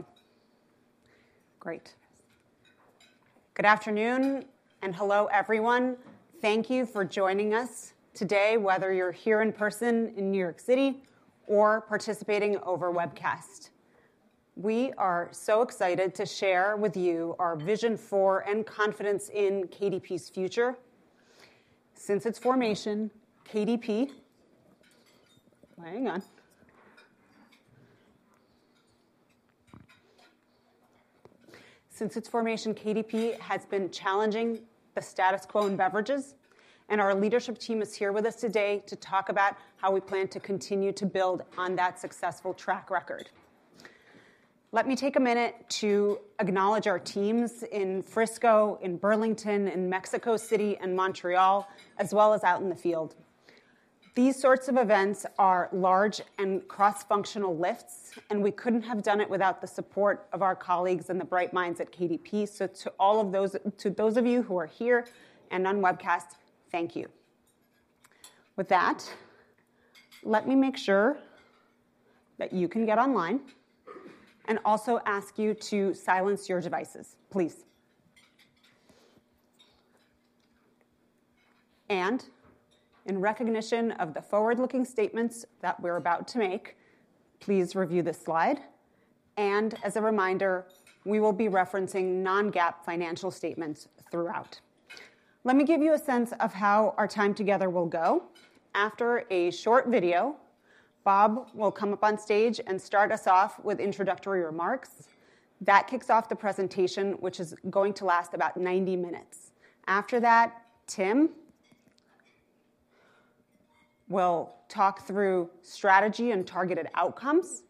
All right, great. Good afternoon and hello everyone. Thank you for joining us today. Whether you're here in person in New York City or participating over webcast, we are so excited to share with you our vision for and confidence in KDP's future. Since its formation, KDP has been challenging the status quo in beverages and our leadership team is here with us today to talk about how we plan to continue to build on that successful track record. Let me take a minute to acknowledge our teams in Frisco, in Burlington, in Mexico City and Montreal, as well as out in the field. These sorts of events are large and cross functional lifts and we couldn't have done it without the support of our colleagues and the bright minds at KDP. So to those of you who are here and on webcast, thank you. With that, let me make sure that you can get online and also ask you to silence your devices please. In recognition of the forward-looking statements that we're about to make, please review this slide. And as a reminder, we will be referencing non-GAAP financial statements throughout. Let me give you a sense of how our time together will go. After a short video, Bob will come up on stage and start us off with introductory remarks. That kicks off the presentation which is going to last about 90 minutes. After that, Tim will talk through strategy and targeted outcomes.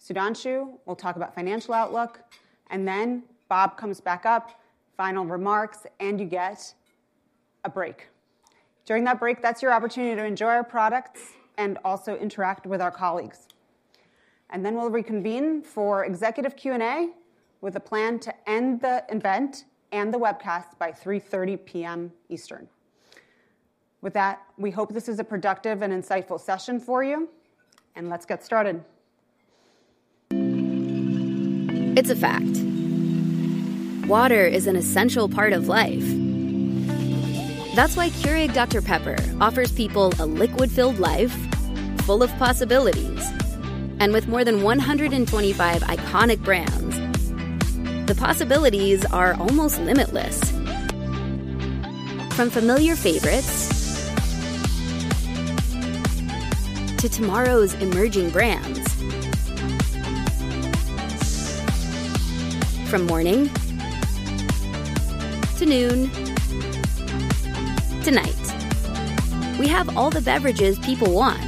Sudhanshu will talk about financial outlook and then Bob comes back up final remarks and you get a break. During that break, that's your opportunity to enjoy our products and also interact with our colleagues. Then we'll reconvene for Executive Q and A with a plan to end the event and the webcast by 3:30 P.M. Eastern. With that, we hope this is a productive and insightful session for you. Let's get started. It's a fact. Water is an essential part of life. That's why Keurig Dr Pepper offers people a liquid-filled life full of possibilities. With more than 125 iconic brands, the possibilities are almost limitless. From familiar favorites to tomorrow's emerging brands, from morning to noon to night, we have all the beverages people want,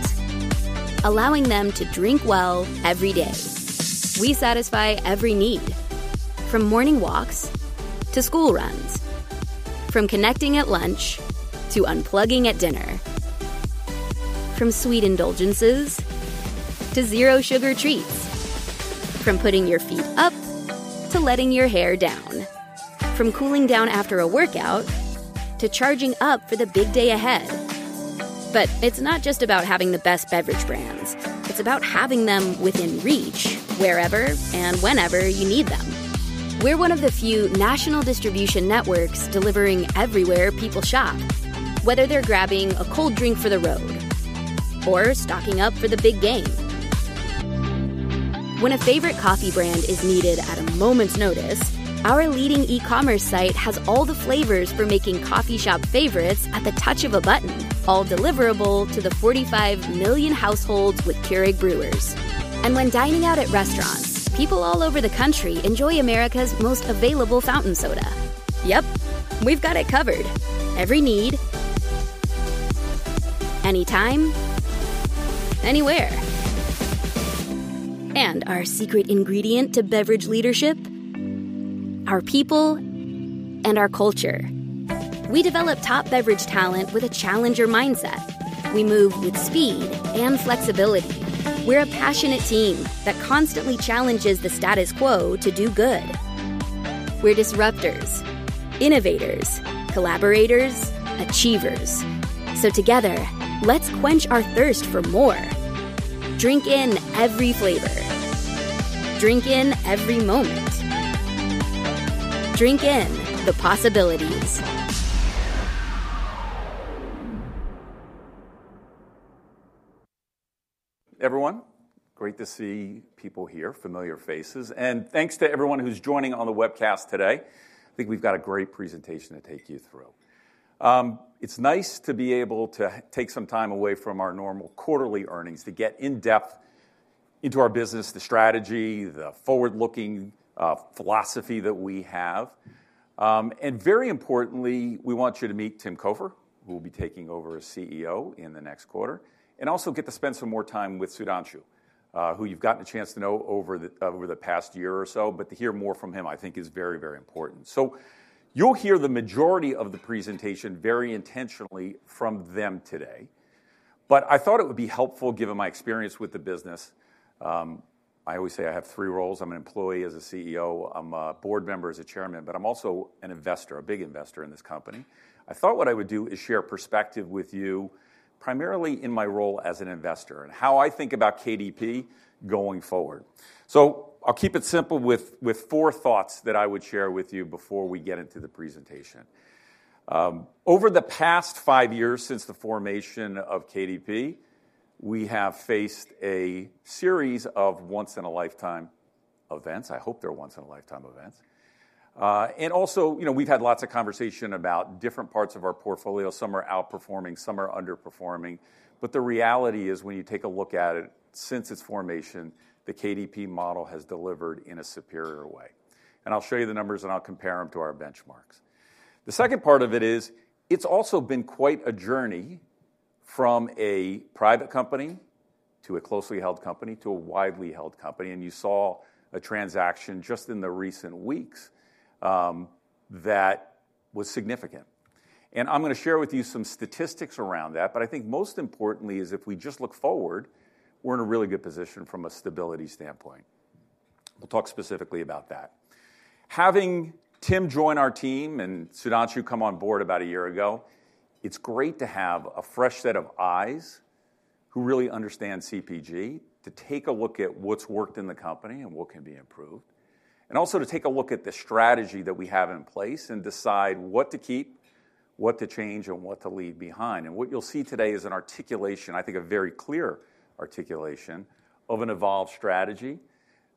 allowing them to drink well every day. We satisfy every moment from morning walks to school runs, from connecting at lunch to unplugging at dinner. From sweet indulgences to zero sugar treats. From putting your feet up to letting your hair down. From cooling down after a workout to charging up for the big day ahead. But it's not just about having the best beverage brands. It's about having them within reach wherever and whenever you need them. We're one of the few national distribution networks delivering everywhere people shop, whether they're grabbing a cold drink for the road or stocking up for the big game. When a favorite coffee brand is needed at a moment's notice, our leading e-commerce site has all the flavors for making coffee shop favorites at the touch of a button. All deliverable to the 45 million households with Keurig brewers. And when dining out at restaurants, people all over the country enjoy America's most available fountain soda. Yep, we've got it covered. Every need, anytime, anywhere and our secret ingredient to beverage leadership? Our people and our culture. We develop top beverage talent with a challenger mindset. We move with speed and flexibility. We're a passionate team that constantly challenges the status quo to do good. We're disruptors, innovators, collaborators, achievers. So together, let's quench our thirst for more. Drink in every flavor. Drink in every moment. Drink in the possibilities. Everyone. Great to see people here, familiar faces, and thanks to everyone who's joining on the webcast today. I think we've got a great presentation to take you through. It's nice to be able to take some time away from our normal quarterly earnings to get in depth into our business. The strategy, the forward looking philosophy that we have, and very importantly, we want you to meet Tim Cofer who will be taking over as CEO in the next quarter and also get to spend some more time with Sudhanshu, who you've gotten a chance to know over the past year or so. But to hear more from him I think is very, very important. So you'll hear the majority of the presentation very intentionally from them today, but I thought it would be helpful given my experience with the business. I always say I have three roles. I'm an employee as a CEO, I'm a Board Member as a Chairman, but I'm also an investor, a big investor in this company. I thought what I would do is share perspective with you primarily in my role as an investor and how I think about KDP going forward. So I'll keep it simple with four thoughts that I would share with you before we get into the presentation. Over the past five years since the formation of KDP, we have faced a series of once in a lifetime events. I hope they're once in a lifetime events. And also, you know, we've had lots of conversation about different parts of our portfolio. Some are outperforming, some are underperforming. But the reality is when you take a look at it since its formation, the KDP model has delivered in a superior way. I'll show you the numbers and I'll compare them to our benchmarks. The second part of it is it's also been quite a journey from a private company to a closely held company to a widely held company. You saw a transaction just in the recent weeks that was significant. I'm going to share with you some statistics around that. But I think most importantly is if we just look forward, we're in a really good position from a stability standpoint. We'll talk specifically about that. Having Tim join our team and Sudhanshu come on board about a year ago. It's great to have a fresh set of eyes who really understand CPG, to take a look at what's worked in the company and what can be improved, and also to take a look at the strategy that we have in place and decide what to keep, what to change and what to leave behind. What you'll see today is an articulation, I think a very clear articulation of an evolved strategy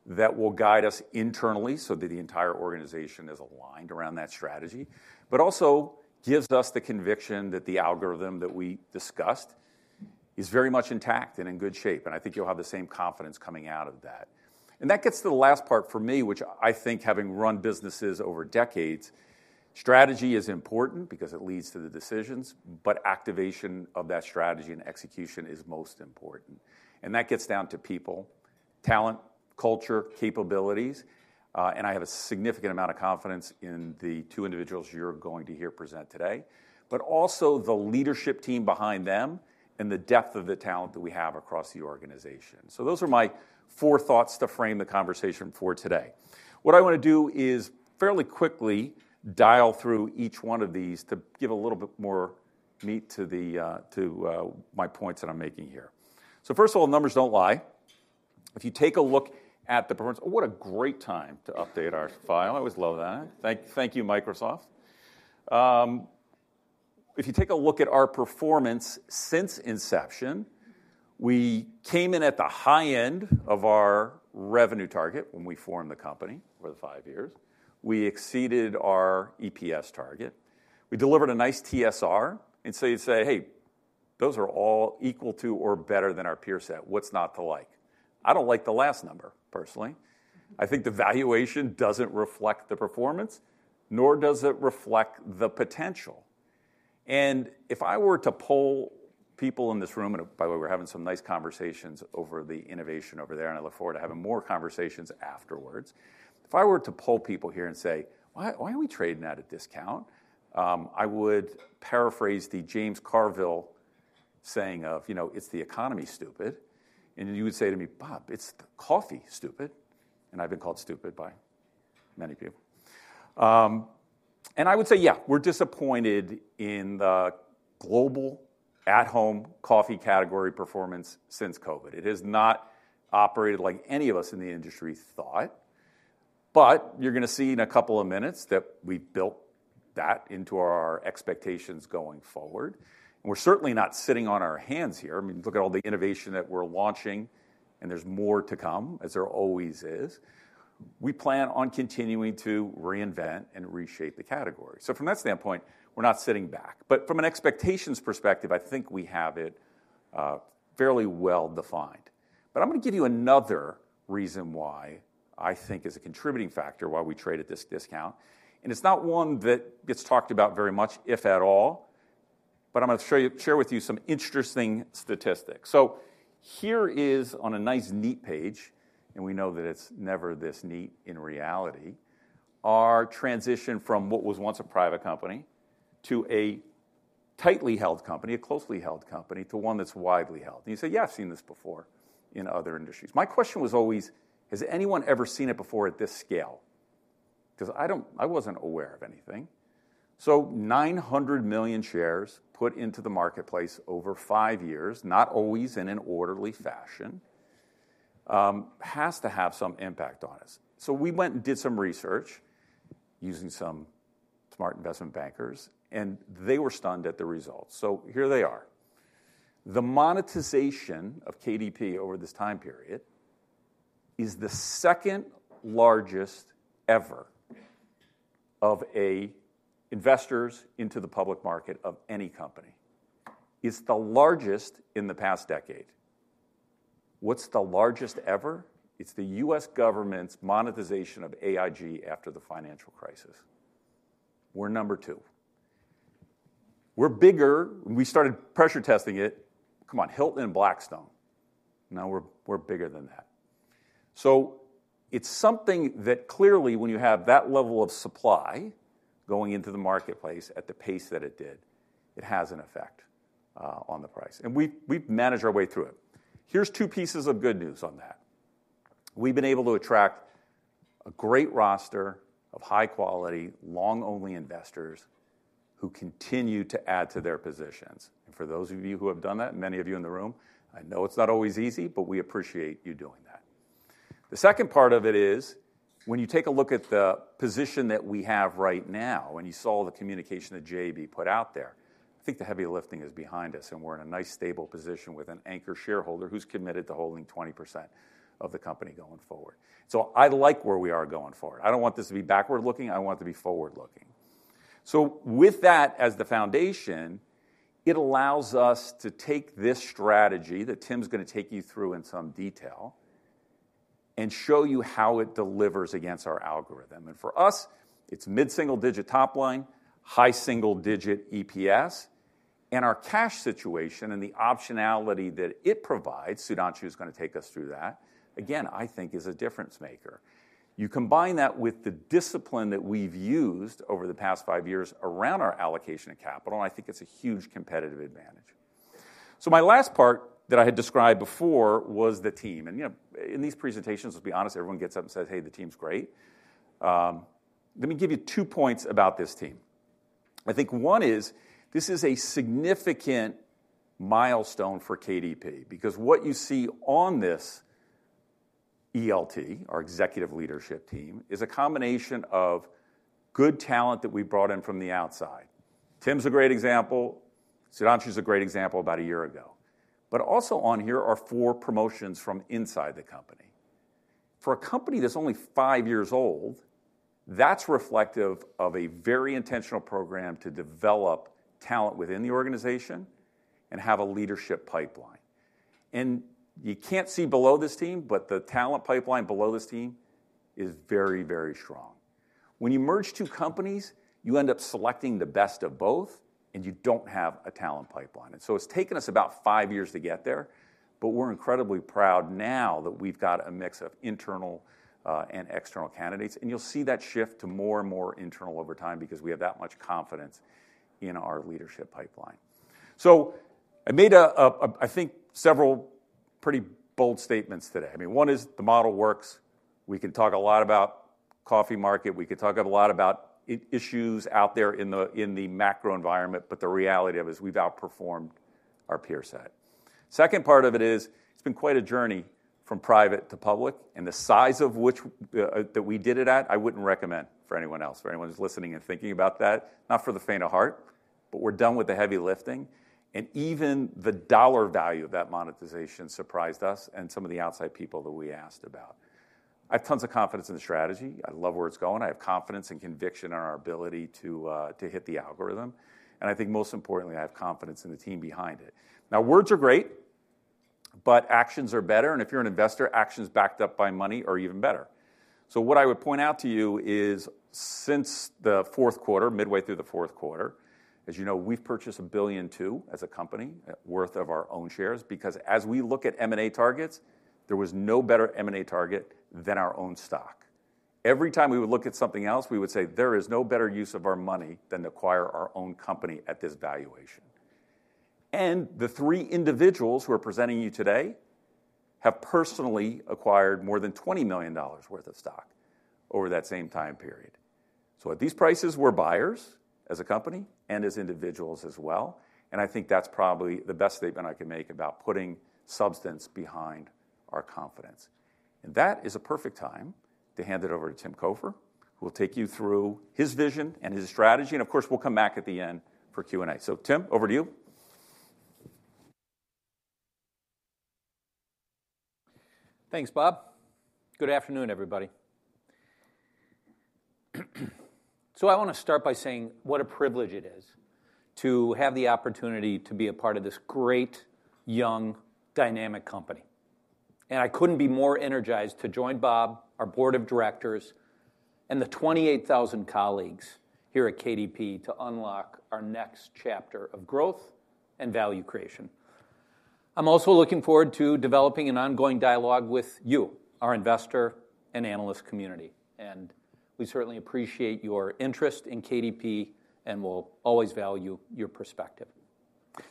that will guide us internally so that the entire organization is aligned around that strategy, but also gives us the conviction that the algorithm that we discussed is very much intact and in good shape. I think you'll have the same confidence coming out of that. And that gets to the last part for me, which I think having run businesses over decades, strategy is important because it leads to the decisions, but activation of that strategy and execution is most important. And that gets down to people, talent, culture, capabilities. And I have a significant amount of confidence in the two individuals you're going to hear present today, but also the leadership team behind them and the depth of the talent that we have across the organization. So those are my four thoughts to frame the conversation for today. What I want to do is fairly quickly dial through each one of these to give a little bit more meat to my points that I'm making here. So first of all, numbers don't lie. If you take a look at the performance, what a great time to update our file. I always love that. Thank you, Microsoft. If you take a look at our performance since inception, we came in at the high end of our revenue target. When we formed the company, for the five years we exceeded our EPS target, we delivered a nice TSR. And so you'd say, hey, those are all equal to or better than our peer set. What's not to like? I don't like the last number. Personally, I think the valuation doesn't reflect the performance nor does it reflect the potential. And if I were to poll people in this room and by the way, we're having some nice conversations over the innovation over there and I look forward to having more conversations afterwards. If I were to poll people here and say why are we trading at a discount? I would paraphrase the James Carville saying of It's the economy, stupid. And you would say to me, "Bob, it's coffee, stupid." And I've been called stupid by many people, and I would say, yeah, we're disappointed in the global at home coffee category performance. Since COVID, it has not operated like any of us in the industry thought. But you're going to see in a couple of minutes that we built that into our expectations going forward, and we're certainly not sitting on our hands here. I mean, look at all the innovation that we're launching, and there's more to come as there always is. We plan on continuing to reinvent and reshape the category. So from that standpoint, we're not sitting back, but from an expectations perspective, I think we have it fairly well defined. But I'm going to give you another reason why I think is a contributing factor why we trade at this discount and it's not one that gets talked about very much, if at all. I'm going to share with you some interesting statistics. Here is on a nice neat page and we know that it's never this neat in reality. Our transition from what was once a private company to a tightly held company, a closely held company to one that's widely held. You say yeah, I've seen this before in other industries. My question was always has anyone ever seen it before at this scale? Because I wasn't aware of anything. So 900 million shares put into the marketplace over five years, not always in an orderly fashion, has to have some impact on us. So we went and did some research using some smart investment bankers and they were stunned at the results. So here they are. The monetization of KDP over this time period is the second largest ever of investors into the public market of any company. It's the largest in the past decade. What's the largest ever? It's the U.S. government's monetization of AIG after the financial crisis. We're number two, we're bigger. We started pressure testing it. Come on Hilton and Blackstone. Now we're, we're bigger than that. So it's something that clearly when you have that level of supply going into the marketplace at the pace that it did, it has an effect on the price and we, we manage our way through it. Here's two pieces of good news on that. We've been able to attract a great roster of high quality, long only investors who continue to add to their positions. And for those of you who have done that, many of you in the room, I know it's not always easy, but we appreciate you doing that. The second part of it is when you take a look at the position that we have right now and you saw the communication that JAB put out there. I think the heavy lifting is behind us and we're in a nice stable position with an anchor shareholder who's committed to holding 20% of the company going forward. So I like where we are going forward. I don't want this to be backward looking, I want it to be forward looking. So with that as the foundation, it allows us to take this strategy that Tim's going to take you through in some detail and show you how it delivers against our algorithm. And for us it's mid single digit, top line, high single digit EPS and our cash situation and the optionality that it provides. Sudhanshu is going to take us through that again, I think is a difference maker. You combine that with the discipline that we've used over the past 5 years around our allocation of capital and I think it's a huge competitive advantage. So my last part that I had described before was the team and you know, in these presentations, let's be honest, everyone gets up and says, hey, the team's great. Let me give you 2 points about this team. I think one is this is a significant milestone for KDP because what you see on this ELT, our executive leadership team, is a combination of good talent that we brought in from the outside. Tim's a great example. Sudhanshu is a great example about a year ago. But also on here are four promotions from inside the company. For a company that's only five years old, that's reflective of a very intentional program to develop talent within the organization. Have a leadership pipeline. And you can't see below this team, but the talent pipeline below this team is very, very strong. When you merge two companies, you end up selecting the best of both and you don't have a talent pipeline. So it's taken us about 5 years to get there, but we're incredibly proud now that we've got a mix of internal and external candidates and you'll see that shift to more and more internal over time because we have that much confidence in our leadership pipeline. So I made, I think several pretty bold statements today. I mean, one is the model works. We can talk a lot about coffee market. We can talk a lot about issues out there in the macro environment. But the reality of it is we've outperformed our peer set. Second part of it is it's been quite a journey from private to public and the size of which that we did it at. I wouldn't recommend for anyone else, for anyone who's listening and thinking about that, not for the faint of heart, but we're done with the heavy lifting. Even the dollar value of that monetization surprised us and some of the outside people that we asked about. I have tons of confidence in the strategy. I love where it's going. I have confidence and conviction in our ability to hit the algorithm. I think, most importantly, I have confidence in the team behind it. Now, words are great, but actions are better. If you're an investor, actions backed up by money are even better. What I would point out to you is since the fourth quarter, midway through the fourth quarter, as you know, we've purchased $1.2 billion as a company worth of our own shares, because as we look at M&A targets, there was no better M&A target than our own stock. Every time we would look at something else, we would say, there is no better use of our money than to acquire our own company at this valuation. And the three individuals who are presenting you today have personally acquired more than $20 million worth of stock over that same time period. So at these prices, we're buyers as a company and as individuals as well. And I think that's probably the best statement I can make about putting substance behind our confidence. And that is a perfect time to hand it over to Tim Cofer, who will take you through his vision and his strategy. And of course, we'll come back at the end for Q and A. So, Tim, over to you. Thanks, Bob. Good afternoon, everybody. I want to start by saying what a privilege it is to have the opportunity to be a part of this great, young, dynamic company. I couldn't be more energized to join Bob, our board of directors, and the 28,000 colleagues here at KDP to unlock our next chapter of growth and value creation. I'm also looking forward to developing an ongoing dialogue with you, our investor and analyst community. We certainly appreciate your interest in KDP and will always value your perspective.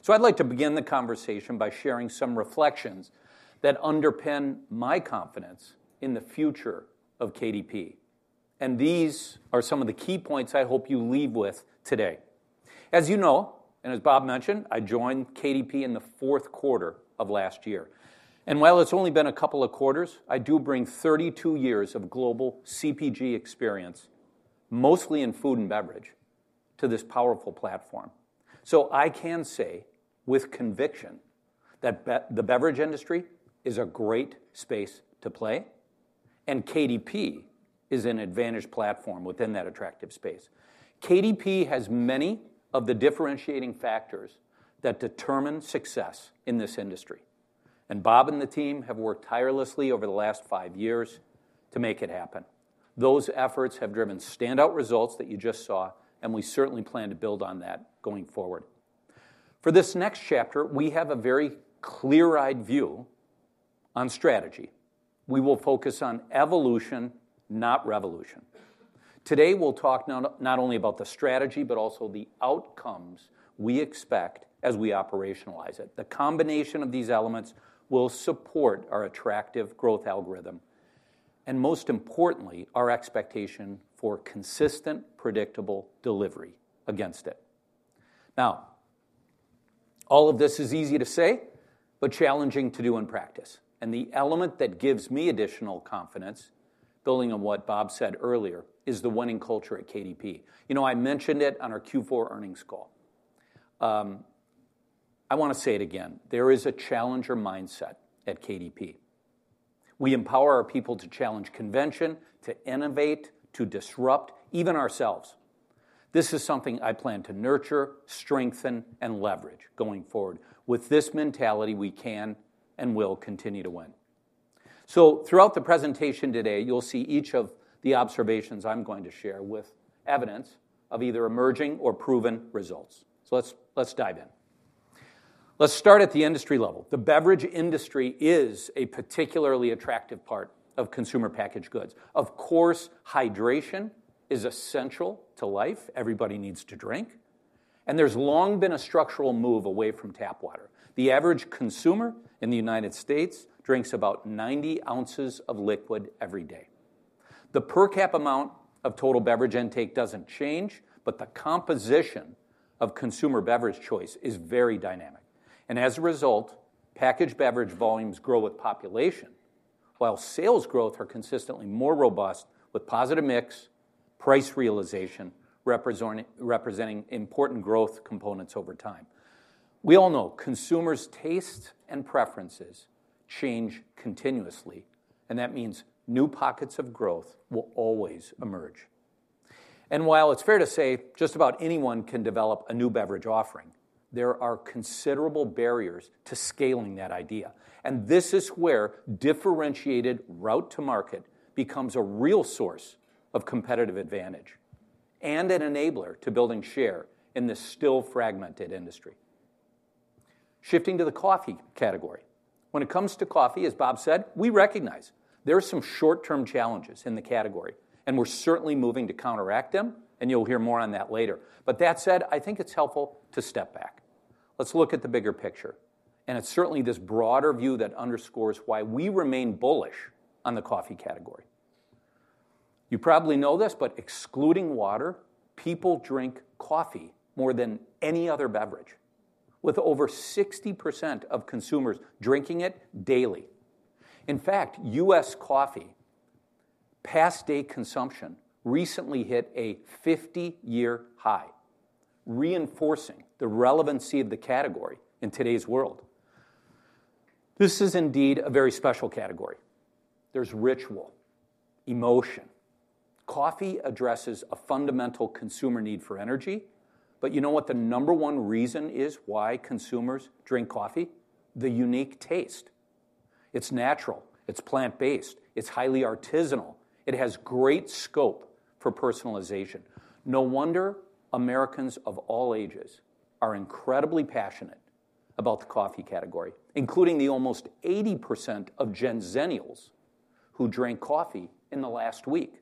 I'd like to begin the conversation by sharing some reflections that underpin my confidence in the future of KDP. These are some of the key points I hope you leave with today. As you know, and as Bob mentioned, I joined KDP in the fourth quarter of last year and while it's only been a couple of quarters, I do bring 32 years of global CPG experience, mostly in food and beverage, to this powerful platform. I can say with conviction that the beverage industry is a great space to play and KDP is an advantage platform within that attractive space. KDP has many of the differentiating factors that determine success in this industry and Bob and the team have worked tirelessly over the last 5 years to make it happen. Those efforts have driven standout results that you just saw and we certainly plan to build on that going forward. For this next chapter, we have a very clear-eyed view on strategy. We will focus on evolution, not revolution. Today we'll talk not only about the strategy, but also the outcomes we expect as we operationalize it. The combination of these elements will support our attractive growth algorithm and most importantly, our expectation for consistent, predictable delivery against it. Now, all of this is easy to say, but challenging to do in practice. The element that gives me additional confidence building on what Bob said earlier is the winning culture at KDP. You know, I mentioned it on our Q4 earnings call. I want to say it again. There is a challenger mindset at KDP. We empower our people to challenge convention, to innovate, to disrupt even ourselves. This is something I plan to nurture, strengthen and leverage going forward. With this mentality, we can and will continue to win. So throughout the presentation today, you'll see each of the observations I'm going to share with evidence of either emerging or proven results. So let's dive in. Let's start at the industry level. The beverage industry is a particularly attractive part of consumer packaged goods. Of course, hydration is essential to life. Everybody needs to drink, and there's long been a structural move away from tap water. The average consumer in the United States drinks about 90 ounces of liquid every day. The per cap amount of total beverage intake doesn't change. But the composition of consumer beverage choice is very dynamic. And as a result, packaged beverage volumes grow with population while sales growth are consistently more robust with positive mix price realization representing important growth components over time. We all know consumers' tastes and preferences change continuously and that means new pockets of growth will always emerge. And while it's fair to say just about anyone can develop a new beverage offering, there are considerable barriers to scaling that idea. This is where differentiated route to market becomes a real source of competitive advantage and an enabler to building share in this still fragmented industry shifting to the coffee category. When it comes to coffee, as Bob said, we recognize there are some short term challenges in the category and we're certainly moving to counteract them and you'll hear more on that later. That said, I think it's helpful to step back. Let's look at the bigger picture and it's certainly this broader view that underscores why we remain bullish on the coffee category. You probably know this, but excluding water, people drink coffee more than any other beverage with over 60% of consumers drinking it daily. In fact, U.S. coffee past day consumption recently hit a 50-year high, reinforcing the relevancy of the category in today's world. This is indeed a very special category. There's ritual, emotion. Coffee addresses a fundamental consumer need for energy. But you know what the number one reason is why consumers drink coffee? The unique taste. It's natural, it's plant-based, it's highly artisanal. It has great scope for personalization. No wonder Americans of all ages are incredibly passionate about the coffee category, including the almost 80% of Gen-Zennials who drank coffee in the last week.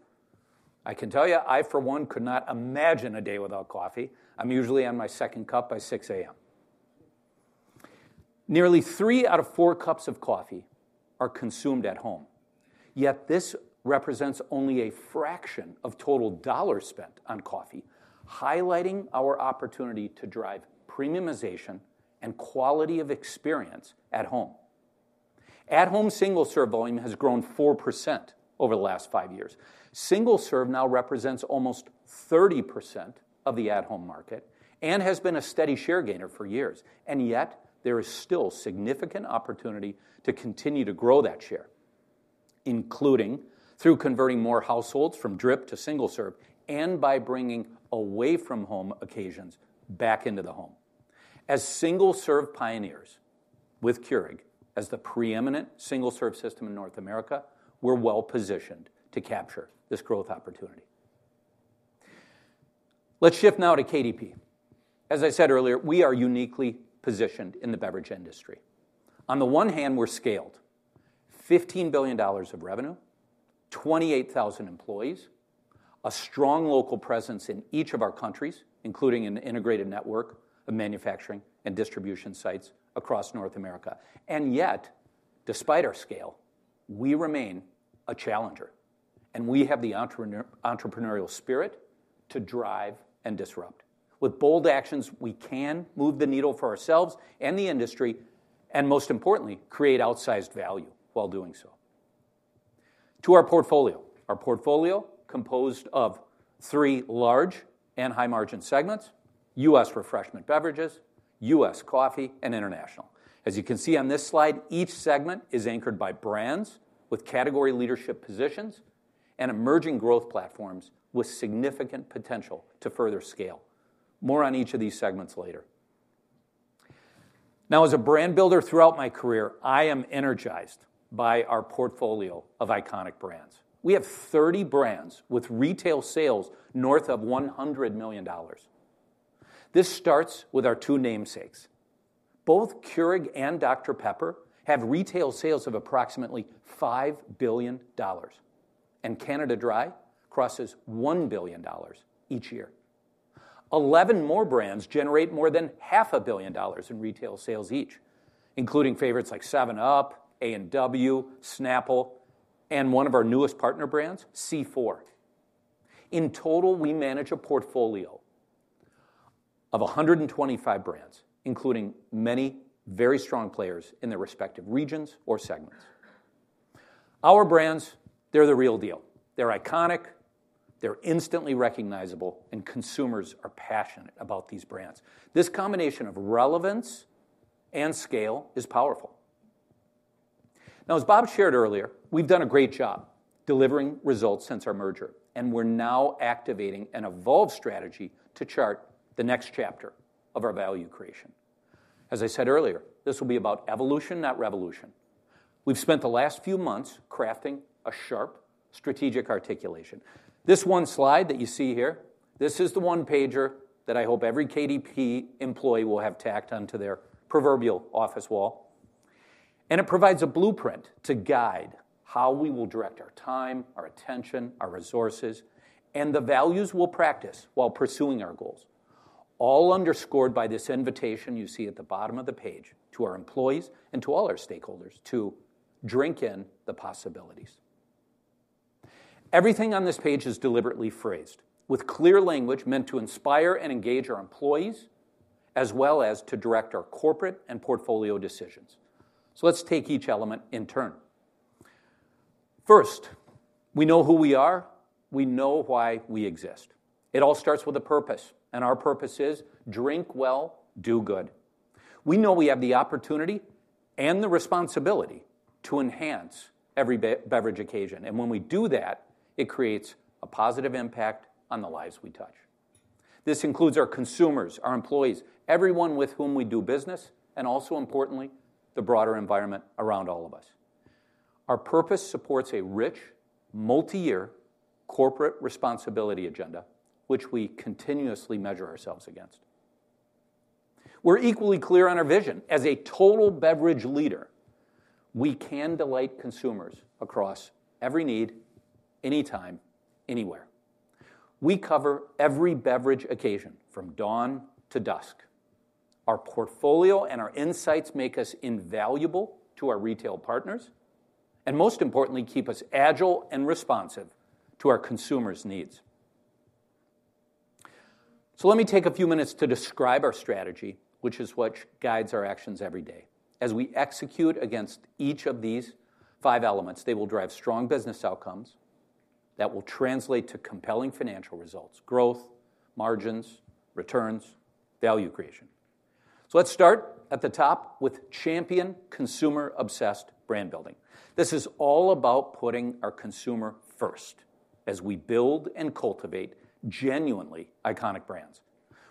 I can tell you I for one could not imagine a day without coffee. I'm usually on my second cup by 6:00 A.M. Nearly three out of four cups of coffee are consumed at home, yet this represents only a fraction of total dollars spent on coffee, highlighting our opportunity to drive premiumization and quality of experience at home. At home, single serve volume has grown 4% over the last five years. Single serve now represents almost 30% of the at home market and has been a steady share gainer for years. Yet there is still significant opportunity to continue to grow that share, including through converting more households from drip to single serve and by bringing away from home occasions back into the home as single serve pioneers. With Keurig as the preeminent single serve system in North America, we're well positioned to capture this growth opportunity. Let's shift now to KDP. As I said earlier, we are uniquely positioned in the beverage industry. On the one hand, we're scaled $15 billion of revenue, 28,000 employees, a strong local presence in each of our countries, including an integrated network of manufacturing and distribution sites across North America. And yet, despite our scale, we remain a challenger and we have the entrepreneurial spirit to drive and disrupt. With bold actions we can move the needle for ourselves and the industry and most importantly, create outsized value while doing so. To our portfolio. Our portfolio composed of three large and high-margin segments, U.S. Refreshment Beverages, U.S. Coffee and International. As you can see on this slide, each segment is anchored by brands with category leadership positions and emerging growth platforms with significant potential to further scale. More on each of these segments later. Now, as a Brand Builder throughout my career, I am energized by our portfolio of iconic brands. We have 30 brands with retail sales north of $100 million. This starts with our two namesakes. Both Keurig and Dr Pepper have retail sales of approximately $5 billion, and Canada Dry crosses $1 billion each year. 11 more brands generate more than $500 million in retail sales each, including favorites like 7UP, A&W, Snapple, one of our newest partner brands, C4. In total, we manage a portfolio of 125 brands, including many very strong players in their respective regions or segments. Our brands. They're the real deal. They're iconic, they're instantly recognizable, and consumers are passionate about these brands. This combination of relevance and scale is powerful. Now, as Bob shared earlier, we've done a great job delivering results since our merger and we're now activating an evolved strategy to chart the next chapter of our value creation. As I said earlier, this will be about evolution, not revolution. We've spent the last few months crafting a sharp strategic articulation. This one slide that you see here. This is the one-pager that I hope every KDP employee will have tacked onto their proverbial office wall. And it provides a blueprint to guide how we will direct our time, our attention, our resources and the values we'll practice while pursuing our goals. All underscored by this invitation you see at the bottom of the page to our employees and to all our stakeholders to drink in the possibilities. Everything on this page is deliberately phrased with clear language meant to inspire and engage our employees as well as to direct our corporate and portfolio decisions. So let's take each element in turn first. We know who we are. We know why we exist. It all starts with a purpose. And our purpose is Drink Well. Do Good. We know we have the opportunity and the responsibility to enhance every beverage occasion. And when we do that, it creates a positive impact on the lives we touch. This includes our consumers, our employees, everyone with whom we do business, and also importantly, the broader environment around all of us. Our purpose supports a rich multi-year corporate responsibility agenda which we continuously measure ourselves against. We're equally clear on our vision as a total beverage leader. We can delight consumers across every need, anytime, anywhere. We cover every beverage occasion from dawn to dusk. Our portfolio and our insights make us invaluable to our retail partners and, most importantly, keep us agile and responsive to our consumers' needs. So let me take a few minutes to describe our strategy, which is what guides our actions every day. As we execute against each of these five elements, they will drive strong business outcomes that will translate to compelling financial results: growth, margins, returns, value creation. So let's start at the top with champion consumer-obsessed brand building. This is all about putting our consumer first. As we build and cultivate genuinely iconic brands,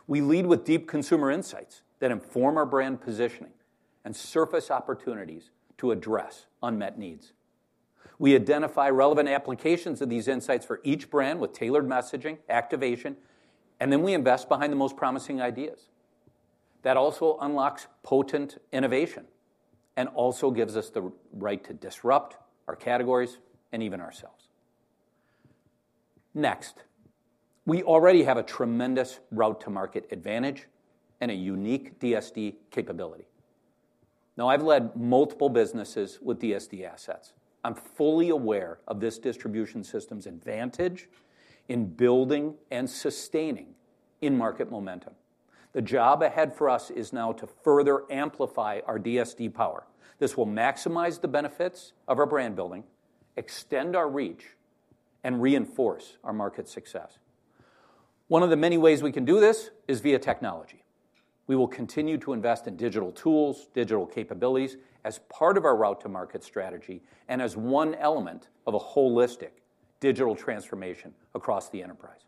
we lead with deep consumer insights that inform our brand positioning and surface opportunities to address unmet needs. We identify relevant applications of these insights for each brand with tailored messaging activation and then we invest behind the most promising ideas that also unlocks potent innovation and also gives us the right to disrupt our categories and even ourselves. Next, we already have a tremendous route to market advantage and a unique DSD capability. Now I've led multiple businesses with DSD assets. I'm fully aware of this distribution system's advantage in building and sustaining in market momentum. The job ahead for us is now to further amplify our DSD power. This will maximize the benefits of our brand building, extend our reach and reinforce our market success. One of the many ways we can do this is via technology. We will continue to invest in digital tools, digital capabilities as part of our route to market strategy and as one element of a holistic digital transformation across the enterprise.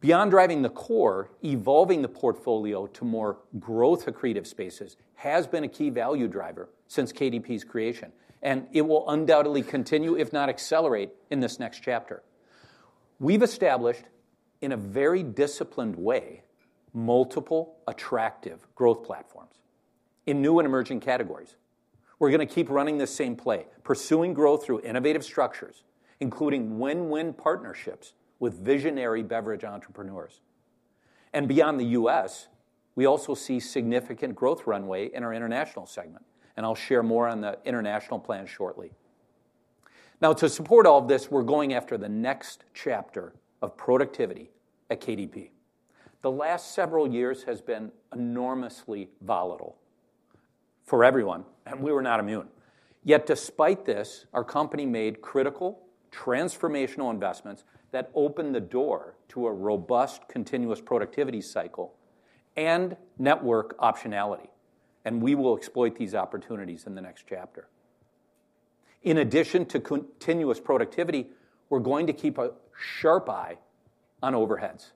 Beyond driving the core, evolving the portfolio to more growth-accretive spaces and has been a key value driver since KDP's creation and it will undoubtedly continue, if not accelerate, in this next chapter. We've established in a very disciplined way multiple attractive growth platforms in new and emerging categories. We're going to keep running the same play, pursuing growth through innovative structures including win-win partnerships with visionary beverage entrepreneurs and beyond the U.S. we also see significant growth runway in our international segment and I'll share more on the international plan shortly. Now to support all of this, we're going after the next chapter of productivity at KDP. The last several years has been enormously volatile for everyone and we were not immune yet. Despite this, our company made critical transformational investments that open the door to a robust continuous productivity cycle and network optionality and we will exploit these opportunities in the next chapter. In addition to continuous productivity, we're going to keep a sharp eye on overheads.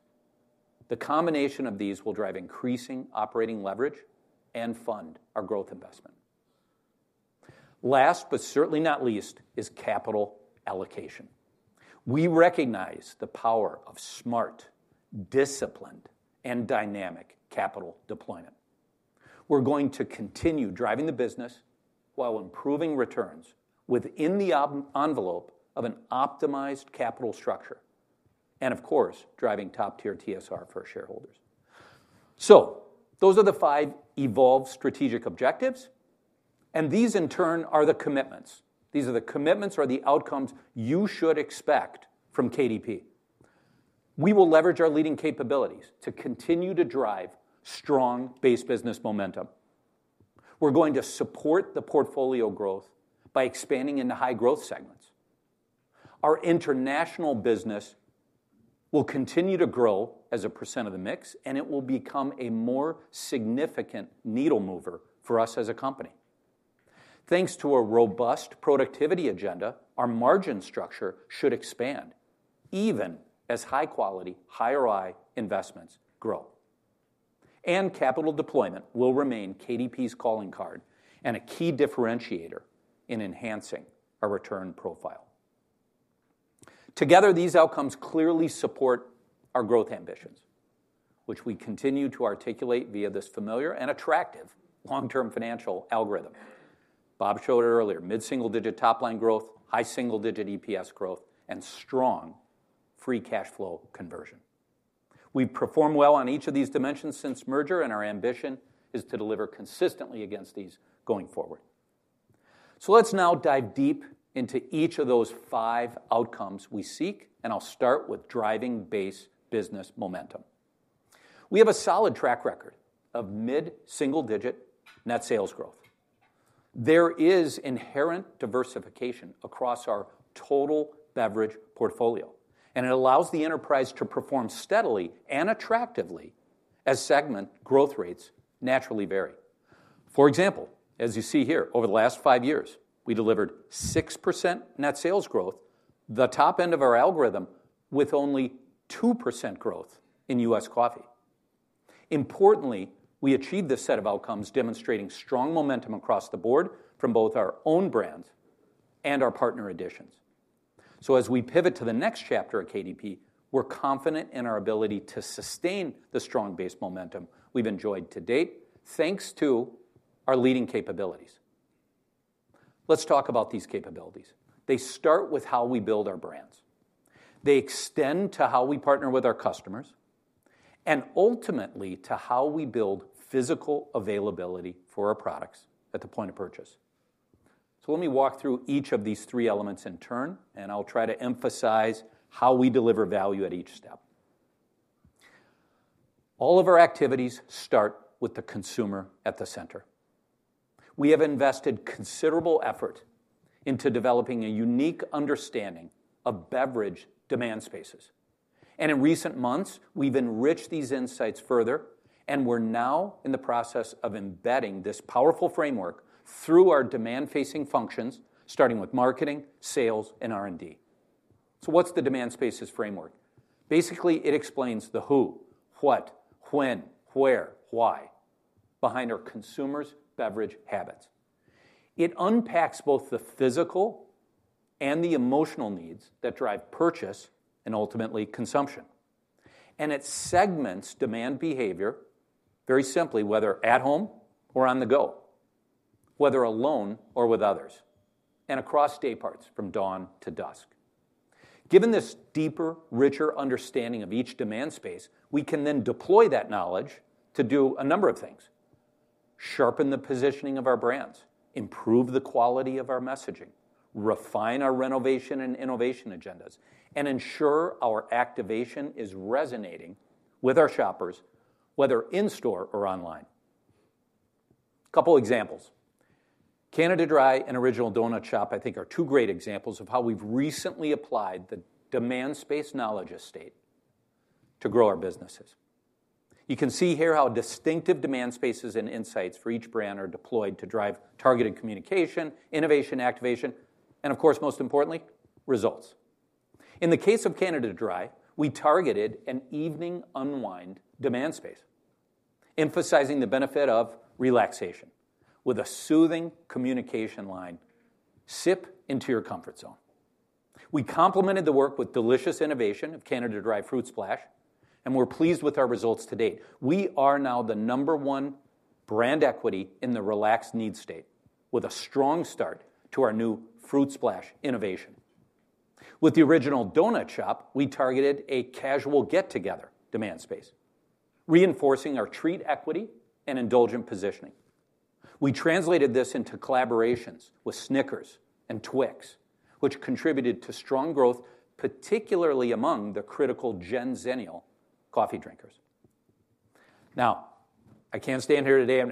The combination of these will drive increasing operating leverage and fund our growth investment. Last but certainly not least is capital allocation. We recognize the power of smart, disciplined and dynamic capital deployment. We're going to continue driving the business while improving returns within the envelope of an optimized capital structure and of course driving top tier TSR for shareholders. So those are the five evolved strategic objectives and these in turn are the commitments. These are the commitments or the outcomes you should expect from KDP. We will leverage our leading capabilities to continue to drive strong base business momentum. We're going to support the portfolio growth by expanding into high-growth segments. Our international business will continue to grow as a percent of the mix and it will become a more significant needle mover for us as a company thanks to a robust productivity agenda. Our margin structure should expand even as high-quality higher ROI investments grow and capital deployment will remain KDP's calling card and a key differentiator in enhancing our return profile. Together, these outcomes clearly support our growth ambitions which we continue to articulate via this familiar and attractive long-term financial algorithm. Bob showed earlier mid-single-digit top line growth, high-single-digit EPS growth and strong free cash flow conversion. We've performed well on each of these dimensions since merger and our ambition is to deliver consistently against these going forward. So let's now dive deep into each of those five outcomes we seek and I'll start with driving base business momentum. We have a solid track record of mid single digit net sales growth. There is inherent diversification across our total beverage portfolio and it allows the enterprise to perform steadily and attractively as segment growth rates naturally vary. For example, as you see here, over the last 5 years we delivered 6% net sales growth, the top end of our algorithm, with only 2% growth in U.S. coffee. Importantly, we achieved this set of outcomes demonstrating strong momentum across the board from both our own brands and our partner additions. So as we pivot to the next chapter at KDP, we're confident in our ability to sustain the strong base momentum we've enjoyed to date thanks to our leading capabilities. Let's talk about these capabilities. They start with how we build our brands. They extend to how we partner with our customers and ultimately to how we build physical availability for our products at the point of purchase. So let me walk through each of these three elements in turn and I'll try to emphasize how we deliver value at each step. All of our activities start with the consumer at the center. We have invested considerable effort into developing a unique understanding of beverage Demand Spaces and in recent months we've enriched these insights further and we're now in the process of embedding this powerful framework through our demand-facing functions, starting with marketing, sales and R&D. So what's the Demand Spaces framework? Basically it explains the who, what, when, where, why behind our consumer's beverage habits. It unpacks both the physical and the emotional needs that drive purchase and ultimately consumption and it segments demand behavior very simply, whether at home or on the go, whether alone or with others, and across day parts from dawn to dusk. Given this deeper, richer understanding of each demand space, we can then deploy that knowledge to do a number of sharpen the positioning of our brands, improve the quality of our messaging, refine our renovation and innovation agendas and ensure our activation is resonating with our shoppers whether in store or online. A couple examples, Canada Dry and Original Donut Shop I think are two great examples of how we've recently applied the Demand Spaces knowledge base to grow our businesses. You can see here how distinctive demand spaces and insights for each brand are deployed to drive targeted communication, innovation activation and of course most importantly results. In the case of Canada Dry, we targeted an evening unwind demand space emphasizing the benefit of relaxation with a soothing communication line sip into your comfort zone. We complemented the work with delicious innovation of Canada Dry Fruit Splash and we're pleased with our results to date. We are now the number one brand equity in the relaxed needs state with a strong start to our new fruit splash innovation. With The Original Donut Shop we targeted a casual get together demand space, reinforcing our treat equity and indulgent positioning. We translated this into collaborations with Snickers and Twix which contributed to strong growth particularly among the critical Gen-Zennial coffee drinkers. Now I can't stand here today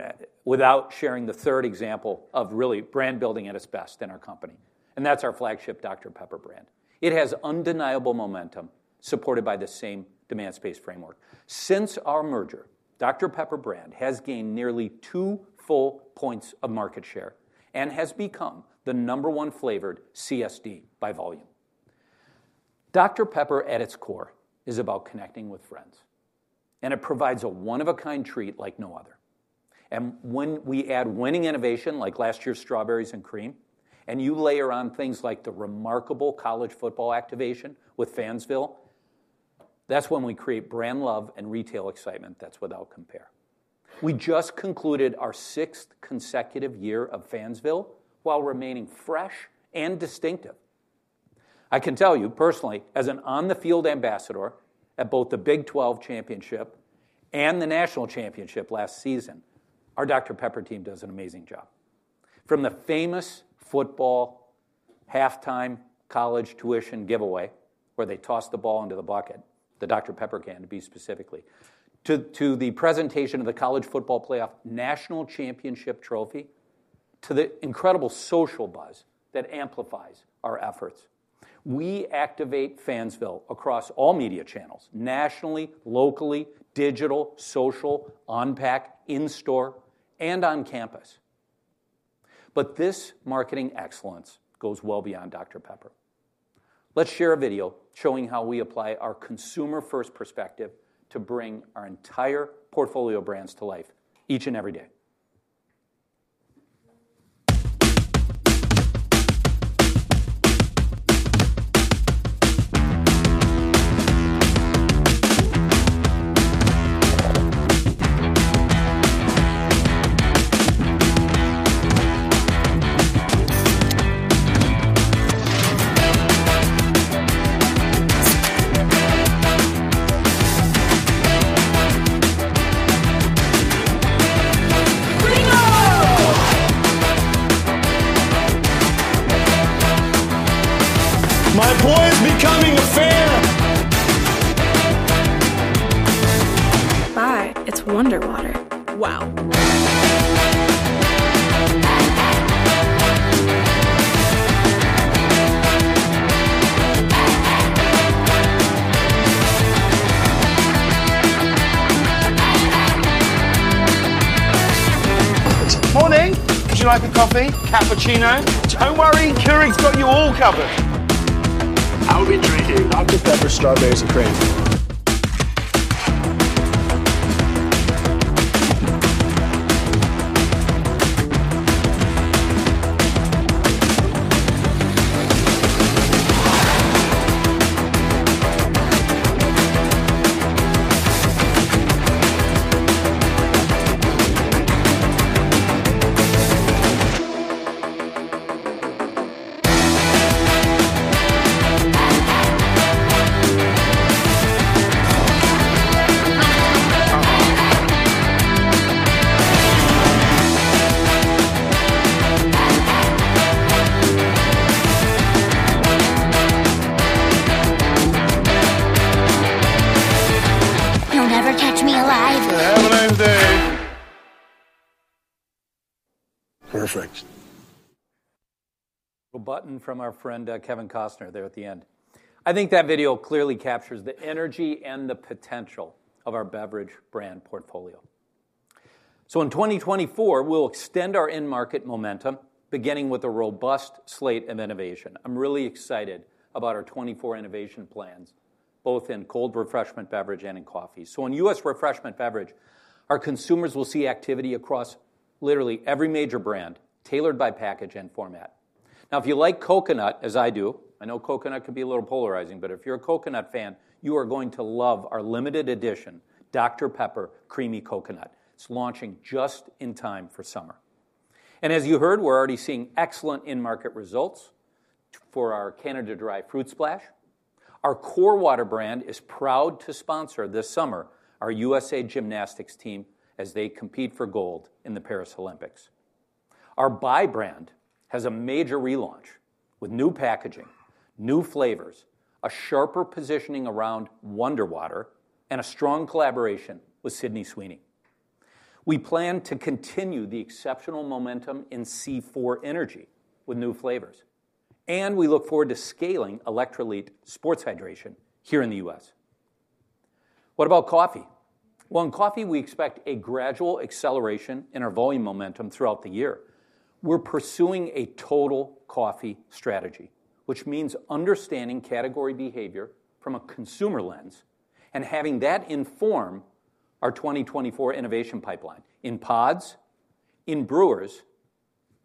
without sharing the third example of really brand building at its best in our company. That's our flagship Dr Pepper brand. It has undeniable momentum supported by the same demand space framework. Since our merger, Dr Pepper brand has gained nearly two full points of market share and has become the number one flavored CSD by volume. Dr Pepper at its core is about connecting with friends and it provides a one of a kind treat like no other. When we add winning innovation like last year's Strawberries & Cream and you layer on things like the remarkable college football activation with Fansville, that's when we create brand love and retail excitement that's without compare. We just concluded our sixth consecutive year of Fansville while remaining fresh and distinctive. I can tell you personally, as an on-the-field ambassador at both the Big 12 Championship and the National Championship last season, our Dr Pepper team does an amazing job. From the famous football halftime college tuition giveaway where they toss the ball into the bucket the Dr Pepper can to be specifically to the presentation of the College Football Playoff National Championship trophy. To the incredible social buzz that amplifies our efforts. We activate Fansville across all media channels, nationally, locally, digital, social, on pack, in store and on campus. But this marketing excellence goes well beyond Dr Pepper. Let's share a video showing how we apply our consumer first perspective to bring our entire portfolio brands to life each and every day. My boy is becoming a fan. Bye. It's WonderWater. Wow. Morning. Would you like a coffee? Cappuccino? Don't worry, Keurig's got you all covered. I'll be drinking Dr Pepper Strawberries & Cream. Don't ever catch me alive. Have a nice day. Perfect. A button from our friend Kevin Costner there at the end. I think that video clearly captures the energy and the potential of our beverage brand portfolio. So in 2024, we'll extend our end market momentum, beginning with a robust slate of innovation. I'm really excited about our 2024 innovation plans both in cold refreshment beverage and in coffee. So in U.S. Refreshment beverage, our consumers will see activity across literally every major brand, tailored by package and format. Now, if you like coconut as I do, I know coconut can be a little polarizing, but if you're a coconut fan, you are going to love our limited edition Dr Pepper Creamy Coconut. It's launching just in time for summer and as you heard, we're already seeing excellent in market results for our Canada Dry Fruit Splash. Our core water brand is proud to sponsor this summer our USA Gymnastics team as they compete for gold in the Paris Olympics. Our Bai brand has a major relaunch with new packaging, new flavors, a sharper positioning around WonderWater and a strong collaboration with Sydney Sweeney. We plan to continue the exceptional momentum in C4 Energy with new flavors and we look forward to scaling electrolyte sports hydration here in the U.S. What about coffee? Well, in coffee we expect a gradual acceleration in our volume momentum throughout the year. We're pursuing a total coffee strategy, which means understanding category behavior from a consumer lens and having that inform our 2024 innovation pipeline in pods, in brewers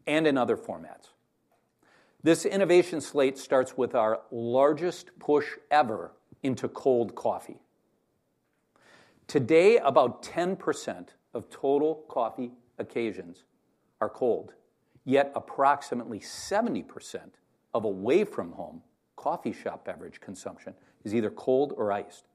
and in other formats. This innovation slate starts with our largest push ever into cold coffee. Today, about 10% of total coffee occasions are cold. Yet approximately 70% of away from home coffee shop beverage consumption is either cold or iced.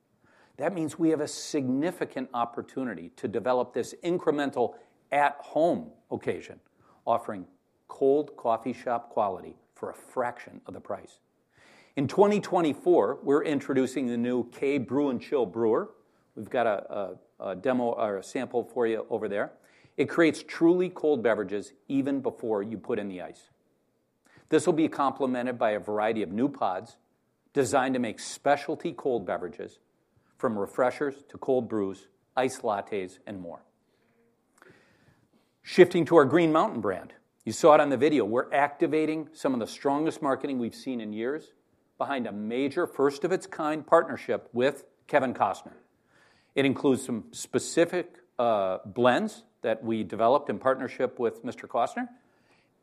That means we have a significant opportunity to develop this incremental at home occasion offering cold coffee shop quality for a fraction of the price. In 2024, we're introducing the new K-Brew+Chill brewer. We've got a demo or a sample for you over there. It creates truly cold beverages even before you put in the ice. This will be complemented by a variety of new pods designed to make specialty cold beverages, from Refreshers to cold brews, iced lattes and more. Shifting to our Green Mountain brand, you saw it on the video. We're activating some of the strongest marketing we've seen in years behind a major first of its kind partnership with Kevin Costner. It includes some specific blends that we developed in partnership with Mr. Costner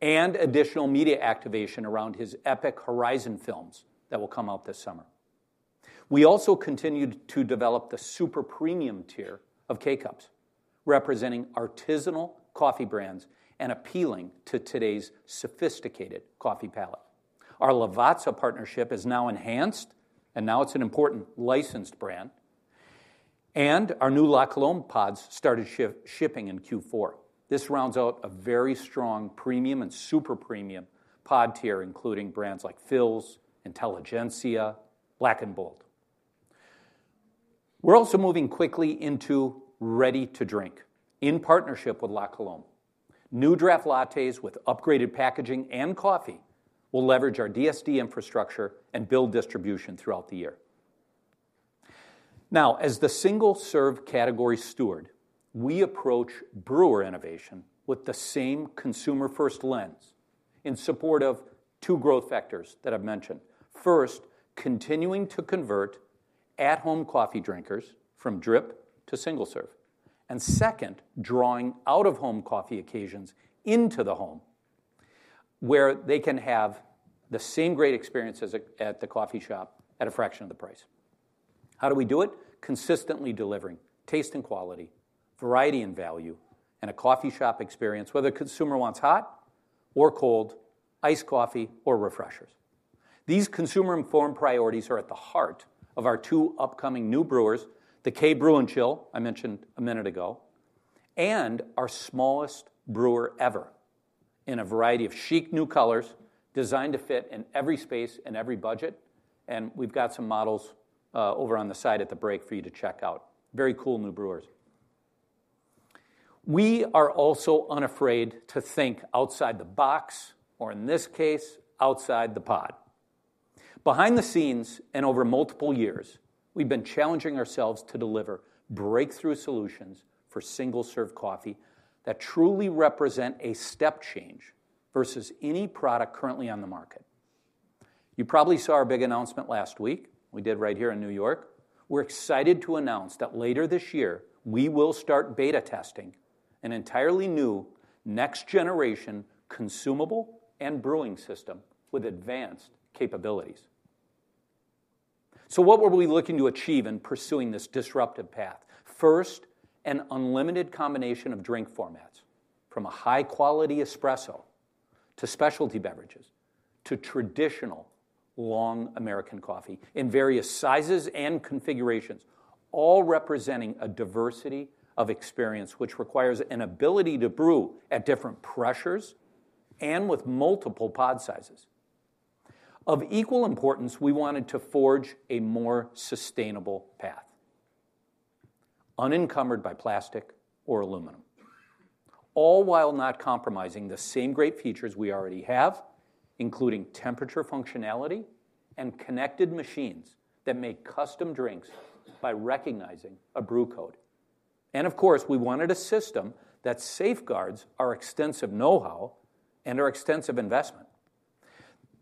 and additional media activation around his epic Horizon films that will come out this summer. We also continued to develop the super premium tier of K-Cup representing artisanal coffee brands and appealing to today's sophisticated coffee palate. Our Lavazza partnership is now enhanced and now it's an important licensed brand and our new La Colombe pods started shipping in Q4. This rounds out a very strong premium and super premium pod tier including brands like Philz, Intelligentsia, BLK & Bold. We're also moving quickly into Ready to Drink in partnership with La Colombe. New Draft Lattes with upgraded packaging and coffee will leverage our DSD infrastructure and build distribution throughout the year. Now as the single serve category steward, we approach brewer innovation with the same consumer first lens in support of two growth factors that I've mentioned. First, continuing to convert at home coffee drinkers from drip to single serve and second, drawing out of home coffee occasions into the home where they can have the same great experiences at the coffee shop at a fraction of the price. How do we do it? Consistently delivering taste and quality, variety and value and a coffee shop experience. Whether consumer wants hot or cold iced coffee or Refreshers, these consumer informed priorities are at the heart of our two upcoming new brewers, the K-Brew+Chill I mentioned a minute ago and our smallest brewer ever in a variety of chic new colors designed to fit in every space and every budget. We've got some models over on the side at the break for you to check out. Very cool new brewers. We are also unafraid to think outside the box or in this case, outside the pod behind the scenes. Over multiple years we've been challenging ourselves to deliver breakthrough solutions for single serve coffee that truly represent a step change versus any product currently on the market. You probably saw our big announcement last week. We did, right here in New York. We're excited to announce that later this year we will start beta testing an entirely new next generation consumable and brewing system with advanced capabilities. What were we looking to achieve in pursuing this disruptive path? First, an unlimited combination of drink formats from a high quality espresso to specialty beverages to traditional long American coffee in various sizes and configurations, all representing a diversity of experience which requires an ability to brew at different pressures and with multiple pod sizes. Of equal importance, we wanted to forge a more sustainable path unencumbered by plastic or aluminum, all while not compromising the same great features we already have, including temperature functionality and connected machines that make custom drinks by recognizing a brew code. And of course we wanted a system that safeguards our extensive know-how and our extensive investment.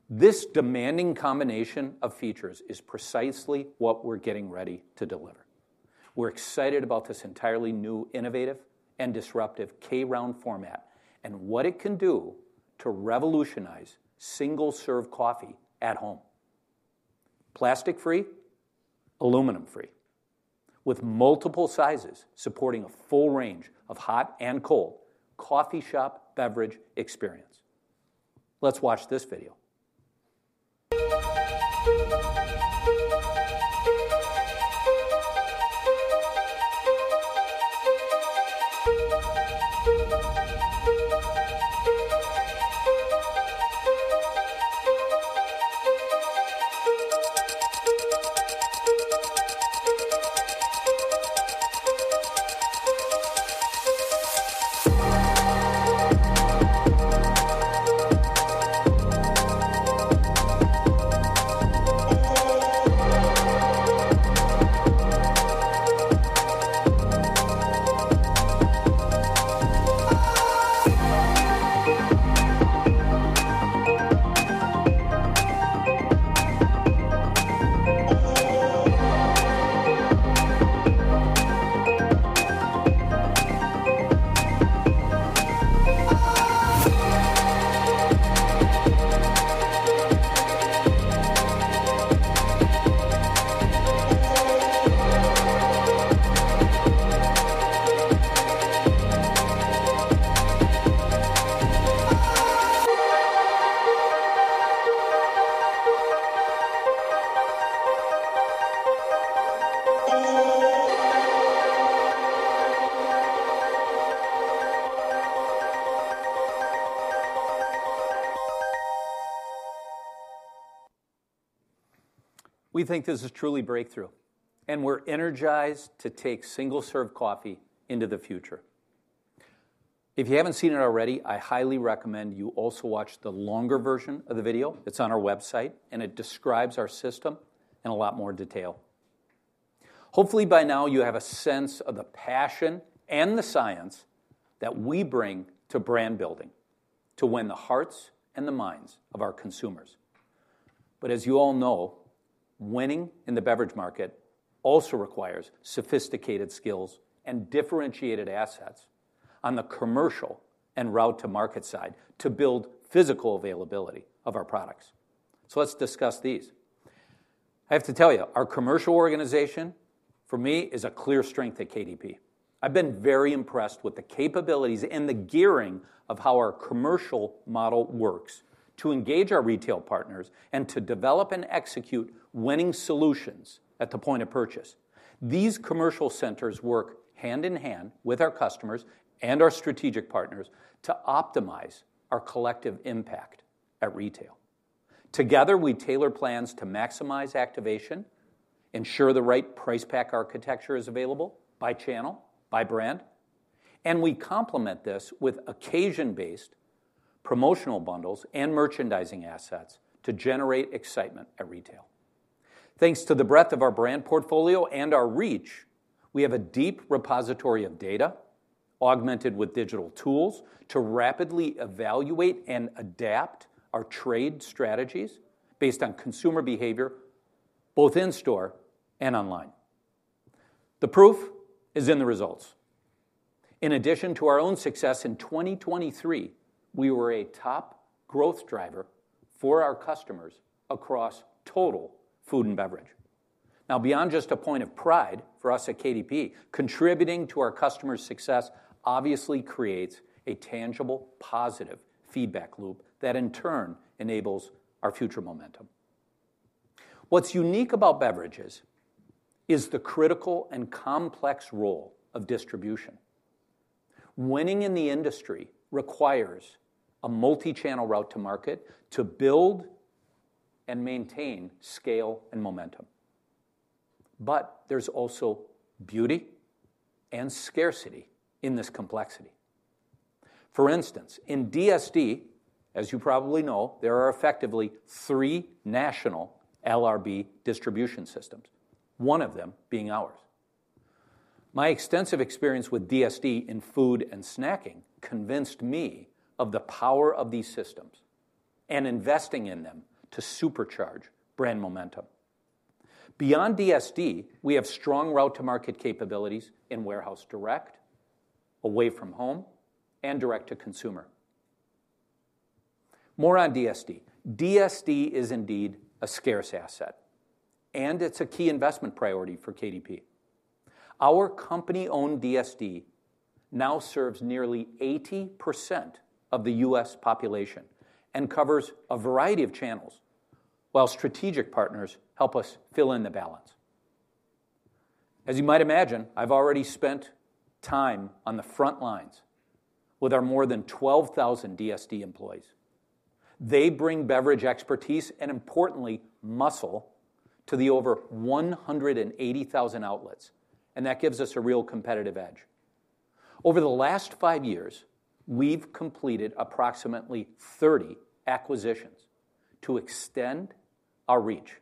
This demanding combination of features is precisely what we're getting ready to deliver. We're excited about this entirely new innovative and disruptive K-Rounds format and what it can do to revolutionize single-serve coffee at home. Plastic-free, aluminum-free, with multiple sizes supporting a full range of hot and cold coffee-shop beverage experience. Let's watch this video. We think this is truly breakthrough and we're energized to take single serve coffee into the future. If you haven't seen it already, I highly recommend you also watch the longer version of the video. It's on our website and it describes our system in a lot more detail. Hopefully by now you have a sense of the passion and the science that we bring to brand building to win the hearts and the minds of our consumers. But as you all know, winning in the beverage market also requires sophisticated skills and differentiated assets on the commercial and route to market side to build physical availability of our products. So let's discuss these. I have to tell you, our commercial organization for me is a clear strength at KDP. I've been very impressed with the capabilities and the gearing of how our commercial model works to engage our retail partners and to develop and execute winning solutions at the point of purchase. These commercial centers work hand in hand with our customers and our strategic partners to optimize our collective impact at retail. Together we tailor plans to maximize activation, ensure the right price. Pack architecture is available by channel by brand and we complement this with occasion based promotional bundles and merchandising assets to generate excitement at retail. Thanks to the breadth of our brand portfolio and our reach, we have a deep repository of data augmented with digital tools to rapidly evaluate and adapt our trade strategies based on consumer behavior both in store and online. The proof is in the results. In addition to our own success in 2023, we were a top growth driver for our customers across total food and beverage. Now, beyond just a point of pride for us at KDP, contributing to our customers' success obviously creates a tangible positive feedback loop that in turn enables our future momentum. What's unique about beverages is the critical and complex role of distribution. Winning in the industry requires a multi channel route to market to build and maintain scale and momentum. But there's also beauty and scarcity in this complexity. For instance, in DSD, as you probably know, there are effectively three national LRB distribution systems, one of them being ours. My extensive experience with DSD in food and snacking convinced me of the power of these systems and investing in them to supercharge brand momentum beyond DSD. We have strong route to market capabilities in warehouse, direct away from home and direct to consumer. More on DSD. DSD is indeed a scarce asset and it's a key investment priority for KDP. Our company owned DSD now serves nearly 80% of the U.S. population and covers a variety of channels, while strategic partners help us fill in the balance. As you might imagine, I've already spent time on the front lines with our more than 12,000 DSD employees. They bring beverage expertise and importantly muscle to the over 180,000 outlets and that gives us a real competitive edge. Over the last five years we've completed approximately 30 acquisitions to extend our reach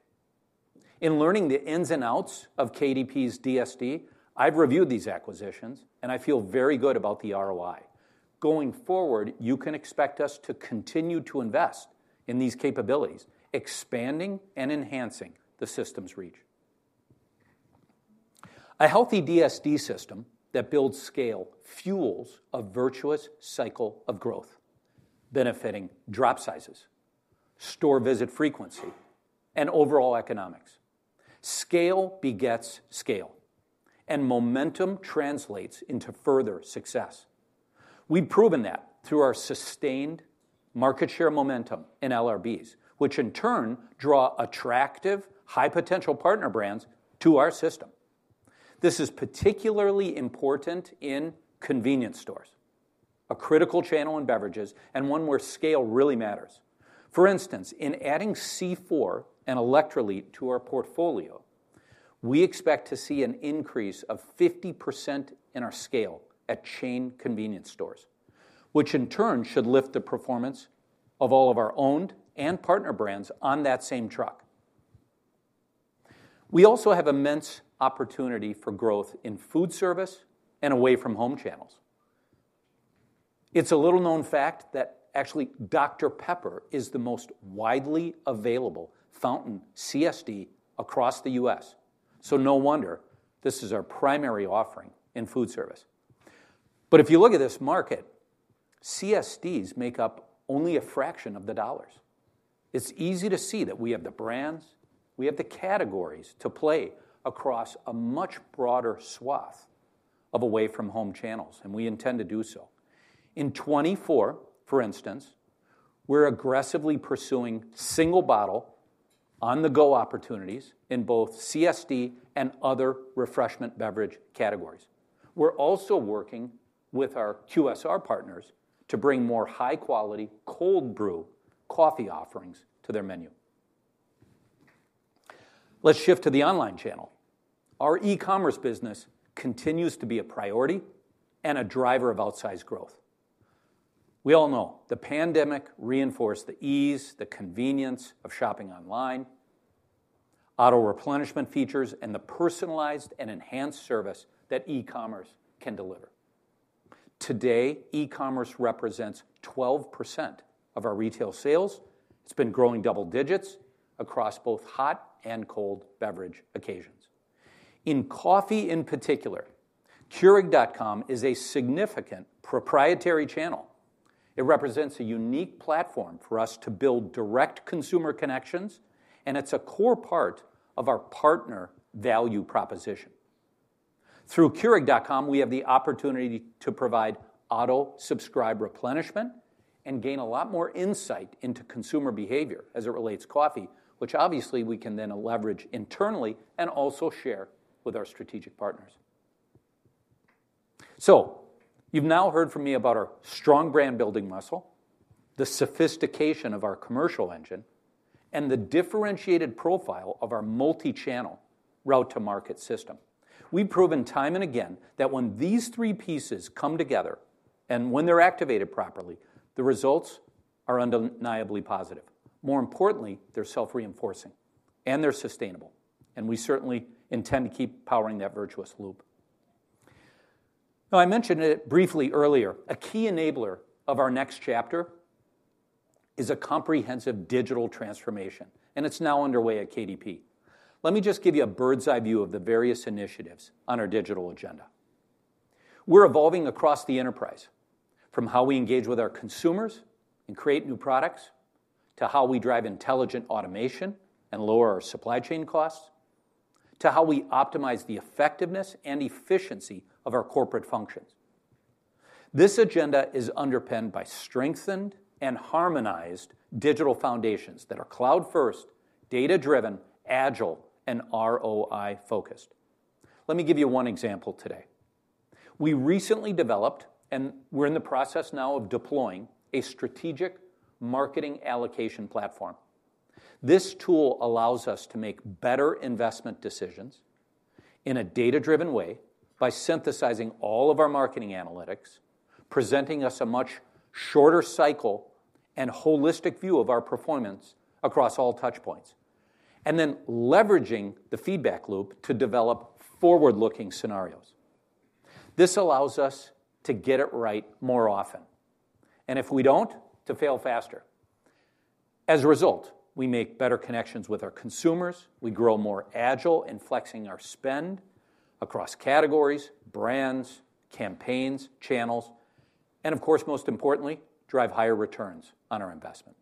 in learning the ins and outs of KDP's DSD. I've reviewed these acquisitions and I feel very good about the ROI. Going forward, you can expect us to continue to invest in these capabilities, expanding and enhancing the system's reach. A healthy DSD system that builds scale fuels a virtuous cycle of growth, benefiting drop sizes, store visit frequency, overall economics. Scale begets scale, and momentum translates into further success. We've proven that through our sustained market share momentum in LRBs, which in turn draw attractive high potential partner brands to our system. This is particularly important in convenience stores, a critical channel in beverages, and one where scale really matters. For instance, in adding C4 and Electrolit to our portfolio, we expect to see an increase of 50% in our scale at chain convenience stores, which in turn should lift the performance of all of our owned and partner brands on that same truck. We also have immense opportunity for growth in food service away from home channels. It's a little-known fact that actually Dr Pepper is the most widely available fountain CSD across the U.S., so no wonder this is our primary offering in food service. But if you look at this market, CSDs make up only a fraction of the dollars. It's easy to see that we have the brands, we have the categories to play across a much broader swath of away-from-home channels and we intend to do so in 2024. For instance, we're aggressively pursuing single-bottle on-the-go opportunities in both CSD and other refreshment beverage categories. We're also working with our QSR partners to bring more high-quality cold brew coffee offerings to their menu. Let's shift to the online channel. Our e-commerce business continues to be a priority and a driver of outsized growth. We all know the pandemic reinforced the ease, the convenience of shopping online, auto replenishment features and the personalized and enhanced service that e-commerce can deliver. Today, e-commerce represents 12% of our retail sales. It's been growing double digits across both hot and cold beverage occasions. In coffee in particular, Keurig.com is a significant proprietary channel. It represents a unique platform for us to build direct consumer connections and it's a core part of our partner value proposition. Through Keurig.com, we have the opportunity to provide auto subscribe replenishment and gain a lot more insight into consumer behavior as it relates coffee, which obviously we can then leverage internally and also share with our strategic partners. So you've now heard from me about our strong brand building muscle, the sophistication of our commercial engine and the differentiated profile of our multi channel route to market system. We've proven time and again that when these three pieces come together and when they're activated properly, the results are undeniably positive. More importantly, they're self reinforcing and they're sustainable. And we certainly intend to keep powering that virtuous loop. Now I mentioned it briefly earlier. A key enabler of our next chapter is a comprehensive digital transformation and it's now underway at KDP. Let me just give you a bird's eye view of the various initiatives on our digital agenda. We're evolving across the enterprise from how we engage with our consumers and create new products to how we drive intelligent automation and lower our supply chain costs to how we optimize the effectiveness and efficiency of our corporate functions. This agenda is underpinned by strengthened harmonized digital foundations that are cloud first, data driven, agile and ROI focused. Let me give you one example. Today we recently developed and we're in the process now of deploying a strategic marketing allocation platform. This tool allows us to make better investment decisions in a data-driven way by synthesizing all of our marketing analytics, presenting us a much shorter cycle and holistic view of our performance across all touch points and then leveraging the feedback loop to develop forward-looking scenarios. This allows us to get it right more often and if we don't, to fail faster. As a result, we make better connections with our consumers, we grow more agile in flexing our spending across categories, brands, campaigns, channels, and of course, most importantly, drive higher returns on our investment.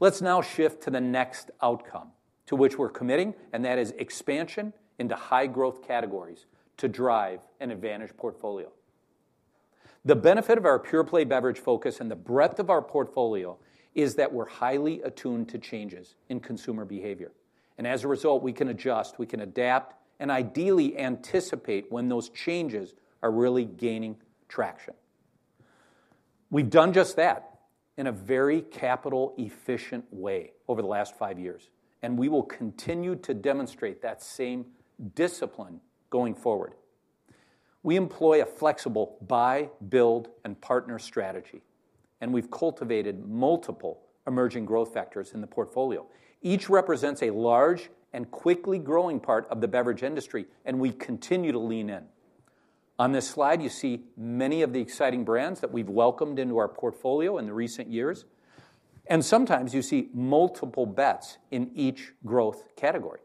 Let's now shift to the next outcome to which we're committing and that is expansion into high-growth categories to drive an advantaged portfolio. The benefit of our pure play beverage focus and the breadth of our portfolio is that we're highly attuned to changes in consumer behavior and as a result we can adjust, we can adapt, and ideally anticipate when those changes are really gaining traction. We've done just that in a very capital efficient way over the last five years and we will continue to demonstrate that same discipline going forward. We employ a flexible buy, build and partner strategy and we've cultivated multiple emerging growth factors in the portfolio. Each represents a large and quickly growing part of the beverage industry and we continue to lean in on this slide. You see many of the exciting brands that we've welcomed into our portfolio in the recent years, and sometimes you see multiple bets in each growth category.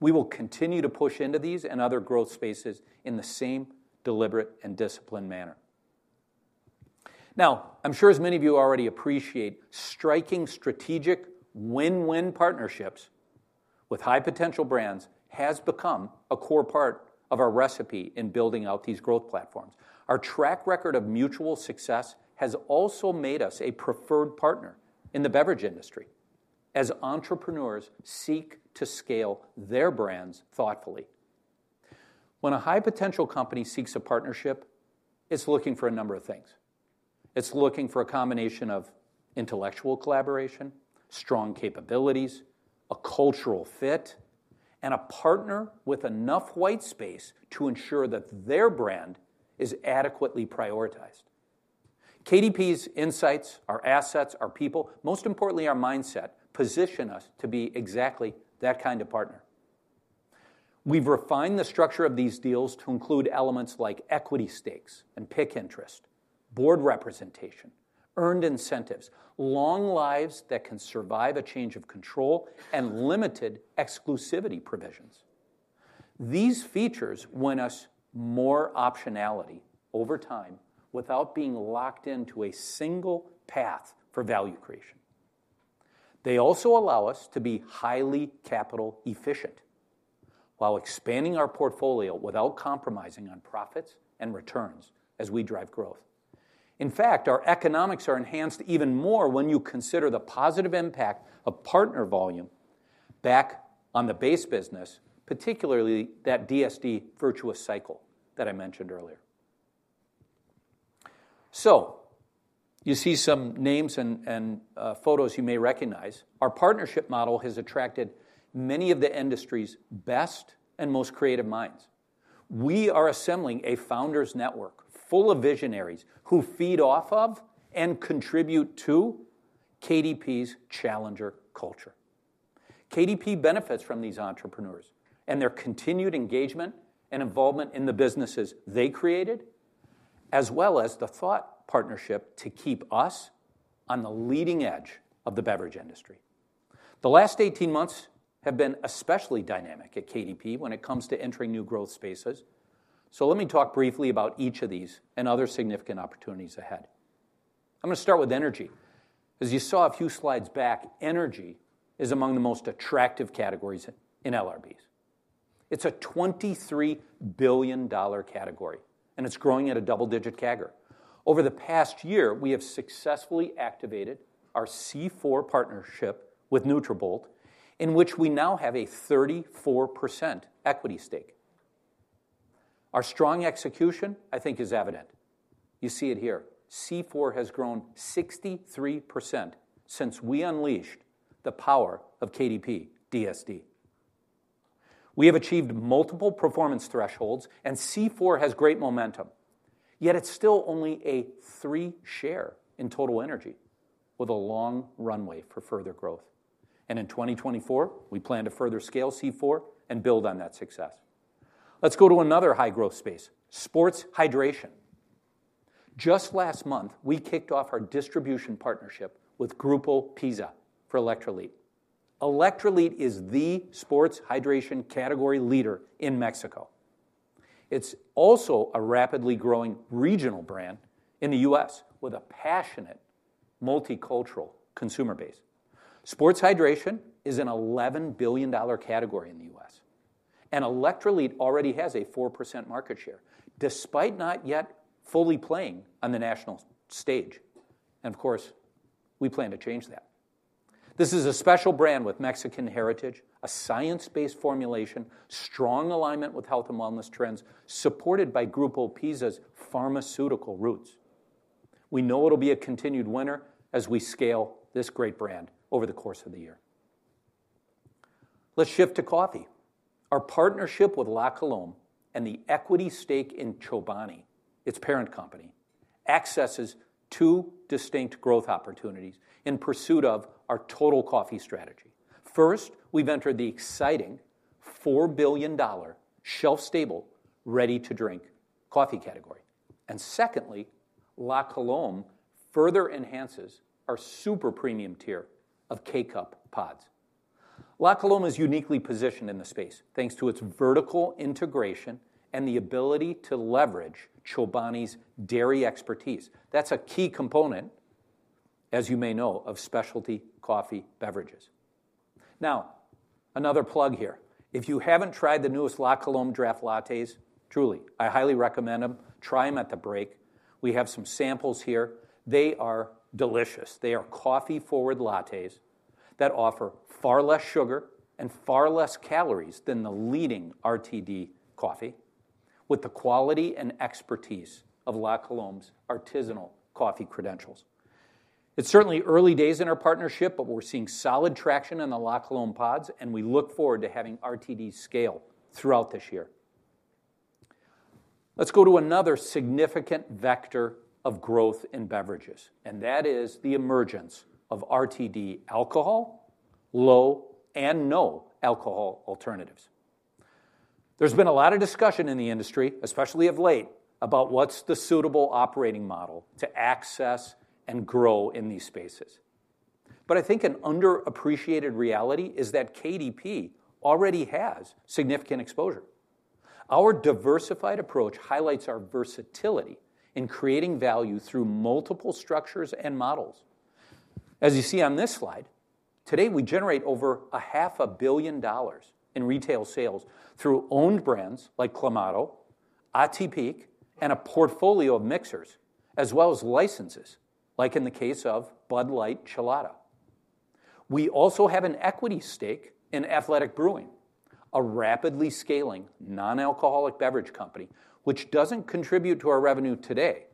We will continue to push into these and other growth spaces in the same deliberate and disciplined manner. Now, I'm sure, as many of you already appreciate, striking strategic win win partnerships with high potential brands has become a core part of our recipe in building out these growth platforms. Our track record of mutual success has also made us a preferred partner in the beverage industry as entrepreneurs seek to scale their brands thoughtfully. When a high potential company seeks a partnership, it's looking for a number of things. It's looking for a combination of intellectual collaboration, strong capabilities, a cultural fit, and a partner with enough white space to ensure that their brand is adequately prioritized. KDP's insights, our assets, our people, most importantly our mindset, position us to be exactly that kind of partner. We've refined the structure of these deals to include elements like equity stakes and PIK interest, board representation, earned incentives, long lives that can survive a change of control and limited exclusivity provisions. These features win us more optionality over time without being locked into a single path for value creation. They also allow us to be highly capital efficient while expanding our portfolio without compromising on profits and returns as we drive growth. In fact, our economics are enhanced even more when you consider the positive impact of partner volume back on the base business, particularly that DSD virtuous cycle that I mentioned earlier. So you see some names and photos you may recognize. Our partnership model has attracted many of the industry's best and most creative minds. We are assembling a founders network full of visionaries who feed off of and contribute to KDP's challenger culture. KDP benefits from these entrepreneurs and their continued engagement and involvement in the businesses they created, as well as the thought partnership to keep us on the leading edge of the beverage industry. The last 18 months have been especially dynamic at KDP when it comes to entering new growth spaces. So let me talk briefly about each of these and other significant opportunities ahead. I'm going to start with Energy. As you saw a few slides back, energy is among the most attractive categories in LRB. It's a $23 billion category and it's growing at a double-digit CAGR. Over the past year we have successfully activated our C4 partnership with Nutrabolt in which we now have a 34% equity stake. Our strong execution, I think, is evident. You see it here. C4 has grown 63% since we unleashed the power of KDP DSD. We have achieved multiple performance thresholds and C4 has great momentum, yet it's still only a 3% share in total energy with a long runway for further growth. In 2024 we plan to further scale C4 and build on that success. Let's go to another high growth space sports hydration. Just last month we kicked off our distribution partnership with Grupo PiSA for Electrolit. Electrolit is the sports hydration category leader in Mexico. It's also a rapidly growing regional brand in the US with a passionate multicultural consumer base. Sports hydration is an $11 billion category in the US and Electrolit already has a 4% market share despite not yet fully playing on the national stage. Of course we plan to change that. This is a special brand with Mexican heritage, a science-based formulation, strong alignment with health and wellness trends supported by Grupo PiSA's pharmaceutical roots. We know it'll be a continued winner as we scale this great brand over the course of the year. Let's shift to coffee. Our partnership with La Colombe and the equity stake in Chobani, its parent company, accesses two distinct growth opportunities in pursuit of our total coffee strategy. First, we've entered the exciting $4 billion shelf stable ready to drink coffee category and secondly, La Colombe further enhances our super premium tier K-Cup pods. La Colombe is uniquely positioned in the space thanks to its vertical integration and the ability to leverage Chobani's dairy expertise. That's a key component, as you may know, of specialty coffee beverages. Now another plug here. If you haven't tried the newest La Colombe Draft Lattes, truly I highly recommend them. Try them at the break. We have some samples here. They are delicious. They are coffee forward lattes that offer far less sugar and far less calories than the leading RTD coffee with the quality and expertise of La Colombe's artisanal coffee credentials. It's certainly early days in our partnership, but we're seeing solid traction in the La Colombe pods and we look forward to having RTD scale throughout this year. Let's go to another significant vector of growth in beverages and that is the emergence of RTD alcohol, low- and no-alcohol alternatives. There's been a lot of discussion in the industry, especially of late, about what's the suitable operating model to access and grow in these spaces, but I think an underappreciated reality is that KDP already has significant exposure. Our diversified approach highlights our versatility in creating value through multiple structures and models. As you see on this slide today, we generate over $500 million in retail sales through owned brands like Clamato, Atypique and a portfolio of mixers as well as licenses like in the case of Bud Light Chelada. We also have an equity stake in Athletic Brewing, a rapidly scaling non-alcoholic beverage company which doesn't contribute to our revenue today,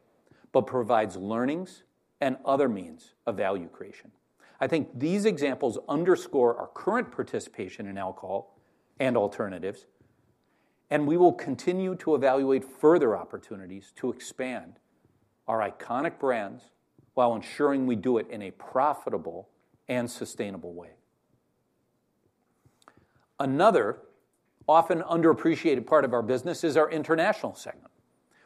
but provides learnings and other means of value creation. I think these examples underscore our current participation in alcohol and alternatives and we will continue to evaluate further opportunities to expand our iconic brands while ensuring we do it in a profitable and sustainable way. Another often underappreciated part of our business is our international segment,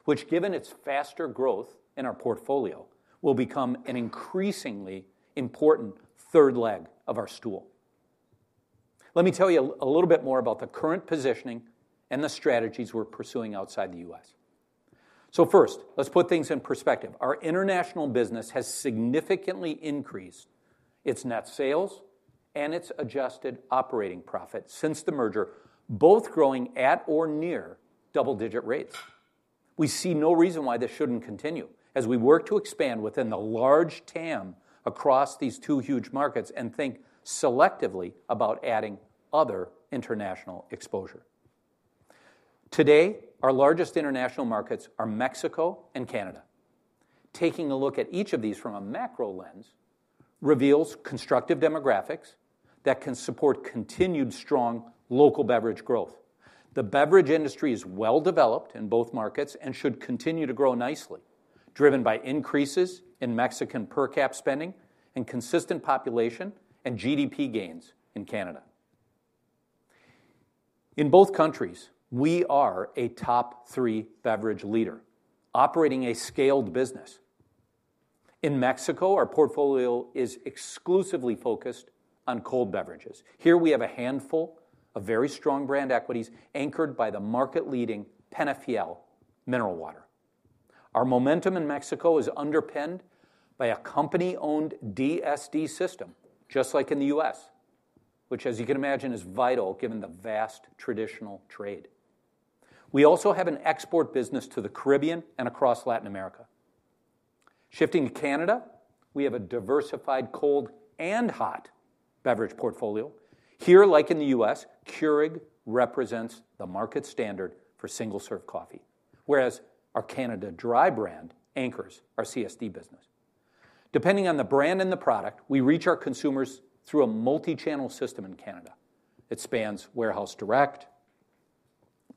which given its faster growth in our portfolio, will become an increasingly important third leg of our stool. Let me tell you a little bit more about the current positioning and the strategies we're pursuing outside the U.S. So first, let's put things in perspective. Our international business has significantly increased its net sales and its adjusted operating profit since the merger, both growing at or near double digit rates. We see no reason why this shouldn't continue as we work to expand within the large TAM across these two huge markets and think selectively about adding other international exposure. Today, our largest international markets are Mexico and Canada. Taking a look at each of these from a macro lens reveals constructive demographics that can support continued strong local beverage growth. The beverage industry is well developed in both markets and should continue to grow nicely, driven by increases in Mexican per cap spending and consistent population GDP gains in Canada. In both countries we are a top three beverage leader operating a scaled business. In Mexico, our portfolio is exclusively focused on cold beverages. Here we have a handful of very strong brand equities anchored by the market-leading Peñafiel Mineral Water. Our momentum in Mexico is underpinned by a company-owned DSD system just like in the U.S., which as you can imagine is vital given the vast traditional trade. We also have an export business to the Caribbean and across Latin America. Shifting to Canada, we have a diversified cold and hot beverage portfolio. Here, like in the U.S., Keurig represents the market standard for single-serve coffee, whereas our Canada Dry brand anchors our CSD business. Depending on the brand and the product, we reach our consumers through a multi-channel system. In Canada, it spans warehouse direct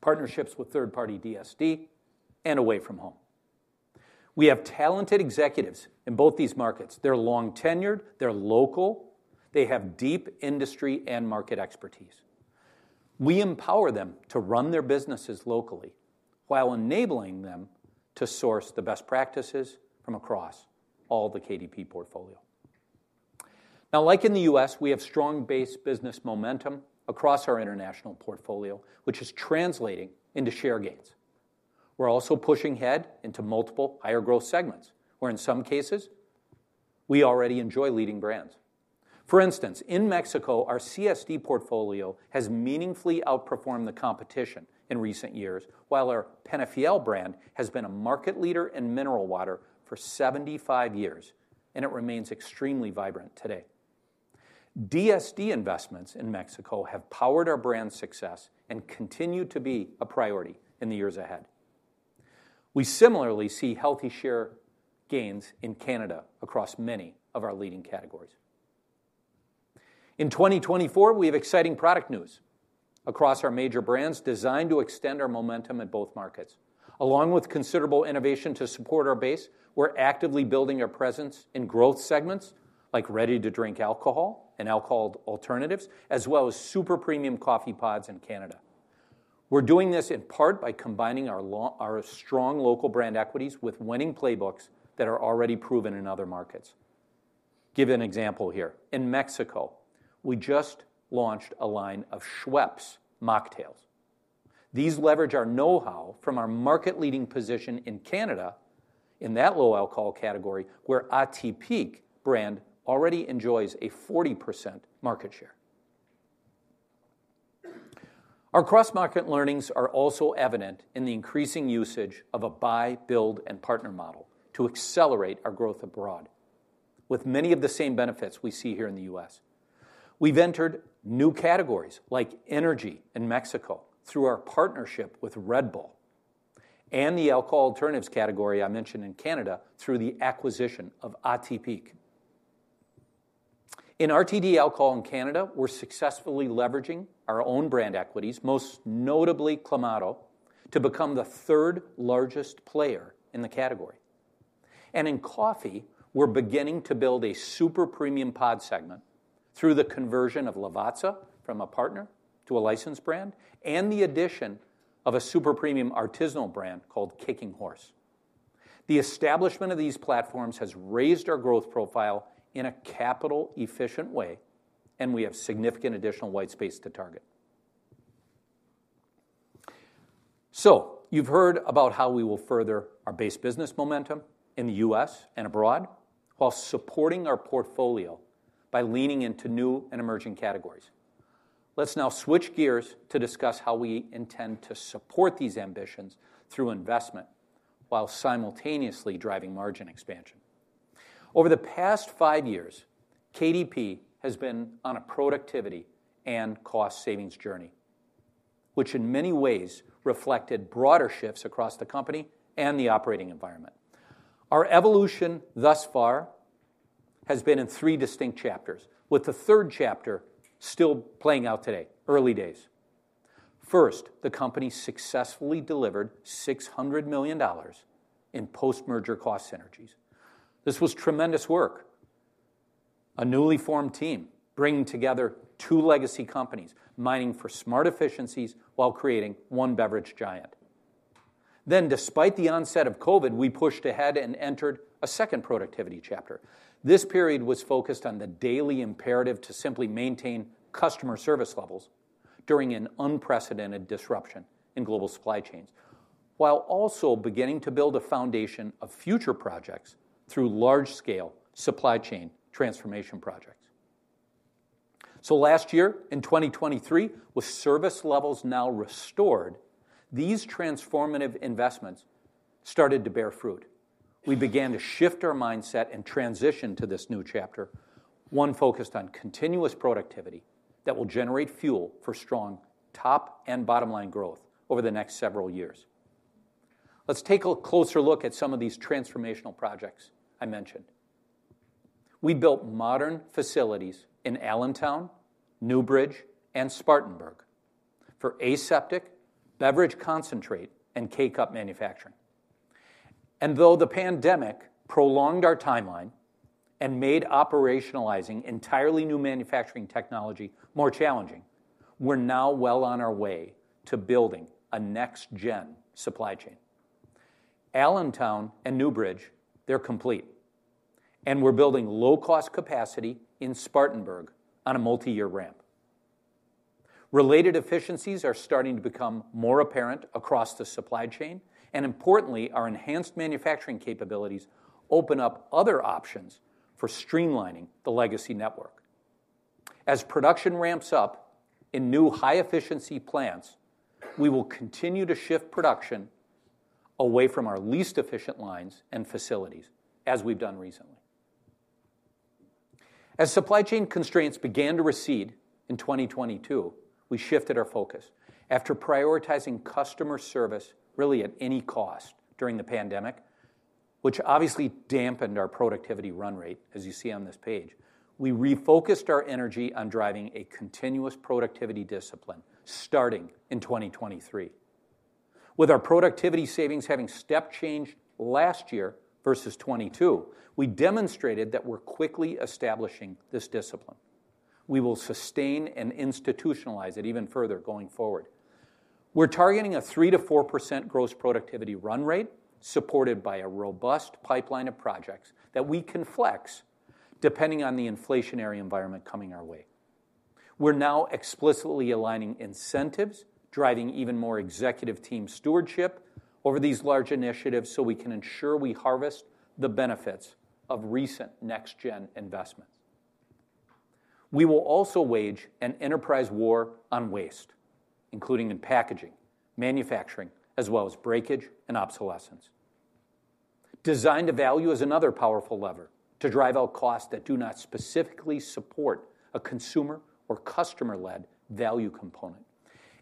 partnerships with third party DSD and away from home. We have talented executives in both these markets. They're long tenured, they're local, they have deep industry and market expertise. We empower them to run their businesses locally while enabling them to source the best practices from across all the KDP portfolio. Now, like in the U.S., we have strong base business momentum across our international portfolio, which is translating into share gains. We're also pushing ahead into multiple higher growth segments where in some cases we already enjoy leading brands. For instance, in Mexico, our CSD portfolio has meaningfully outperformed the competition in recent years. While our Peñafiel brand has been a market leader in mineral water for 75 years and it remains extremely vibrant today, DSD Investments in Mexico have powered our brand's success and continue to be a priority in the years ahead. We similarly see healthy share gains in Canada across many of our leading categories. In 2024 we have exciting product news across our major brands designed to extend our momentum at both markets. Along with considerable innovation to support our base, we're actively building our presence in growth segments like ready-to-drink alcohol and alcohol alternatives as well as super premium coffee pods in Canada. We're doing this in part by combining our strong local brand equities with winning playbooks that are already proven in other markets. Give you an example here in Mexico we just launched a line of Schweppes mocktails. These leverage our know how from our market leading position in Canada in that low alcohol category where Atypique brand already enjoys a 40% market share. Our cross market learnings are also evident in the increasing usage of a buy, build and partner model to accelerate our growth abroad with many of the same benefits we see here in the U.S. We've entered new categories like energy in Mexico through our partnership with Red Bull and the alcohol alternatives category I mentioned in Canada, through the acquisition of Atypique in RTD alcohol in Canada, we're successfully leveraging our own brand equities, most notably Clamato, to become the third largest player in the category. And in coffee, we're beginning to build a super premium pod segment through the conversion of Lavazza from a partner to a licensed brand and the addition of a super premium artisanal brand called Kicking Horse. The establishment of these platforms has raised our growth profile in a capital efficient way and we have significant additional white space to target. So you've heard about how we will further our base business momentum in the U.S. and abroad while supporting our portfolio by leaning into new and emerging categories. Let's now switch gears to discuss how we intend to support these ambitions through investment while simultaneously driving margin expansion. Over the past five years, KDP has been on a productivity and cost savings journey which in many ways reflected broader shifts across the company and the operating environment. Our evolution thus far has been in three distinct chapters with the third chapter still playing out today. Early Days first, the company successfully delivered $600 million in post-merger cost synergies. This was tremendous work, a newly formed team bringing together two legacy companies mining for smart efficiencies while creating one beverage giant. Then, despite the onset of COVID, we pushed ahead and entered a second productivity chapter. This period was focused on the daily imperative to simply maintain customer service levels during an unprecedented disruption global supply chains, while also beginning to build a foundation of future projects through large scale supply chain transformation projects. So last year in 2023, with service levels now restored, these transformative investments started to bear fruit. We began to shift our mindset and transition to this new chapter one focused on continuous productivity that will generate fuel for strong top and bottom line growth over the next several years. Let's take a closer look at some of these transformational projects I mentioned. We built modern facilities in Allentown, Newbridge and Spartanburg for aseptic beverage concentrate and K-Cup manufacturing, and though the pandemic prolonged our timeline, made operationalizing entirely new manufacturing technology more challenging. We're now well on our way to building a next-gen supply chain. Allentown and Newbridge. They're complete and we're building low-cost capacity in Spartanburg on a multi-year ramp. Related efficiencies are starting to become more apparent across the supply chain and importantly, our enhanced manufacturing capabilities open up other options for streamlining the legacy network. As production ramps up in new high-efficiency plants, we will continue to shift production away from our least efficient lines and facilities as we've done recently. As supply chain constraints began to recede in 2022, we shifted our focus after prioritizing customer service really at any cost during the pandemic, which obviously dampened our productivity run rate. As you see on this page, we refocused our energy on driving a continuous productivity discipline starting in 2023. With our productivity savings having step changed last year versus 2022, we demonstrated that we're quickly establishing this discipline. We will sustain and institutionalize it even further going forward. We're targeting a 3%-4% gross productivity run rate supported by a robust pipeline of projects that we can flex depending on the inflationary environment coming our way. We're now explicitly aligning incentives driving even more executive team stewardship over these large initiatives so we can ensure we harvest the benefits of recent next gen investments. We will also wage an enterprise war on waste, including in packaging manufacturing as well as breakage and obsolescence. Design to Value is another powerful lever to drive out costs that do not specifically support a consumer or customer led value component.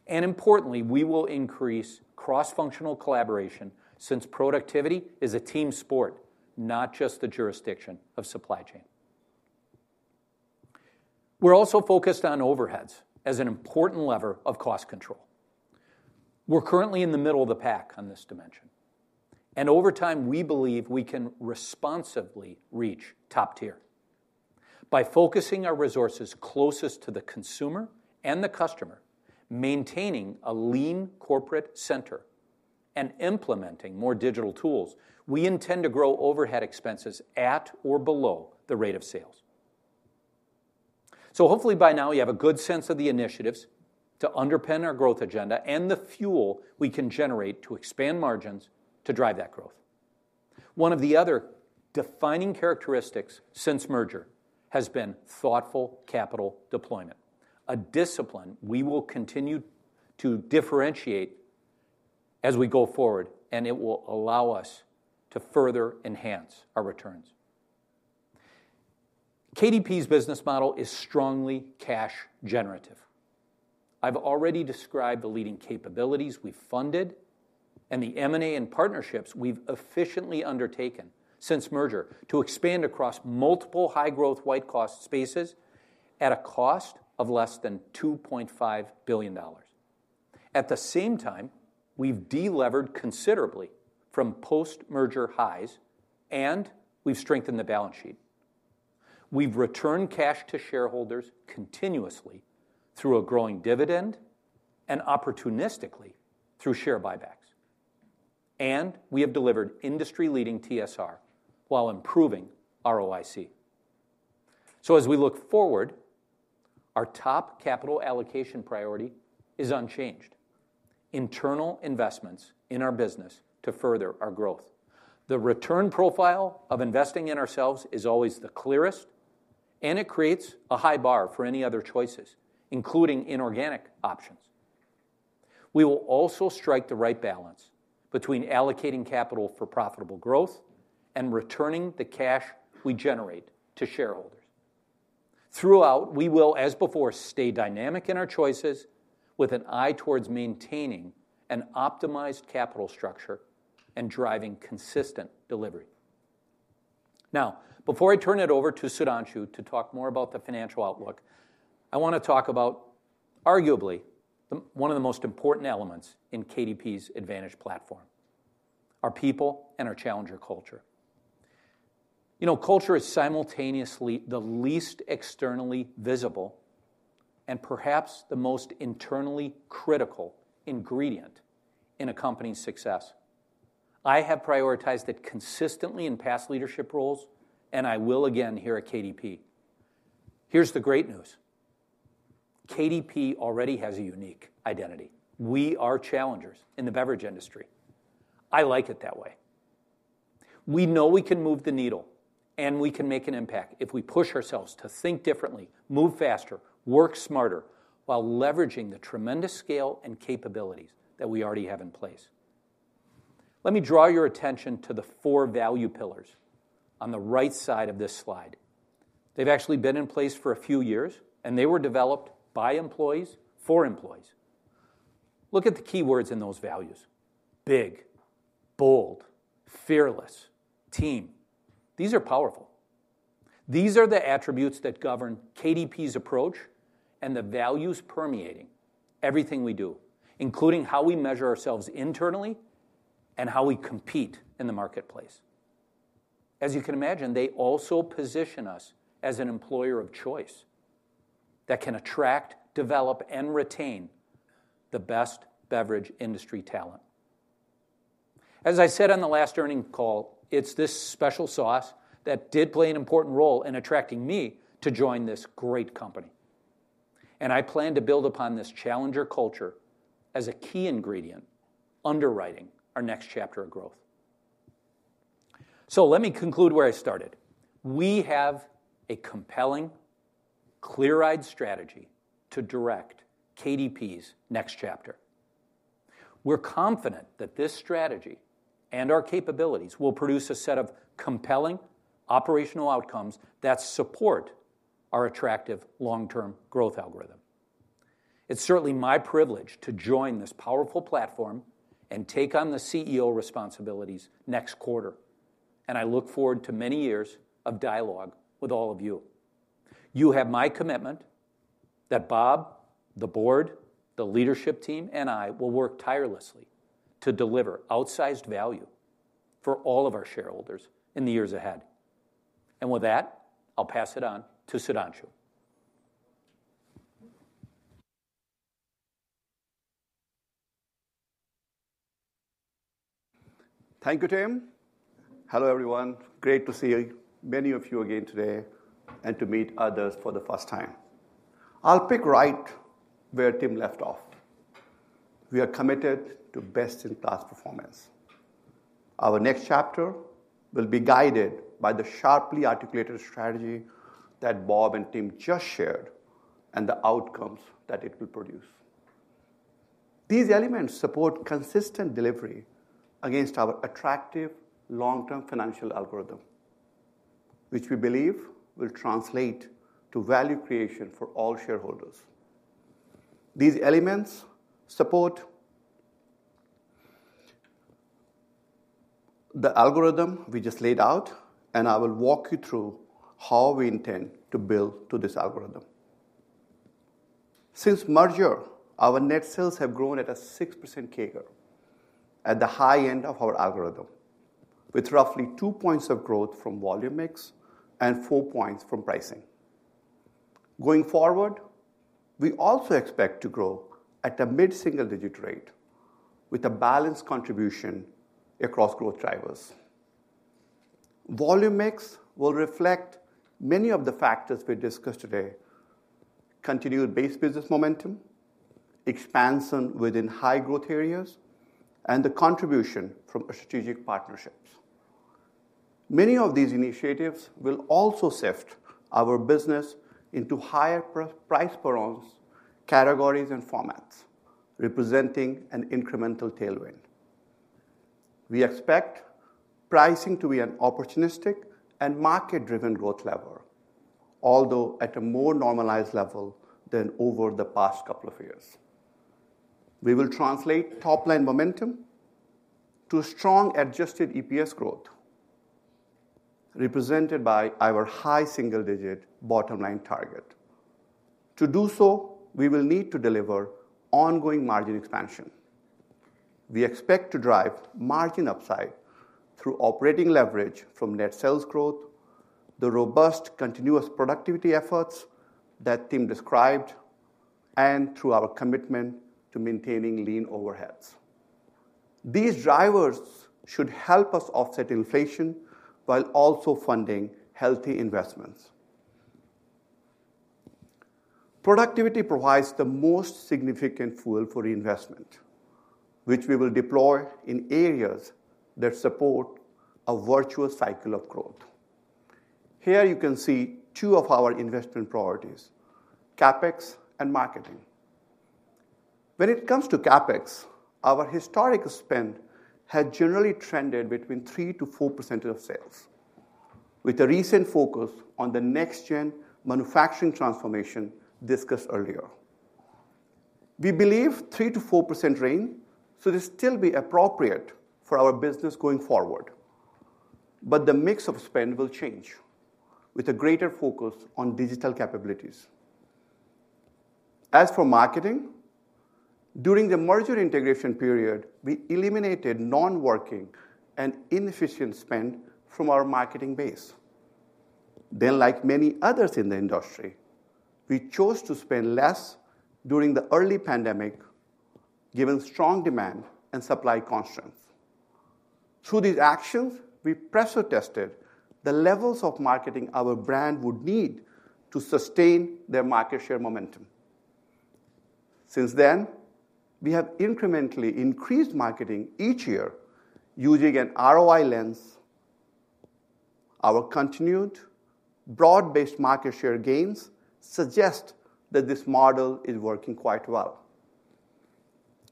Importantly, we will increase cross functional collaboration since productivity is a team sport, not just the jurisdiction of supply chain. We're also focused on overheads as an important lever of cost control. We're currently in the middle of the pack on this dimension and over time we believe we can responsibly reach top tier by focusing our resources closest to the consumer and the customer, maintaining a lean corporate center and implementing more digital tools. We intend to grow overhead expenses at or below the rate of sales. Hopefully by now you have a good sense of the initiatives to underpin our growth agenda and the fuel we can generate to expand margins to drive that growth. One of the other defining characteristics since merger has been thoughtful capital deployment, a discipline we will continue to differentiate as we go forward and it will allow us to further enhance our returns. KDP's business model is strongly cash generative. I've already described the leading capabilities we funded and the M&A and partnerships we've efficiently undertaken since merger to expand across multiple high growth white spaces at a cost of less than $2.5 billion. At the same time, we've delevered considerably from post merger highs and we've strengthened the balance sheet. We've returned cash to shareholders continuously through a growing dividend and opportunistically through share buybacks and we have delivered industry leading TSR while improving ROIC. So as we look forward, our top capital allocation priority is unchanged internal investments in our business to further our growth. The return profile of investing in ourselves is always the clearest and it creates a high bar for any other choices, including inorganic options. We will also strike the right balance between allocating capital for profitable growth and returning the cash we generate to shareholders throughout. We will, as before, stay dynamic in our choices with an eye towards maintaining an optimized capital structure and driving consistent delivery. Now, before I turn it over to Sudhanshu to talk more about the financial outlook, I want to talk about arguably one of the most important elements in KDP's Advantage platform, our people and our challenger culture. You know, culture is simultaneously the least externally visible and perhaps the most internally critical ingredient in a company's success. I have prioritized it consistently in past leadership roles and I will again here at KDP. Here's the great news. KDP already has a unique identity. We are challengers in the beverage industry. I like it that way. We know we can move the needle and we can make an impact if we push ourselves to think differently, move faster, work smarter, while leveraging the tremendous scale and capabilities that we already have in place. Let me draw your attention to the four value pillars on the right side of this slide. They've actually been in place for a few years and they were developed by employees for employees. Look at the keywords in those values. Big, bold, fearless, team. These are powerful. These are the attributes that govern KDP's approach and the values permeating everything we do, including how we measure ourselves internally, how we compete in the marketplace. As you can imagine, they also position us as an employer of choice that can attract, develop and retain the best beverage industry talent. As I said on the last earnings call, it's this special sauce that did play an important role in attracting me to join this great company. I plan to build upon this challenger culture as a key ingredient underwriting our next chapter of growth. Let me conclude where I started. We have a compelling, clear-eyed strategy to direct KDP's next chapter. We're confident that this strategy and our capabilities will produce a set of compelling operational outcomes that support our attractive long-term growth algorithm. It's certainly my privilege to join this powerful platform and take on the CEO responsibilities next quarter. I look forward to many years of dialogue with all of you. You have my commitment that Bob, the board, the leadership team and I will work tirelessly to deliver outsized value for all of our shareholders in the years ahead. With that, I'll pass it on to Sudhanshu. Thank you, Tim. Hello everyone. Great to see many of you again today and to meet others for the first time. I'll pick right where Tim left off. We are committed to best-in-class performance. Our next chapter will be guided by the sharply articulated strategy that Bob and Tim just shared and the outcomes that it will produce. These elements support consistent delivery against our attractive long-term financial algorithm, which we believe will translate to value creation for all shareholders. These elements support. The algorithm we just laid out, and I will walk you through how we intend to build to this algorithm. Since merger, our net sales have grown at a 6% CAGR at the high end of our algorithm with roughly 2 points of growth from volume mix and 4 points from pricing. Going forward we also expect to grow at a mid-single-digit rate with a balanced contribution across growth drivers. Volume mix will reflect many of the factors we discussed today, continued base business momentum expansion within high growth areas and the contribution from strategic partnerships. Many of these initiatives will also shift our business into higher price categories and formats representing an incremental tailwind. We expect pricing to be an opportunistic and market driven growth lever, although at a more normalized level than over the past couple of years. We will translate top line momentum to strong adjusted EPS growth represented by our high-single-digit bottom line target. To do so, we will need to deliver ongoing margin expansion. We expect to drive margin upside through operating leverage from net sales growth, the robust continuous productivity efforts that Tim described, and through our commitment to maintaining lean overheads. These drivers should help us offset inflation while also funding healthy investments. Productivity provides the most significant fuel for reinvestment which we will deploy in areas that support a virtuous cycle of growth. Here you can see two of our investment priorities, CapEx and marketing. When it comes to CapEx, our historic spend had generally trended between 3%-4% of sales. With a recent focus on the next-gen manufacturing transformation discussed earlier. We believe 3%-4% range should still be appropriate for our business going forward, but the mix of spend will change with a greater focus on digital capabilities. As for marketing, during the merger integration period, we eliminated non-working and inefficient spend from our marketing base. Then, like many others in the industry, we chose to spend less during the early pandemic given strong demand and supply constraints. Through these actions, we pressure tested the levels of marketing our brand would need to sustain their market share momentum. Since then, we have incrementally increased marketing each year using an ROI lens. Our continued broad based market share gains suggest that this model is working quite well.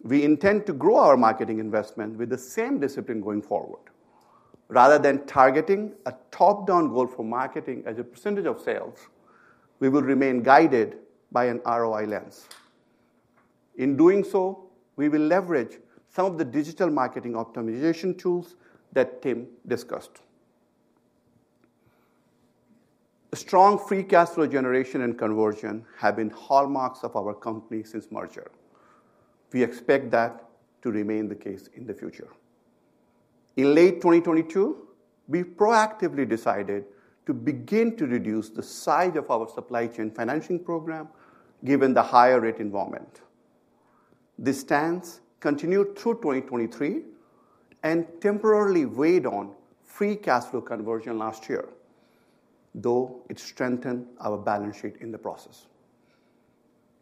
We intend to grow our marketing investment with the same discipline going forward. Rather than targeting a top down goal for marketing as a percentage of sales. We will remain guided by an ROI lens. In doing so, we will leverage some of the digital marketing optimization tools that Tim discussed. Strong free cash flow generation and conversion have been hallmarks of our company since merger. We expect that to remain the case in the future. In late 2022, we proactively decided to begin to reduce the size of our supply chain financing program given the higher rate environment. This stance continued through 2023 and temporarily weighed on free cash flow conversion last year, though it strengthened our balance sheet in the process.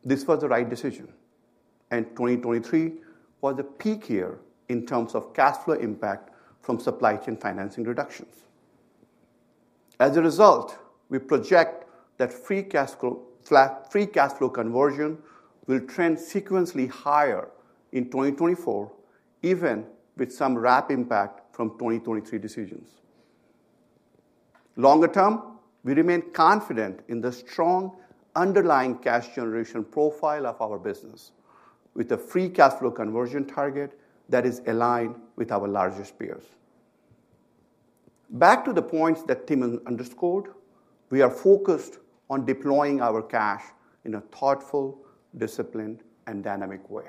This was the right decision and 2023 was a peak year in terms of cash flow impact from supply chain financing reductions. As a result, we project that free cash flow conversion will trend sequentially higher in 2024 even with some rapid impact from 2023 decisions. Longer term, we remain confident in the strong underlying cash generation profile of our business with a free cash flow conversion target that is aligned with our largest peers. Back to the points that Tim underscored, we are focused on deploying our cash in a thoughtful, disciplined and dynamic way.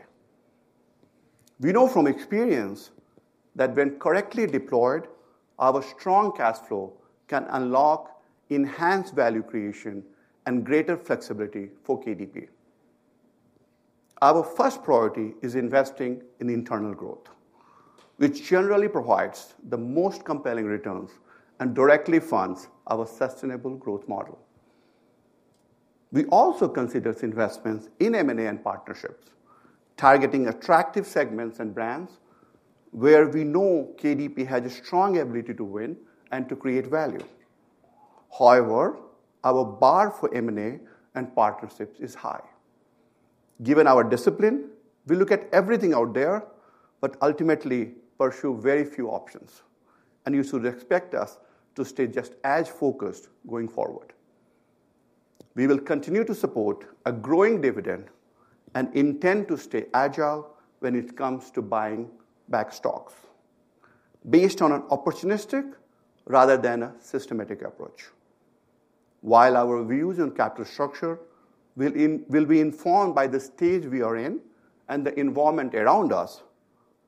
We know from experience that when correctly deployed, our strong cash flow can unlock enhanced value creation and greater flexibility for KDP. Our first priority is investing in internal growth which generally provides the most compelling returns and directly funds our sustainable growth model. We also consider investments in M&A and partnership targeting attractive segments and brands where we know KDP has a strong ability to win and to create value. However, our bar for M&A and partnerships is high given our discipline. We look at everything out there but ultimately pursue very few options and you should expect us to stay just as focused going forward. We will continue to support a growing dividend and intend to stay agile when it comes to buying back stocks based on an opportunistic rather than a systematic approach. While our views on capital structure will be informed by the stage we are in and the environment around us,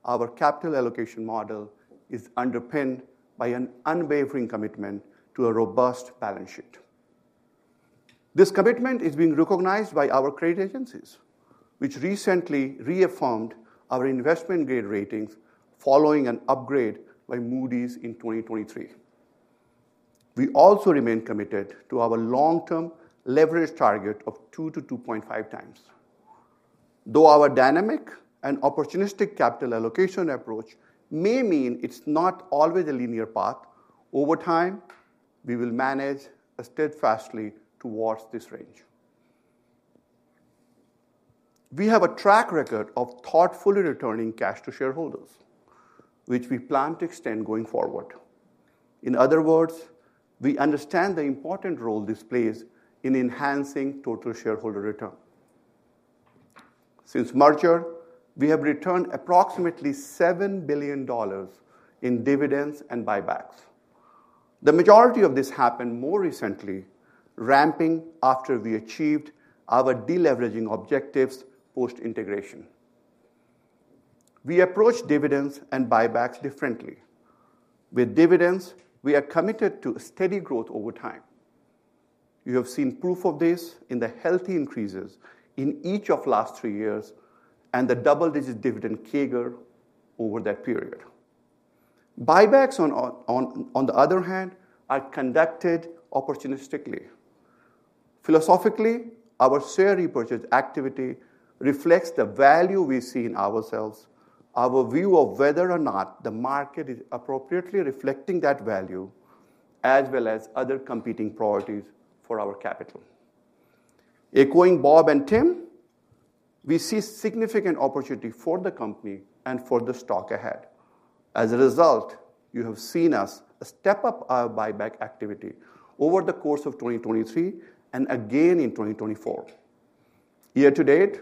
our capital allocation model is underpinned by an unwavering commitment to a robust balance sheet. This commitment is being recognized by our credit agencies, which recently reaffirmed our investment grade ratings following an upgrade by Moody's in 2023. We also remain committed to our long term leverage target of 2-2.5 times. Though our dynamic and opportunistic capital allocation approach may mean it's not always a linear path, over time we will manage steadfastly towards this range. We have a track record of thoughtfully returning cash to shareholders, which we plan to extend going forward. In other words, we understand the important role this plays in enhancing total shareholder return. Since merger, we have returned approximately $7 billion in dividends and buybacks. The majority of this happened more recently ramping after we achieved our deleveraging objectives. Post integration, we approach dividends and buybacks differently. With dividends, we are committed to steady growth over time. You have seen proof of this in the healthy increases in each of last three years and the double-digit dividend CAGR over that period. Buybacks, on the other hand, are conducted opportunistically. Philosophically, our share repurchase activity reflects the value we see in ourselves, our view of whether or not the market is appropriately reflecting that value, as well as other competing priorities for our capital. Echoing Bob and Tim, we see significant opportunity for the company and for the stock ahead. As a result, you have seen us step up our buyback activity over the course of 2023 and again in 2024. Year to date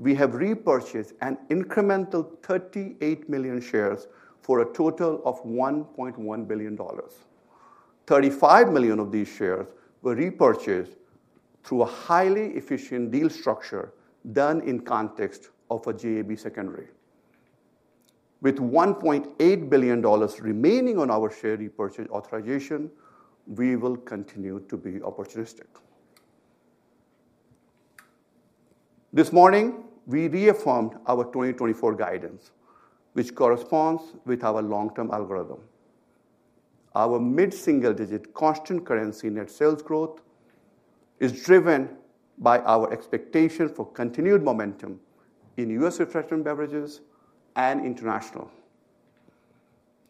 we have repurchased an incremental 38 million shares for a total of $1.1 billion. 35 million of these shares were repurchased through a highly efficient deal structure done in context of a JAB secondary. With $1.8 billion remaining on our share repurchase authorization, we will continue to be opportunistic. This morning we reaffirmed our 2024 guidance which corresponds with our long-term algorithm. Our mid-single-digit constant currency net sales growth is driven by our expectation for continued momentum in U.S. Refreshment Beverages and international.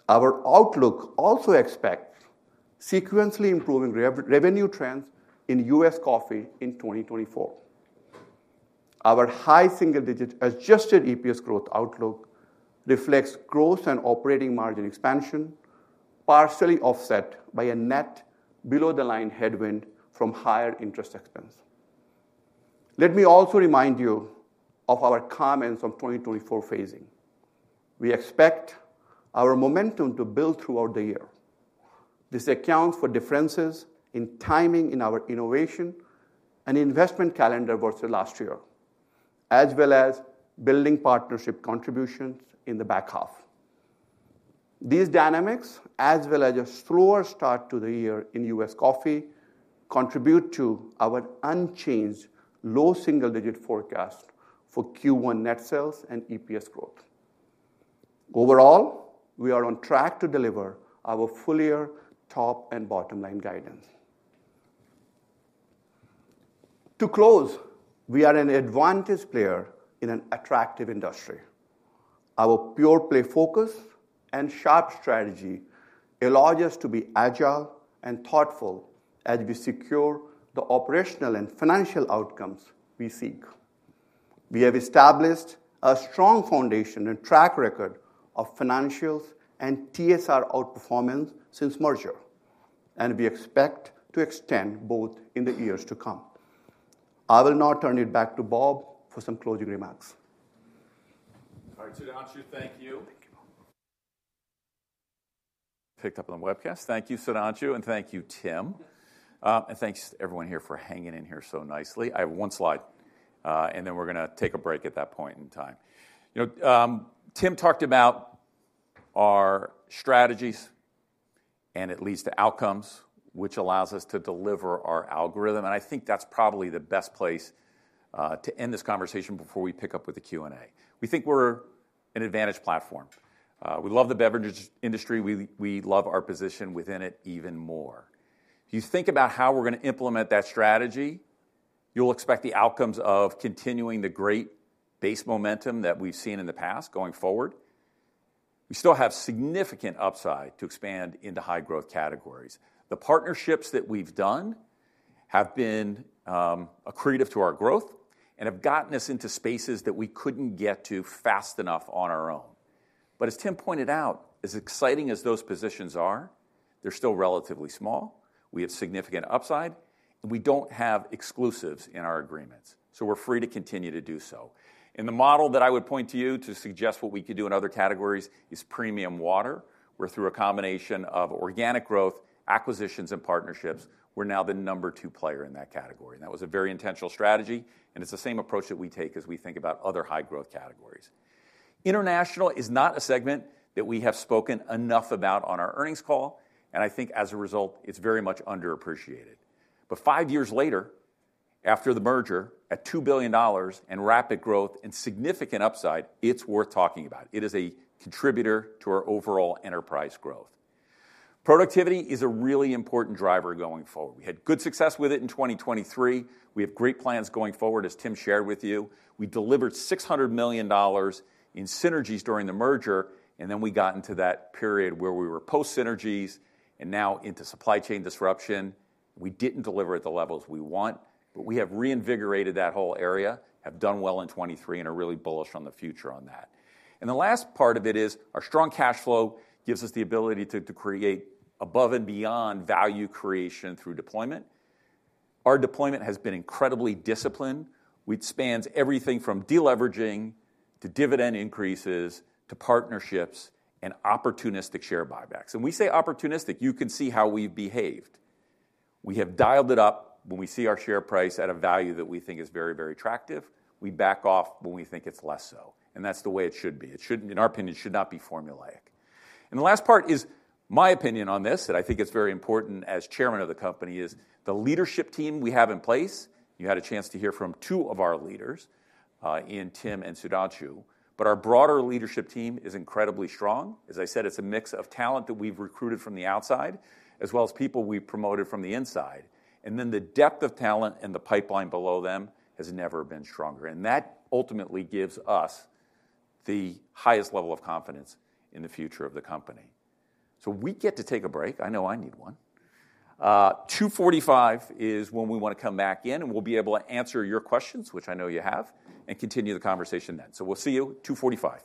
Our outlook also expects sequentially improving revenue trends in U.S. coffee in 2024. Our high-single-digit adjusted EPS growth outlook reflects gross and operating margin expansion partially offset by a net below-the-line headwind from higher interest expense. Let me also remind you of our comments on 2024 phasing. We expect our momentum to build throughout the year. This accounts for differences in timing in our innovation and investment calendar versus last year as well as building partnership contributions in the back half. These dynamics as well as a slower start to the year in U.S. Coffee contribute to our unchanged low single digit forecast for Q1 net sales and EPS growth. Overall, we are on track to deliver our full year top and bottom line guidance. To close, we are an advantage player in an attractive industry. Our pure play focus and sharp strategy allows us to be agile and thoughtful as we secure the operational and financial outcomes we seek. We have established a strong foundation and track record of financials and TSR outperformance since merger and we expect to extend both in the years to come. I will now turn it back to Bob for some closing remarks. Thank you. Picked up on webcast. Thank you, Sudhanshu, and thank you, Tim, and thanks everyone here for hanging in here so nicely. I have one slide and then we're going to take a break. At that point in time, Tim talked about our strategies and it leads to outcomes which allows us to deliver our algorithm. I think that's probably the best place to end this conversation before we pick up with the Q and A. We think we're an advantaged platform. We love the beverages industry, we love our position within it even more. If you think about how we're going to implement that strategy, you'll expect the outcomes of continuing the great base momentum that we've seen in the past. Going forward, we still have significant upside to expand into high growth categories. The partnerships that we've done have been accretive to our growth and have gotten us into spaces that we couldn't get to fast enough on our own. But as Tim pointed out, as exciting as those positions are, they're still relatively small. We have significant upside and we don't have exclusives in our agreements, so we're free to continue to do so. The model that I would point to you to suggest what we could do in other categories is premium water, where through a combination of organic growth, acquisitions and partnerships, we're now the number 2 player in that category. That was a very intentional strategy. It's the same approach that we take as we think about other high growth categories. Categories international is not a segment that we have spoken enough about on our earnings call. I think as a result it's very much underappreciated. Five years later, after the merger, at $2 billion and rapid growth and significant upside, it's worth talking about. It is a contributor to our overall enterprise growth. Productivity is a really important driver going forward. We had good success with it in 2023. We have great plans going forward. As Tim shared with you, we delivered $600 million in synergies during the merger and then we got into that period where we were post synergies and now into supply chain disruption. We didn't deliver at the levels we want, but we have reinvigorated that whole area, have done well in 2023 and are really bullish on the future on that. The last part of it is our strong cash flow gives us the ability to create above and beyond value creation through deployment. Our deployment has been incredibly disciplined, which spans everything from deleveraging to dividend increases to partnerships and opportunistic share buybacks, and we say opportunistic. You can see how we've behaved. We have dialed it up. When we see our share price at a value that we think is very, very attractive, we back off when we think it's less so. That's the way it should be. It shouldn't, in our opinion, should not be formulaic. The last part is my opinion on this. I think it's very important. As Chairman of the company is the leadership team we have in place. You had a chance to hear from two of our leaders, and, Tim and Sudhanshu. Our broader leadership team is incredibly strong. As I said, it's a mix of talent that we've recruited from the outside as well as people we've promoted from the inside. And then the depth of talent and the pipeline below them has never been stronger. And that ultimately gives us the highest level of confidence in the future of the company. So we get to take a break. I know it's 12:45, and 2:45 is when we want to come back in, and we'll be able to answer your questions, which I know you have, and continue the conversation then. So we'll see you at 2:45.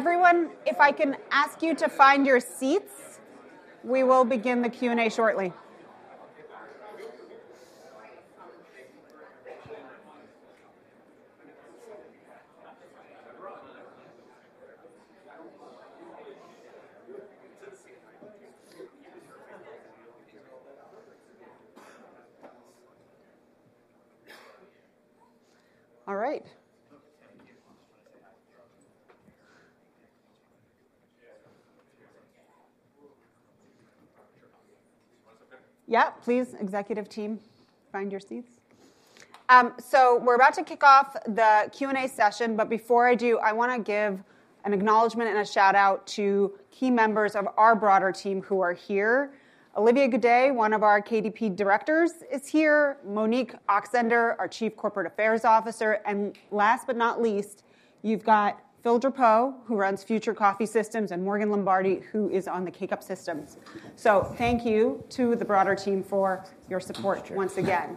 Everyone, if I can ask you to find your seats, we will begin the Q and A shortly. All right. Yeah. Please, executive team, find your seats. So we're about to kick off the Q and A session, but before I do, I want to give an acknowledgment and a shout out to key members of our broader team who are here. Olivier Goudet, one of our KDP directors, is here. Monique Oxender, our Chief Corporate Affairs Officer. And last but not least, you've got Phil Drapeau who runs Future Coffee Systems, and Morgan Lombardi, who is on the K-Cup Systems. So thank you to the broader team for your support. Once again,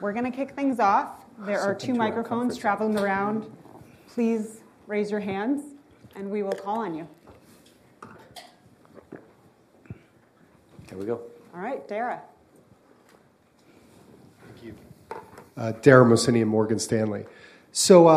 we're going to kick things off. There are two microphones traveling around. Please raise your hands and we will call on you. Here we go. All right, Dara. Thank you. Dara Mohsenian and Morgan Stanley. So,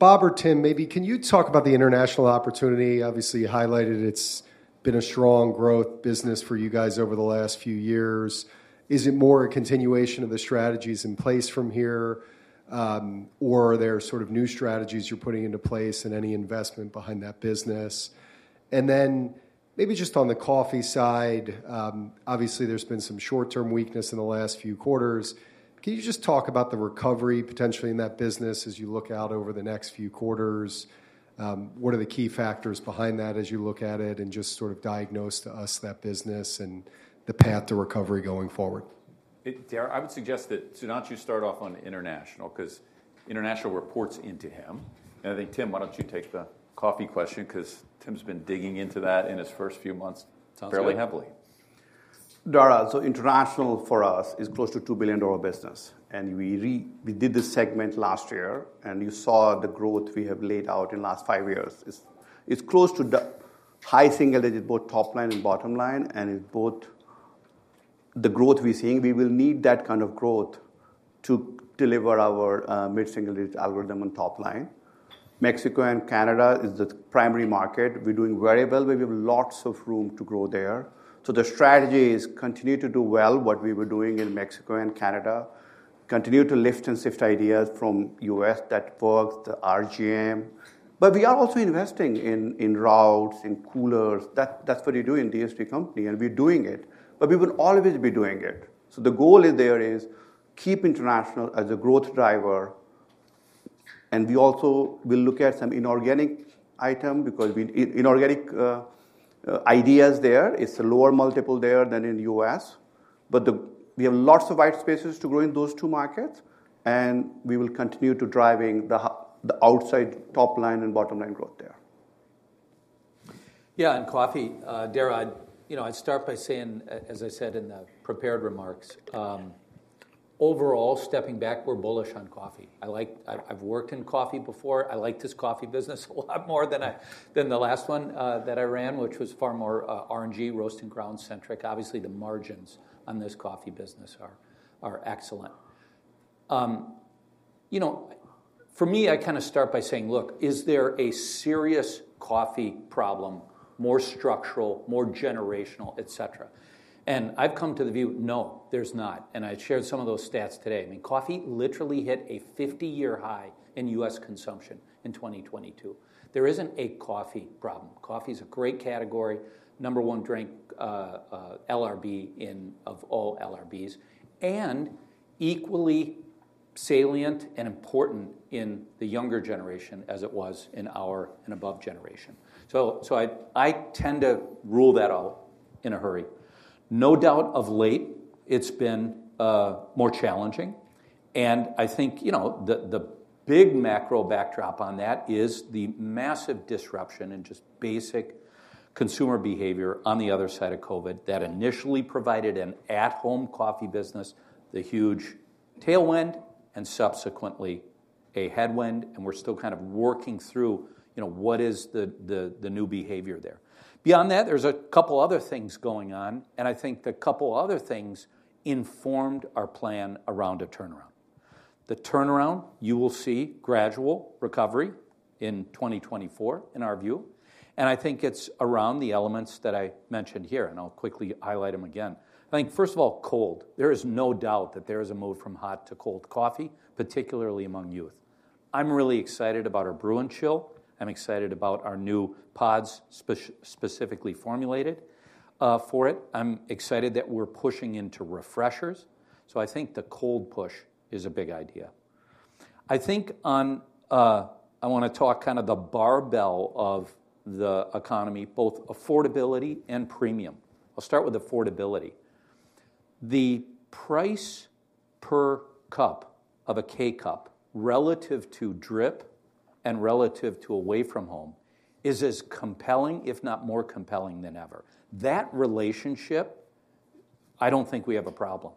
Bob or Tim, maybe can you talk about the international opportunity obviously you highlighted? It's been a strong growth business for you guys over the last few years. Is it more a continuation of the strategies in place from here or are there sort of new strategies you're putting into place and any investment behind that business? And then maybe just on the coffee side, obviously there's been some short-term weakness in the last few quarters. Can you just talk about the recovery potentially in that business as you look out over the next few quarters, what are the key factors behind that as you look at it and just sort of diagnose to us that business and the path to recovery going forward? Dara, I would suggest that Sudhanshu start off on international because international reports into him, and I think Tim, why don't you take the coffee question because Tim's been digging into that in his first few months fairly heavily. Dara, so international for us is close to $2 billion business and we did this segment last year and you saw the growth we have laid out in last five years. It's close to high single digit, both top line and bottom line and the growth we're seeing, we will need that kind of growth to deliver our mid single digit algorithm on top line. Mexico and Canada is the primary market. We're doing very well. We have lots of room to grow there. So the strategy is continue to do well what we were doing in Mexico and Canada, continue to lift and shift ideas from U.S. That works the RGM, but we are also investing in routes in coolers. That's what you do in DSD company and we're doing it, but we will always be doing it. The goal there is keep international as a growth driver, and we also will look at some inorganic item because inorganic ideas there. It's a lower multiple there than in U.S., but we have lots of white spaces to grow in those two markets, and we will continue to driving the outside top line and bottom line growth there. Yeah. And coffee, Dara, I'd start by saying, as I said in the prepared remarks, overall stepping back, we're bullish on coffee. I've worked in coffee before. I like this coffee business a lot more than the last one that I ran which was far more R&G, roast and ground centric. Obviously the margins on this coffee business are excellent. For me I kind of start by saying look, is there a serious coffee problem, more structural, more generational etc. And I've come to the view, no there's not. And I shared some of those stats today. I mean coffee literally hit a 50-year high in US consumption in 2022. There isn't a coffee problem. Coffee is a great category number one drink LRB of all LRBs and equally salient and important in the younger generation as it was in our and above generation. So I tend to rule that out in a hurry. No doubt of late it's been more challenging, and I think, you know, the big macro backdrop on that is the massive disruption in just basic consumer behavior. On the other side of COVID that initially provided an at-home coffee business, the huge tailwind and subsequently a headwind. And we're still kind of working through, you know, what is the new behavior there. Beyond that, there's a couple other things going on, and I think the couple other things informed our plan around a turnaround. The turnaround. You will see gradual recovery in 2024 in our view. And I think it's around the elements that I mentioned here, and I'll quickly highlight them again. I think first of all, cold. There is no doubt that there is a move from hot to cold coffee, particularly among youth. I'm really excited about our brew and chill. I'm excited about our new pods specifically formulated for it. I'm excited that we're pushing into Refreshers. So I think the cold push is a big idea. I want to talk kind of the barbell of the economy, both affordability and premium. I'll start with affordability. The price per cup of a K-Cup relative to drip and relative to away from home is as compelling, if not more compelling than ever. That relationship, I don't think we have a problem.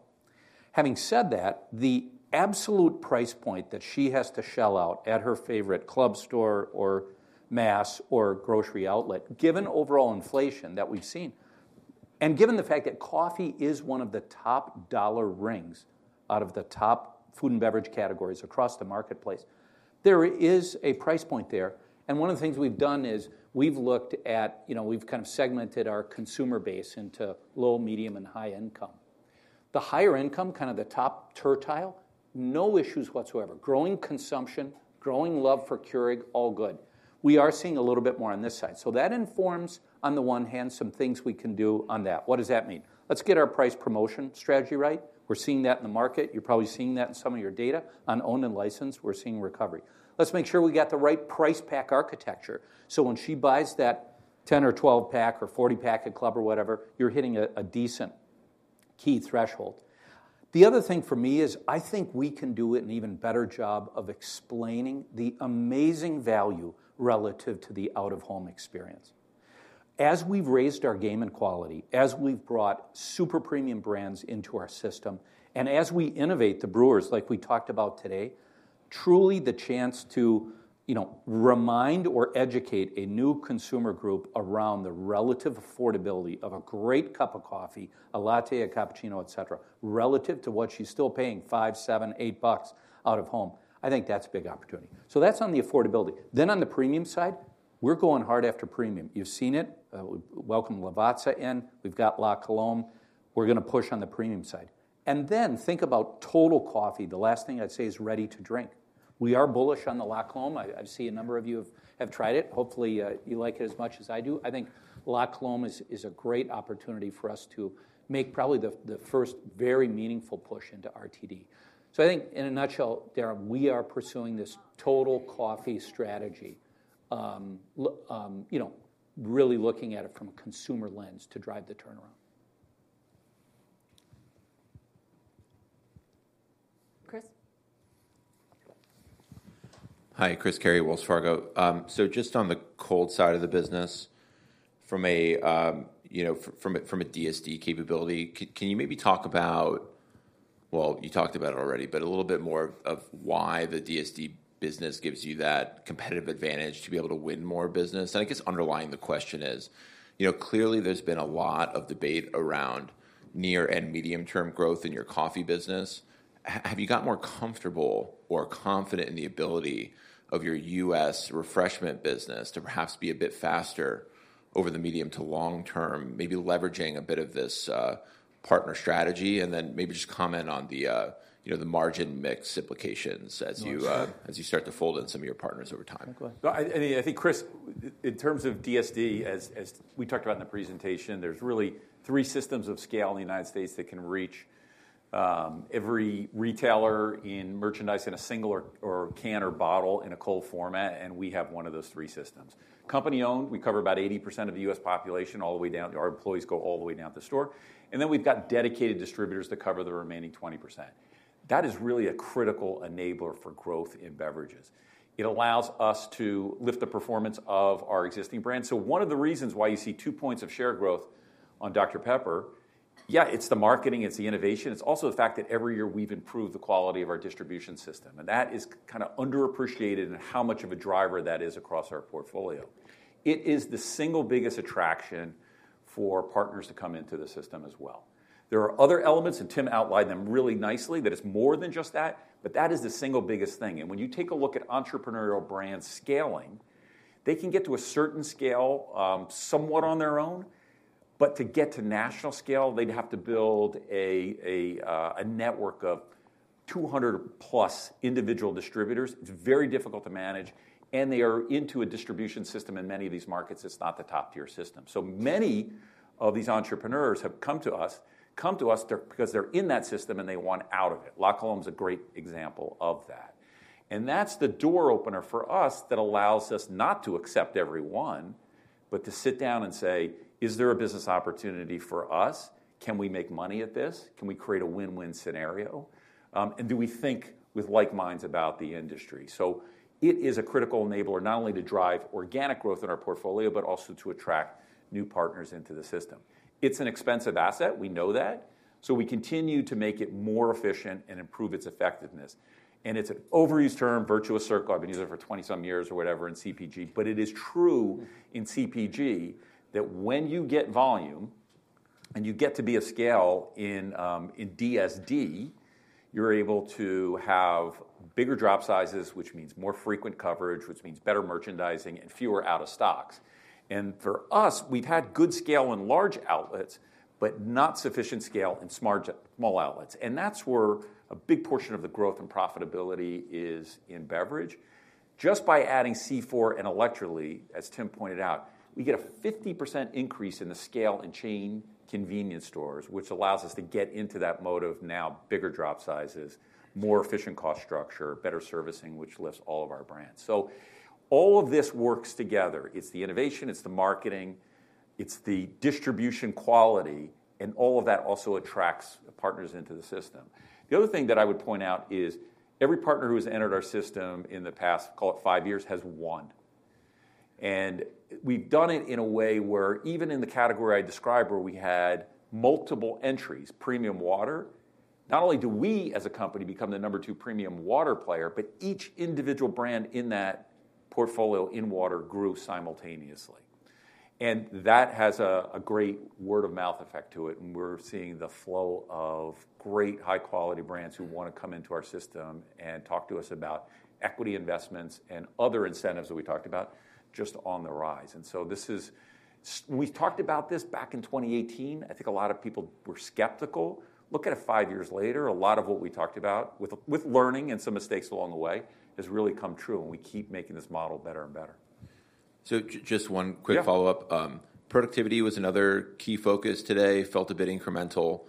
Having said that, the absolute price point that she has to shell out at her favorite club store or mass or grocery outlet, given overall inflation that we've seen and given the fact that coffee is one of the top dollar rings out of the top food and beverage categories across the marketplace, there is a price point there. One of the things we've done is we've looked at, you know, we've kind of segmented our consumer base into low, medium and high income. The higher income kind of the top quartile. No issues whatsoever. Growing consumption, growing love for Keurig. All good. We are seeing a little bit more on this side. So that informs on the one hand, some things we can do on that. What does that mean? Let's get our price promotion strategy right. We're seeing that in the market. You're probably seeing that in some of your data on owned and licensed. We're seeing recovery. Let's make sure we got the right price pack architecture. So when she buys that 10 or 12 pack or 40 pack at club or whatever, you're hitting a decent key threshold. The other thing for me is I think we can do an even better job of explaining the amazing value relative to the out of home experience. As we've raised our game in quality, as we've brought super premium brands into our system and as we innovate the brewers like we talked about today. Truly the chance to, you know, remind or educate a new consumer group around the relative affordability of a great cup of coffee, a latte, a cappuccino, etc. Relative to what she's still paying $5, $7, $8 out of home, I think that's a big opportunity. So that's on the affordability, then on the premium side. We're going hard after premium. You've seen it. Welcome Lavazza in. We've got La Colombe. We're going to push on the premium side and then think about total coffee. The last thing I'd say is ready to drink. We are bullish on the La Colombe. I see a number of you have tried it. Hopefully you like it as much as I do. I think La Colombe is a great opportunity for us to make probably the first very meaningful push into RTD. So I think in a nutshell, Dara, we are pursuing this total coffee strategy. You know, really looking at it from a consumer lens to drive the turnaround. Chris. Hi. Chris Carey, Wells Fargo. So just on the cold side of the business from a, you know, from it, from a DSD capability, can you maybe talk about, well, you talked about it already, but a little bit more of why the DSD business gives you that competitive advantage to be able to win more business. I guess underlying the question is, you know, clearly there's been a lot of debate around near and medium term growth in your coffee business. Have you got more comfortable or confident in the ability of your U.S. Refreshment business to perhaps be a bit faster over the medium to long term, maybe leveraging a bit of this partner strategy and then maybe just comment on the, you know, the margin mix implications as you, as you start to fold in some of your partners over time. I think, Chris, in terms of with DSD, as we talked about in the presentation, there's really three systems of scale in the United States that can reach every retailer in merchandise in a single can or bottle in a cold format. We have one of those three systems company-owned, we cover about 80% of the U.S. population. All the way down, our employees go all the way down the store and then we've got dedicated distributors to cover the remaining 20%. That is really a critical enabler for growth in beverages. It allows us to lift the performance of our existing brands. So one of the reasons why you see two points of share growth on Dr Pepper. Yeah, it's the marketing, it's the innovation. It's also the fact that every year we've improved the quality of our distribution system and that is kind of underappreciated and how much of a driver that is across our portfolio. It is the single biggest attraction for partners to come into the system as well. There are other elements and Tim outlined them really nicely, that it's more than just the that, but that is the single biggest thing. And when you take a look at entrepreneurial brands scaling, they can get to a certain scale somewhat on their own, but to get to national scale they'd have to build a network of 200+ individual distributors. It's very difficult to manage. And they are into a distribution system in many of these markets. It's not the top tier system. So many of these entrepreneurs have come to us, come to us because they're in that system and they want out of it. La Colombe is a great example of that. And that's the door opener for us that allows us not to accept everyone but to sit down and say is there a business opportunity for us? Can we make money at this? Can we create a win-win scenario? And do we think with like minds about the industry? So it is a critical enabler not only to drive organic growth in our portfolio but also to attract new partners into the system. It's an expensive asset, we know that. So we continue to make it more efficient and improve its effectiveness. And it's an overused term, virtuous circle. I've been using it for 20-some years or whatever in CPG. But it is true in CPG that when you get volume and you get to be a scale in DSD, you're able to have bigger drop sizes, which means more frequent coverage, which means better merchandising and fewer out of stocks. And for us we've had good scale in large outlets but not sufficient scale in small outlets. And that's where a big portion of the growth and profitability is in beverage. Just by adding C4 and Electrolit, as Tim pointed out, we get a 50% increase in the scale in chain convenience stores, which allows us to get into that mode of now. Bigger drop sizes, more efficient cost structure, better servicing, which lifts all of our brands. So all of this works together. It's the innovation, it's the marketing, it's the distribution quality. And all of that also attracts partners into the system. The other thing that I would point out is every partner who has entered our system in the past, call it five years, has won. And we've done it in a way where even in the category I described, where we had multiple entries. Premium water. Not only do we as a company become the number two premium water player, but each individual brand in that portfolio in water grew simultaneously. And that has a great word of mouth effect to it. And we're seeing the flow of great high quality brands who want to come into our system and talk to us about equity investments and other incentives that we talked about just on the rise. And so this is, we talked about. This back in 2018. I think a lot of people were skeptical. Look at it five years later. A lot of what we talked about with learning and some mistakes along the way has really come true and we keep making this model better and better. So just one quick follow up. Productivity was another key focus today. Felt a bit incremental.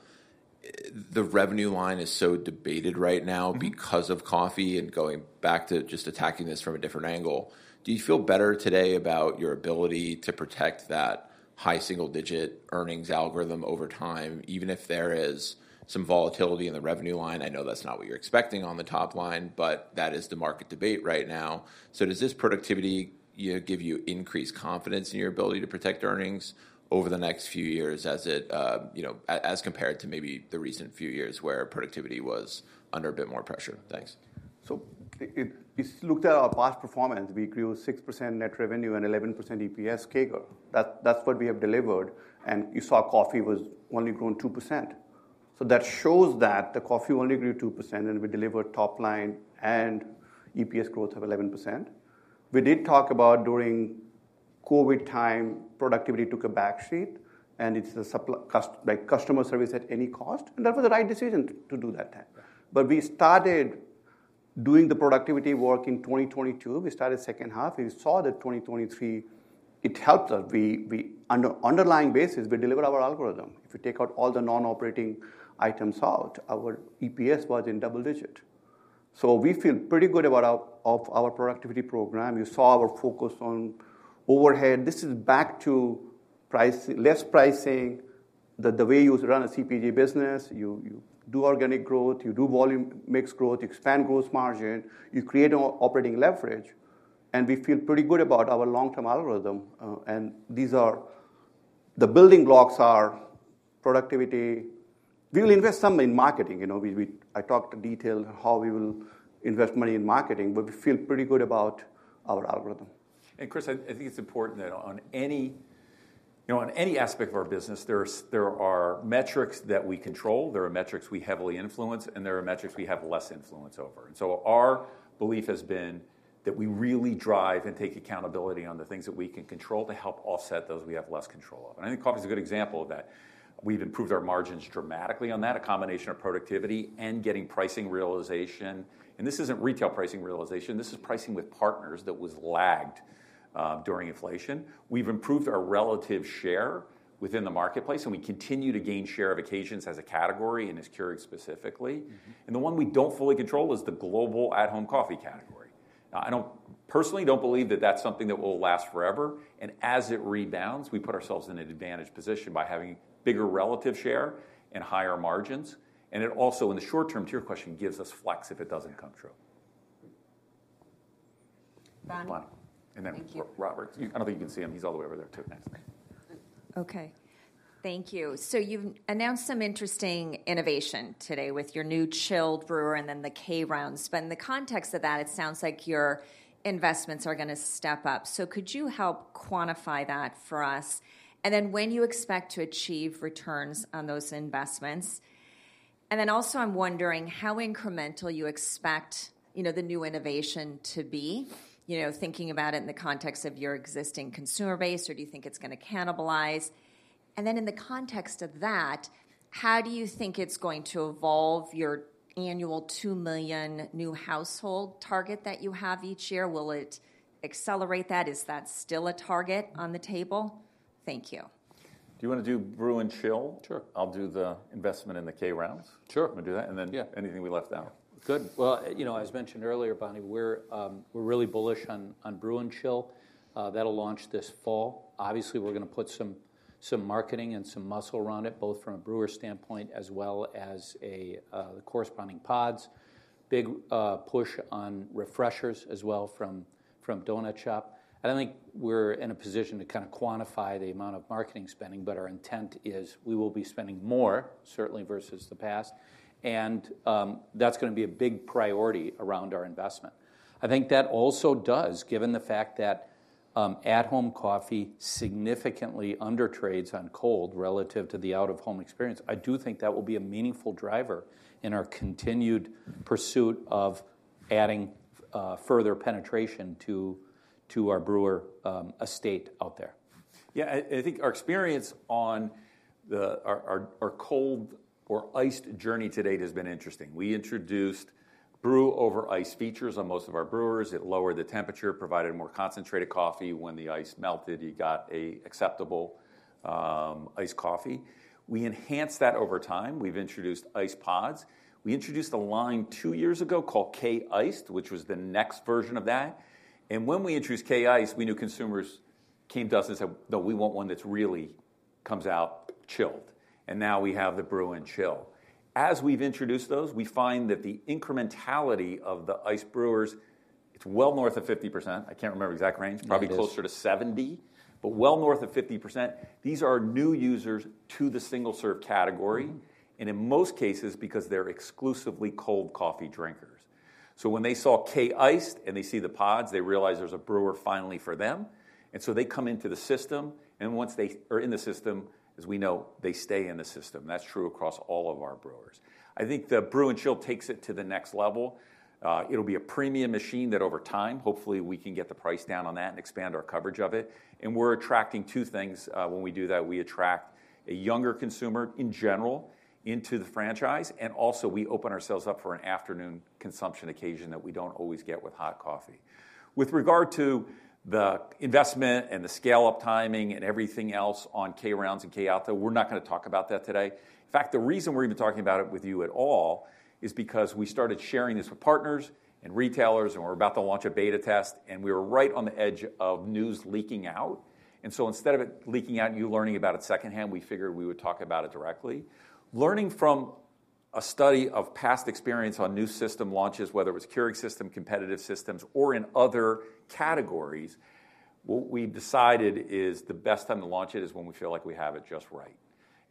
The revenue line is so debated right now because of coffee. And going back to just attacking this from a different angle. Do you feel better today about your ability to protect that high single digit earnings algorithm over time even if there is some volatility in the revenue line? I know that's not what you're expecting on the top line, but that is the market debate right now. So does this productivity give you increased confidence in your ability to protect earnings over the next few years as it, you know, as compared to maybe the recent few years where productivity was under a bit more pressure. Thanks. So, looking at our past performance, we grew 6% net revenue and 11% EPS CAGR. That's what we have delivered. You saw coffee was only growing 2%, so that shows that the coffee only grew 2% and we delivered top line and EPS growth of 11%. We did talk about during COVID time. Productivity took a backseat and it's customer service at any cost. And that was the right decision to do that. We started doing the productivity work in 2022. We started second half. We saw that 2023, it helped us on underlying basis. We delivered our algorithm. If you take out all the non operating items out our EPS was in double digit. We feel pretty good about our productivity program. You saw our focus on overhead. This is back to price list pricing. The way you run a CPG business, you do organic growth, you do volume mix growth, expand gross margin, you create operating leverage. We feel pretty good about our long-term algorithm. These are the building blocks: are productivity. We will invest some in marketing. I talked detail how we will invest money in marketing. We feel pretty good about our algorithm. Chris, I think it's important that on any, you know, on any aspect of our business there, there are metrics that we control. There are metrics we heavily influence and there are metrics we have less influence over. So our belief has been that we really drive and take accountability on the things that we can control to help offset those we have less control of. I think coffee is a good example of that. We've improved our margins dramatically on that. A combination of productivity and getting pricing realization. This isn't retail pricing realization; this is pricing with partners that was lagged during inflation. We've improved our relative share within the marketplace and we continue to gain share of occasions as a category and is Keurig specifically. The one we don't fully control is the global at-home coffee category. I don't personally don't believe that that's something that will last forever. As it rebounds, we put ourselves in an advantaged position by having bigger relative share and higher margins. And it also, in the short term, to your question, gives us flex if it doesn't come true. And then Robert, I don't think you can see him. He's all the way over there too. Okay, thank you. So you've announced some interesting innovation today with your new K-Brew+Chill and then the K-Rounds. But in the context of that, it sounds like your investments are going to see step up. So could you help quantify that for us and then when you expect to achieve returns on those investments and then also I'm wondering how incremental you expect, you know, the new innovation to be, you know, thinking about it in the context of your existing consumer base, or do you think it's going to cannibalize? And then in the context of that, how do you think it's going to evolve your annual 2 million new households target that you have each year, will it accelerate that? Is that still a target on the table? Thank you. Do you want to do Brew and Chill? I'll do the investment in the K-Rounds. Sure, we'll do that. And then. Yeah, anything we left out? Good. Well, you know, as mentioned earlier, Bonnie, we're really bullish on Brew and Chill that'll launch this fall. Obviously we're going to put some marketing and some muscle around it, both from a brewer standpoint as well as the corresponding pods. Big push on Refreshers as well from Donut Shop. I don't think we're in a position to kind of quantify the amount of marketing spending, but our intent is we will be spending more, certainly, versus the past, and that's going to be a big priority around our investment. I think that also does, given the fact that at-home coffee significantly under trades on cold relative to the out-of-home experience. I do think that will be a meaningful driver in our continued pursuit of adding further penetration to our brewer estate out there. Yeah, I think our experience on our cold or iced journey to date has been interesting. We introduced Brew Over Ice features on most of our brewers. It lowered the temperature, provided more concentrated coffee when the ice melted that you got an acceptable iced coffee. We enhanced that over time. We've introduced iced pods. We introduced a line two years ago called K-Iced, which was the next version of that. And when we introduced K-Iced, we knew consumers came to us and said, no, we want one that really comes out chilled. And now we have the K-Brew+Chill. As we've introduced those, we find that the incrementality of the ice brewers, it's well north of 50%. I can't remember exact range, probably closer to 70, but well north of 50%. These are new users to the single serve category and in most cases because they're exclusively cold coffee drinkers. So when they saw K-Iced and they see the pods, they realize there's a brewer finally for them. And so they come into the system. And once they are in the system, as we know, they stay in the system. That's true across all of our brewers. I think the K-Brew+Chill takes it to the next level. It'll be a premium machine that over time, hopefully we can get the price down on that and expand our coverage of it. And we're attracting two things when we do that. We attract a younger consumer in general into the franchise. And also we open ourselves up for an afternoon consumption occasion that we don't always get with hot coffee. With regard to the investment and the scale up timing and everything else on K-Rounds and Keurig, we're not going to talk about that today. In fact, the reason we're even talking about it with you at all is because we started sharing this with partners and retailers and we're about to launch a beta test and we were right on the edge of news leaking out. And so instead of it leaking out and you learning about it secondhand, we figured we would talk about it directly. Learning from a study of past experience on new system launches, whether it was Keurig system, competitive systems or in other categories, what we decided is the best time to launch it is when we feel like we have it just right.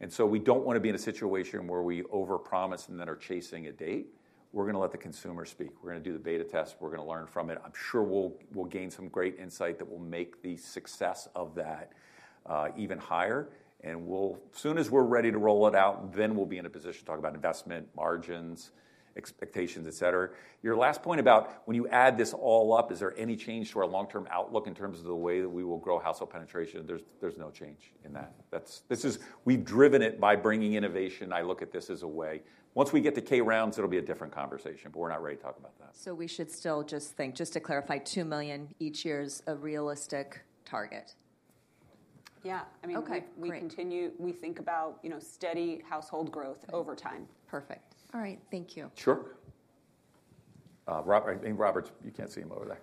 So we don't want to be in a situation where we over promise and then are chasing a date. We're going to let the consumer speak. We're going to do the beta test, we're going to learn from it. I'm sure we'll gain some great insight that will make the success of that even higher. And as soon as we're ready to roll it out, then we'll be in a position to talk about investment margins, expectations, etc. Your last point about when you add this all up, is there any change to our long-term outlook in terms of the way that we will grow household penetration? There's no change in that. We've driven it by bringing innovation. I look at this as a way once we get to K-Rounds, it'll be a different conversation, but we're not ready to talk about that. We should still just think, just to clarify, $2 million each year is a realistic target. Yeah. I mean, we continue; we think about steady household growth over time. Perfect. All right, thank you. Sure. Robert, you can't see him over there.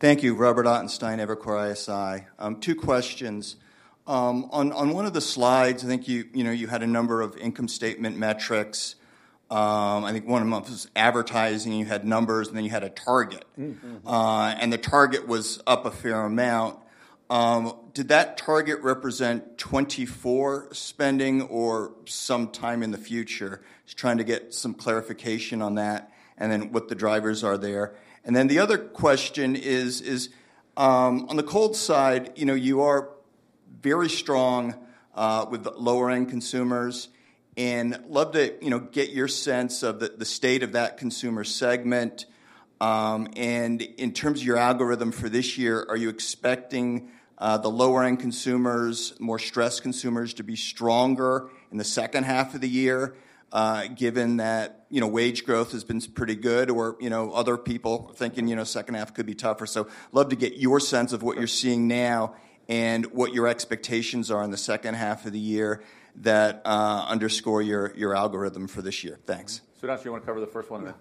Thank you. Robert Ottenstein, Evercore ISI. Two questions on one of the slides. I think you had a number of income statement metrics. I think one of them was advertising. You had numbers and then you had a target and the target was up a fair amount. Did that target represent 2024 spending or sometime in the future? Just trying to get some clarification on that. And then what the drivers are there. And then the other question is on the cold side, you know, you are very strong with lower end consumers and love to get your sense of the state of that consumer segment. In terms of your algorithm for this year, are you excited expecting the lower end consumers, more stressed consumers, to be stronger in the second half of the year given that, you know, wage growth has been pretty good or you know, other people thinking, you know, second half could be tougher? So love to get your sense of what you're seeing now and what your expectations are in the second half of the year that underscore your your algorithm for this year. Thanks, Sudhanshu. You want to cover the first one.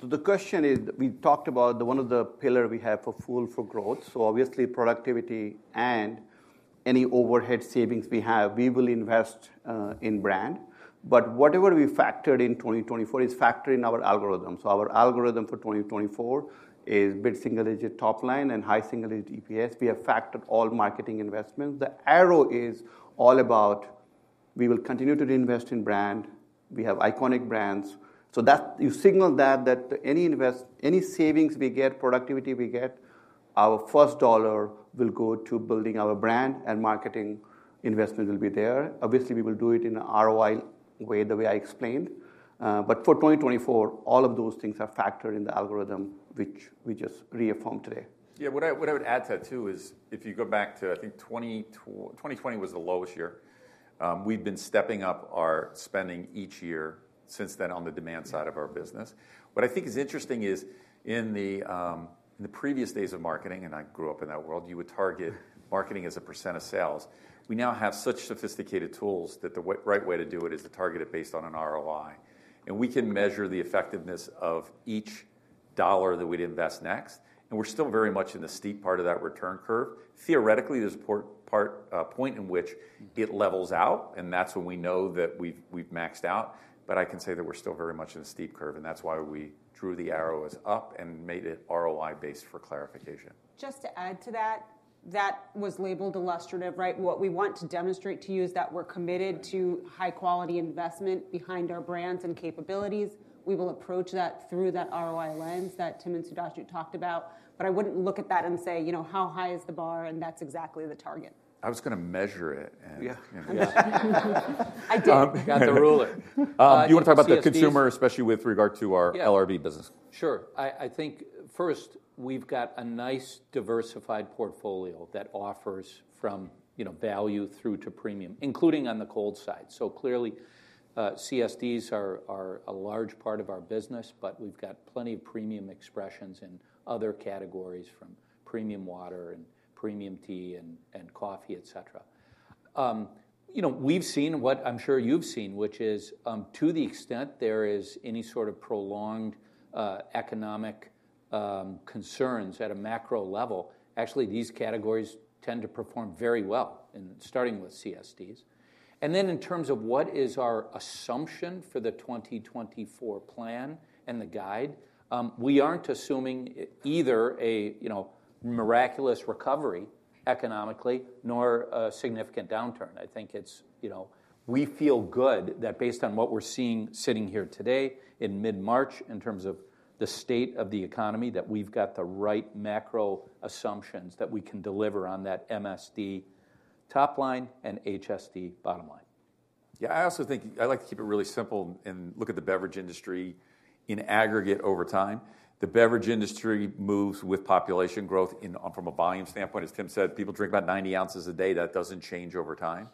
So the question is we talked about one of the pillars we have for Fuel for Growth. So obviously productivity and any overhead savings we have we will invest in brand. But whatever we factored in 2024 is factored in our algorithm. So our algorithm for 2024 is mid single digit top line and high single digit EPS. We have factored all marketing investments. The era is all about. We will continue to reinvest in brand. We have iconic brands so that you signal that that any investment, any savings we get, productivity we get, our first dollar will go to building our brand and marketing investment will be there. Obviously we will do it in an ROI way, the way I explained. But for 2024, all of those things are factored in the algorithm, which we just reaffirmed today. Yeah. What I would add to that too is if you go back to, I think, 2020. 2020 was the lowest year. We've been stepping up our spending each year since then on the demand side of our business. What I think is interesting is in the previous days of marketing, and I grew up in that world, you would target marketing as a % of sales. We now have such sophisticated tools that the right way to do it is to target it based on an ROI, and we can measure the effectiveness of each dollar that we'd invest next. And we're still very much in the steep part of that return curve. Theoretically, there's a point in which it levels out, and that's when we know that we've maxed out. But I can say that we're still very much in a steep curve and that's why we drew the arrow as up and made it ROI based for clarification. Just to add to that, that was labeled illustrative. Right. What we want to demonstrate to you is that we're committed to high quality investment behind our brands and capabilities. We will approach that through that ROI lens that Tim and Sudhanshu talked about. But I wouldn't look at that and say, you know, how high is the bar? And that's exactly the target. I was going to measure it. I did get the ruler. You want to talk about the consumer, especially with regard to our LRB business. Sure. I think first we've got a nice diversified portfolio that offers from value through to premium, including on the cold side. So clearly CSDs are a large part of our business. But we've got plenty of premium expressions in other categories from premium water and premium tea and coffee, etc. You know, we've seen what I'm sure you've seen, which is to the extent there is any sort of prolonged economic concerns at a macro level, actually these categories tend to perform very well, starting with CSDs. And then in terms of what is our assumption for the 2024 plan and the guide, we aren't assuming either a miraculous recovery economically nor a significant downturn. I think it's. We feel good that based on what we're seeing sitting here today in mid March in terms of the state of the economy, that we've got the right macro assumptions that we can deliver on that MSD top line and HSD bottom line. Yeah, I also think I like to keep it really simple and look at the beverage industry in aggregate over time. The beverage industry moves with population growth. And from a volume standpoint, as Tim said, people drink about 90 ounces a day. That doesn't change over time.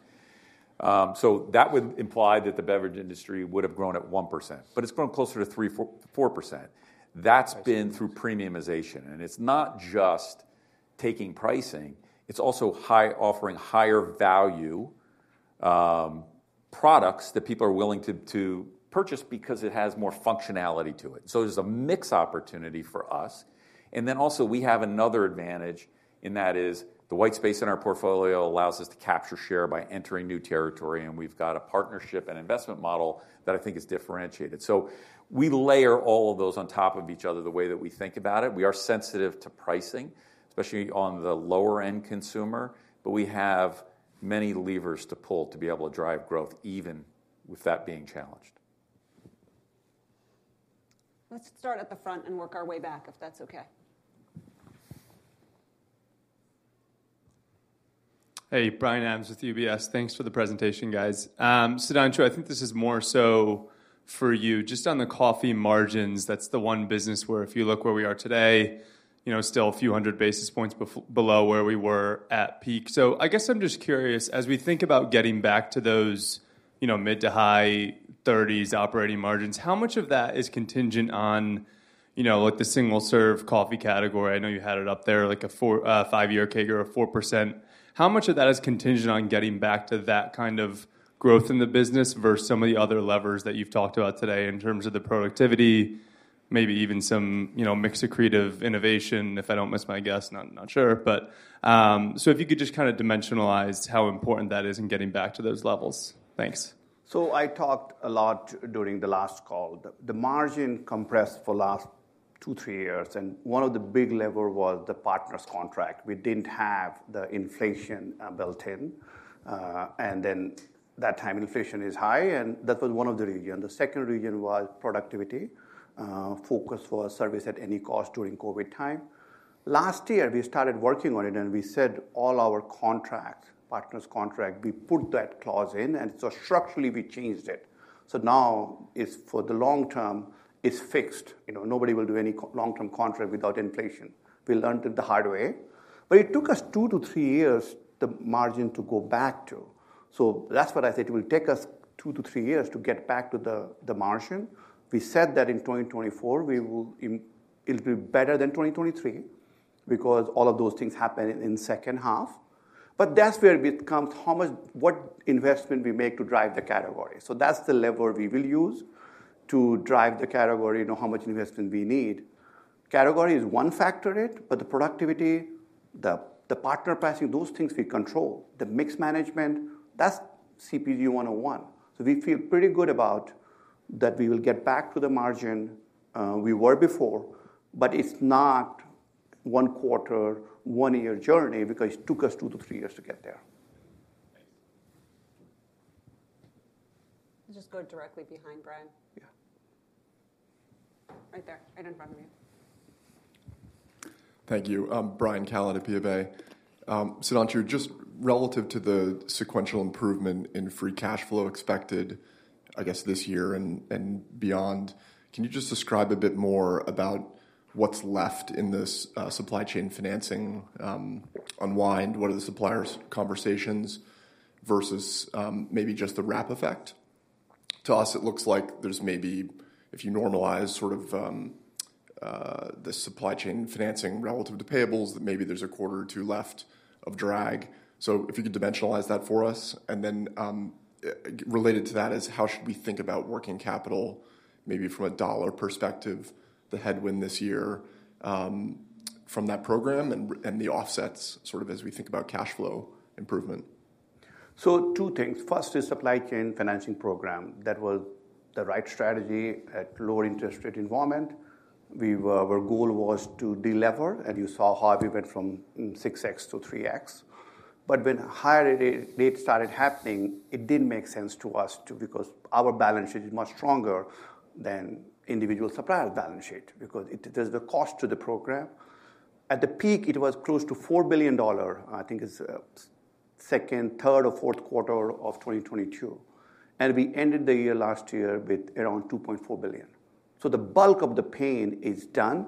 So that would imply that the beverage industry would have grown at 1%, but it's growing closer to 3, 4, 4%. That's been through premiumization, and it's not just taking pricing; it's also offering higher value products that people are willing to purchase because it has more functionality to it. So it is a mix opportunity for us. And then also we have another advantage, and that is the white space in our portfolio allows us to capture share by entering new territory. And we've got a partnership and an investment model that I think is differentiated. We layer all of those on top of each other. The way that we think about it, we are sensitive to pricing especially on the lower end consumer. We have many levers to pull to be able to drive growth. Even with that being challenged. Let's start at the front and work our way back if that's okay. Hey, Bryan Adams with UBS. Thanks for the presentation, guys. Sudhanshu, I think this is more so for you just on the coffee margins. That's the one business where if you look where we are today, still a few hundred basis points below where we were at peak. So I guess I'm just curious as we think about getting back to those mid- to high-30s operating margins, how much of that is contingent on the single serve coffee category? I know you had it up there like a 5-year CAGR of 4%. How much of that is contingent on getting back to that kind of growth in the business versus some of the other levers that you've talked about today in terms of the productivity, maybe even some mixed accretive innovation if I don't miss my guess. Not sure. If you could just kind of dimensionalize how important that is in getting back to those levels. Thanks. So I talked a lot during the last call. The margin compressed for last 2-3 years and one of the big lever was the partners contract. We didn't have the inflation built in and then that time inflation is high and that was one of the reason. The second reason was productivity focus for service at any cost. During COVID time last year we started working on it and we said all our contracts, partners contract, we put that clause in and so structurally we changed it. So now it's for the long term is fixed. Nobody will do any long term contract without inflation. We learned it the hard way but it took us 2-3 years the margin to go back to. So that's what I said. It will take us 2-3 years to get back to the margin. We said that in 2024 it'll be better than 2023 because all of those things happen in second half. But that's where it comes how much what investment we make to drive the category. So that's the lever we will use to drive the category. How much investment we need. Category is one factor but the productivity, the partner pricing those things we control the mix management. That's CPG 101. So we feel pretty good about that. We will get back to the margin we were before. But it's not one quarter, one year journey because it took us 2-3 years to get there. Just go directly behind Bryan. Yeah, right there, right in front of you. Thank you. Bryan Spillane at BofA. Sudhanshu, just relative to the sequential improvement in free cash flow expected, I guess this year and beyond. Can you just describe a bit more about what's left in this supply chain financing unwind? What are the suppliers conversations versus maybe just the lap effect to us? It looks like there's maybe if you normalize sort of the supply chain financing relative to payables that maybe there's a quarter or two left of drag. So if you could dimensionalize that for us and then related to that is how should we think about working capital. Maybe from a dollar perspective the headwind this year from that program and the offsets sort of as we think about cash flow improvement. So two things. First is supply chain financing program. That was the right strategy at lower interest rate environment. Our goal was to delever and you saw how we went from 6x to 3x, but when higher rates started happening it didn't make sense to us too because our balance sheet is much stronger than individual supplier balance sheet because there's the cost to the program. At the peak it was close to $4 billion. I think it's second, third or fourth quarter of 2022 and we ended the year last year with around $2.4 billion. So the bulk of the pain is done.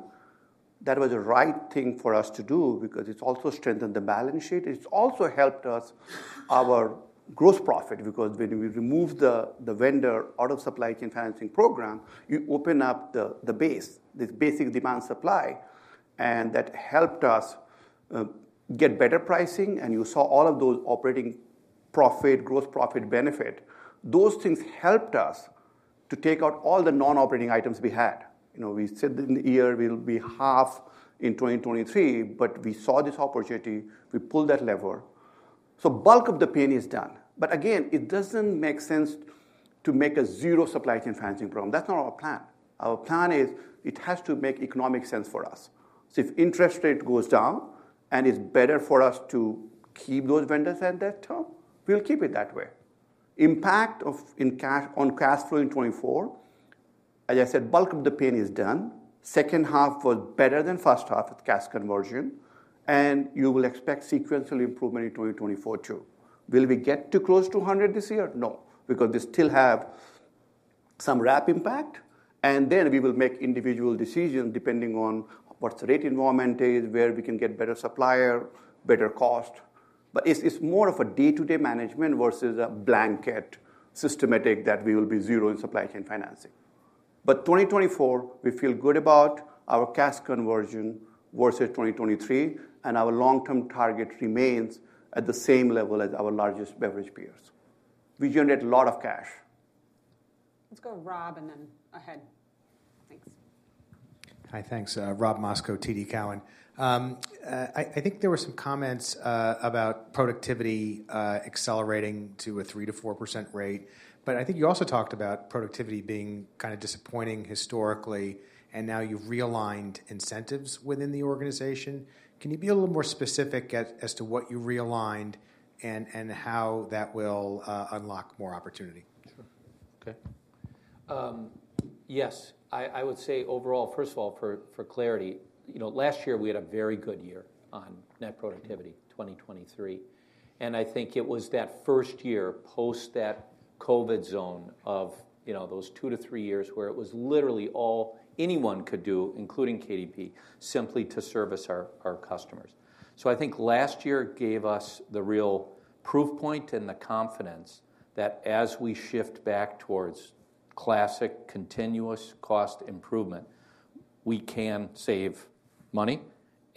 That was the right thing for us to do because it's also strengthened the balance sheet. It's just also helped us our gross profit. Because when we remove the vendor out of supply chain financing program you open up the base. This basic demand supply and that helped us get better pricing. And you saw all of those operating profit, gross profit, benefit, those things helped us to take out all the non operating items we had. We said in the year we'll be half in 2023. But we saw this opportunity, we pulled that lever. So bulk of the pain is done. But again it doesn't make sense to make a zero supply chain financing program. That's not our plan. Our plan is it has to make economic sense for us. So if interest rate goes down and it's better for us to keep those vendors at that term, we'll keep it that way. Impact on cash flow in 2024 as I said, bulk of the pain is done. Second half was better than first half with cash conversion. You will expect sequential improvement in 2024 too. Will we get to close to 100 this year? No, because they still have some lap impact. Then we will make individual decisions depending on what the rate environment is where we can get better supplier, better cost. It's more of a day-to-day management versus a blanket systematic that we will be zero in supply chain financing. 2024 we feel good about our cash conversion versus 2023. Our long-term target remains at the same level as our largest beverage peers. We generate a lot of cash. Let's go, Rob. And then ahead. Thanks. Hi, thanks Rob Moskow TD Cowen.I think there were some comments about. Productivity accelerating to a 3%-4% rate. But I think you also talked about productivity being kind of disappointing historically and now you've realigned incentives within the organization. Can you be a little more specific as to what you realigned and how that will unlock more opportunity? Sure. Okay. Yes, I would say overall, first of all, for clarity, you know, last year we had a very good year on net productivity 2023. And I think it was that first year post that COVID zone of, you know, those 2-3 years where it was literally all anyone could do, including KDP, simply to service our customers. So I think last year gave us the real proof point and the confidence that as we shift back towards classic continuous cost improvement, we can save money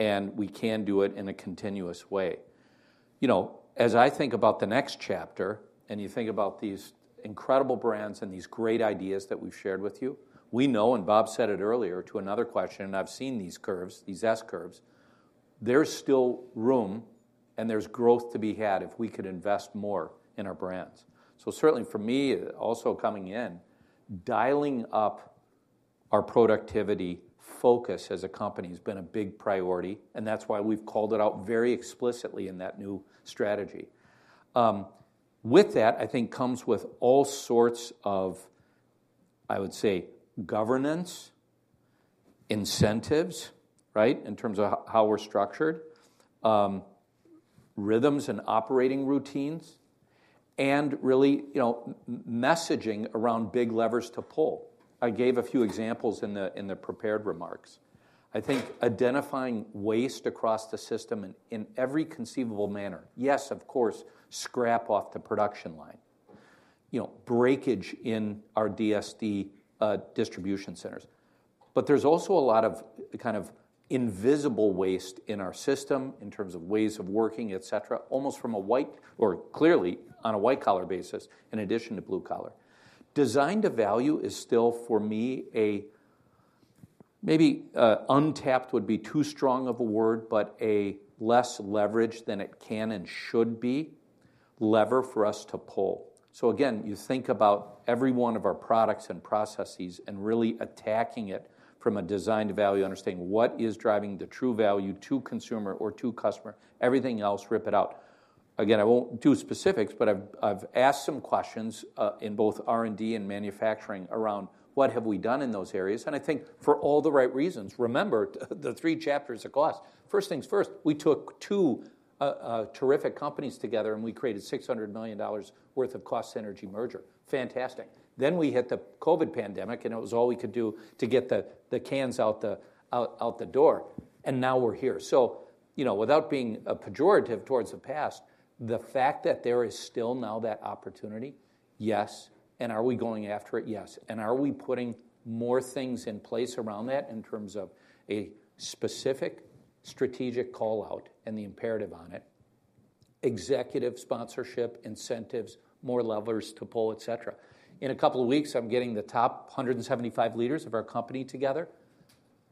and we can do it in a continuous way. You know, as I think about the next chapter and you think about these incredible brands and these great ideas that we've shared with you. We know and Bob said it earlier to another question and I've seen these curves, these S curves, there's still room and there's growth to be had. If we could invest more in our brands. So certainly for me also coming in, dialing up our productivity focus as a company has been a big priority and that's why we've called it out very explicitly in that new strategy. With that, I think, comes with all sorts of, I would say, governance incentives. Right. In terms of how we're structured, rhythms and operating routines and really messaging around big levers to pull. I gave a few examples in the prepared remarks. I think identifying waste across the system in every conceivable manner. Yes, of course, scrap off the production line, breakage in our DSD distribution centers, but there's also a lot of kind of invisible waste in our system in terms of ways of working, et cetera, almost from a white-collar or clearly on a white-collar basis in addition to blue collar. Design to Value is still for me a maybe untapped (would be too strong of a word) but a less leverage than it can and should be lever for us to pull. So again, you think about every one of our products and processes and really attacking it from a Design to Value, understanding what is driving the true value to consumer or to customer. Everything else, rip it out. Again, I won't do specifics, but I've asked some questions in both R&D and manufacturing around what have we done in those areas and I think for all the right reasons. Remember the three chapters of cost? First things first, we took two terrific companies together and we created $600 million worth of cost synergy merger. Fantastic. Then we hit the COVID pandemic and it was all we could do to get the cans out the door. And now we're here. So without being pejorative toward the past, the fact that there is still now that opportunity. Yes. Are we going after it? Yes. Are we putting more things in place around that in terms of a specific strategic call out and the imperative on it, executive sponsorship incentives, more levers to pull, etc. In a couple of weeks I'm getting the top 175 leaders of our company together.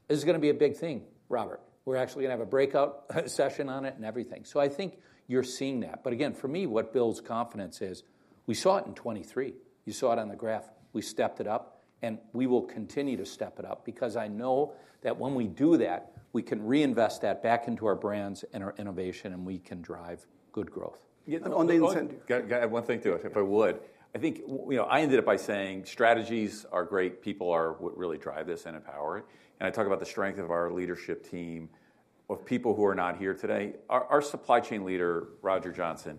This is going to be a big thing, Robert. We're actually going to have a breakout session on IT and everything. So I think you're seeing that. But again, for me what builds confidence is we saw it in 2023, you saw it on the graph. We stepped it up and we will continue to step it up because I know that when we do that, we can reinvest that back into our brands and our innovation and we can drive good growth. I have one thing too, if I would. I think I ended up by saying strategies are great people are what really drive this and empower it. And I talk about the strength of our leadership team of people who are not here today. Our supply chain leader, Roger Johnson,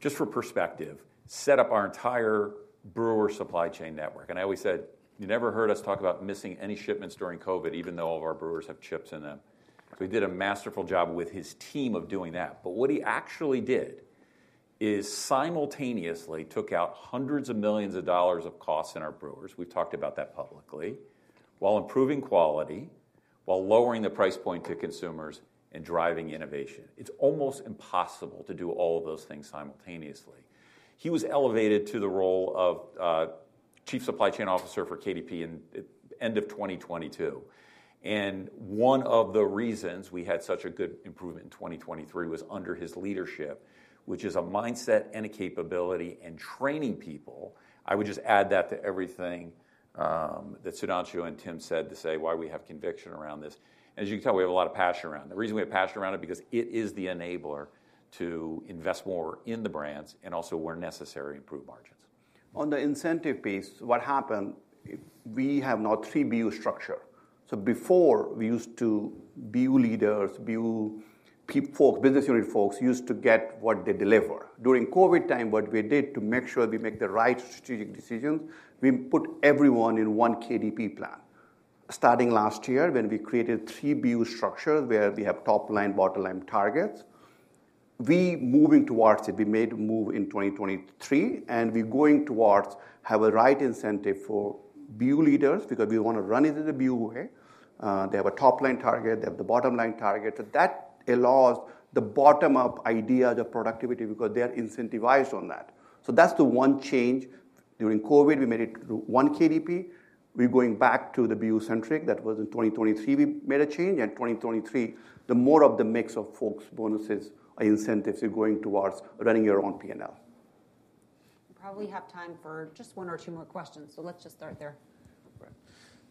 just for perspective, set up our entire brewer supply chain network. And I always said you never heard us talk about missing any shipments during COVID even though all of our brewers have chips in them. So he did a masterful job with his team of doing that. But what he actually did is simultaneously took out $hundreds of millions of costs in our brewers. We've talked about that publicly. While improving quality, while lowering the price point to consumers and driving innovation. It's almost impossible to do all of those things simultaneously. Simultaneously. He was elevated to the role of chief supply chain officer for KDP at the end of 2022. One of the reasons we had such a good improvement in 2023 was under his leadership, which is a mindset and a capability and training people. I would just add that to everything that Sudhanshu and Tim said to say why we have conviction around this. As you can tell, we have a lot of passion around the reason. We have passion around it because it is the enabler to invest more in the brands and also where necessary improve margins. On the incentive piece. What happened? We have now three BU structure. So before we used to BU leaders, BU folks, business unit folks used to get what they deliver during COVID time. What we did to make sure we make the right strategic decisions, we put everyone in one KDP plan. Starting last year when we created three BU structures where we have top line bottom line targets, we moving towards it. We made a move in 2023 and we're going towards have a right incentive for BU leaders because we want to run it in the BU way. They have a top line target. They have the bottom line target that allows the bottom up ideas of productivity because they're incentivized on that. So that's the one change during COVID. We made it one KDP. We're going back to the BU-centric. That was in 2023. We made a change in 2023. The more of the mix of folks' bonuses, incentives. You're going towards running your own. P&L. Probably have time for just one or two more questions, so. Let's just start there.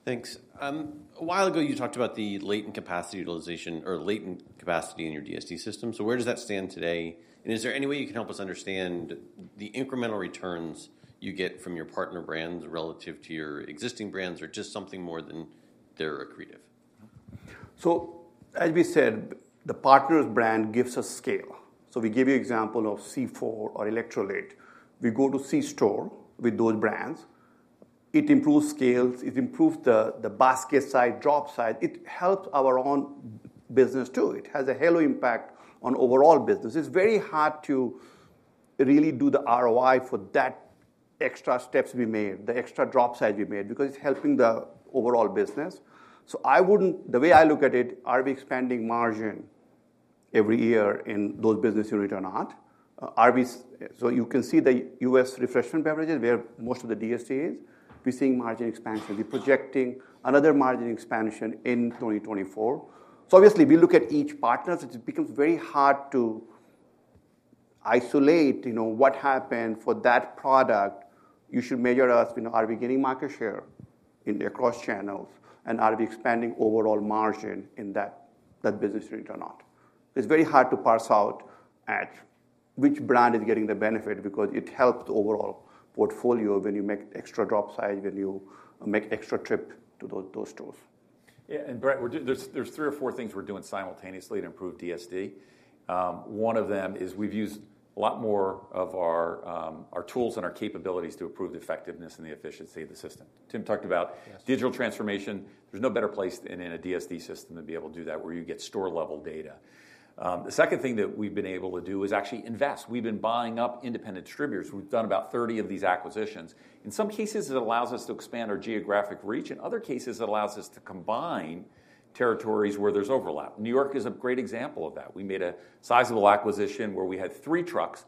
Thanks. A while ago you talked about the latent capacity utilization or latent capacity in your DSD system. So where does that stand today? Is there any way you can? Help us understand the incremental returns you? Get from your partner brands relative to your existing brands or just something more than they're accretive. So as we said, the partner brands give us scale. So we gave you example of C4 or Electrolit. We go to C store with those brands. It improves scale, it improves the basket size, drop size. It helps our own business too. It has a halo impact on overall business. It's very hard to really do the ROI for that extra steps we made, the extra drop size we made because it's helping the overall business. So I wouldn't. The way I look at it, are we expanding margin every year in those business units or not? So you can see the U.S. Refreshment Beverages where most of the DSD is. We're seeing margin expansion. We project another margin expansion in 2024. So obviously we look at each partner. It becomes very hard to isolate what happened for that product. You should measure us. Are we getting market share across channels and are we expanding overall margin in that business unit or not? It's very hard to parse out which brand is getting the benefit because it helped overall portfolio when you make extra drop size, when you make extra trip to those stores. Yeah. And Brett, there's three or four things we're doing simultaneously to improve DSD. One of them is we've used a lot more of our tools and our capabilities to improve the effectiveness and the efficiency of the system. Tim talked about digital transformation. There's no better place than in a DSD system to be able to do that where you get store level data. The second thing that we've been able to do is actually invest. We've been buying up independent distributors. We've done about 30 of these acquisitions. In some cases it allows us to expand our geographic reach. In other cases it allows us to combine territories where there's overlap. New York is a great example of that. We made a sizable acquisition where we had 3 trucks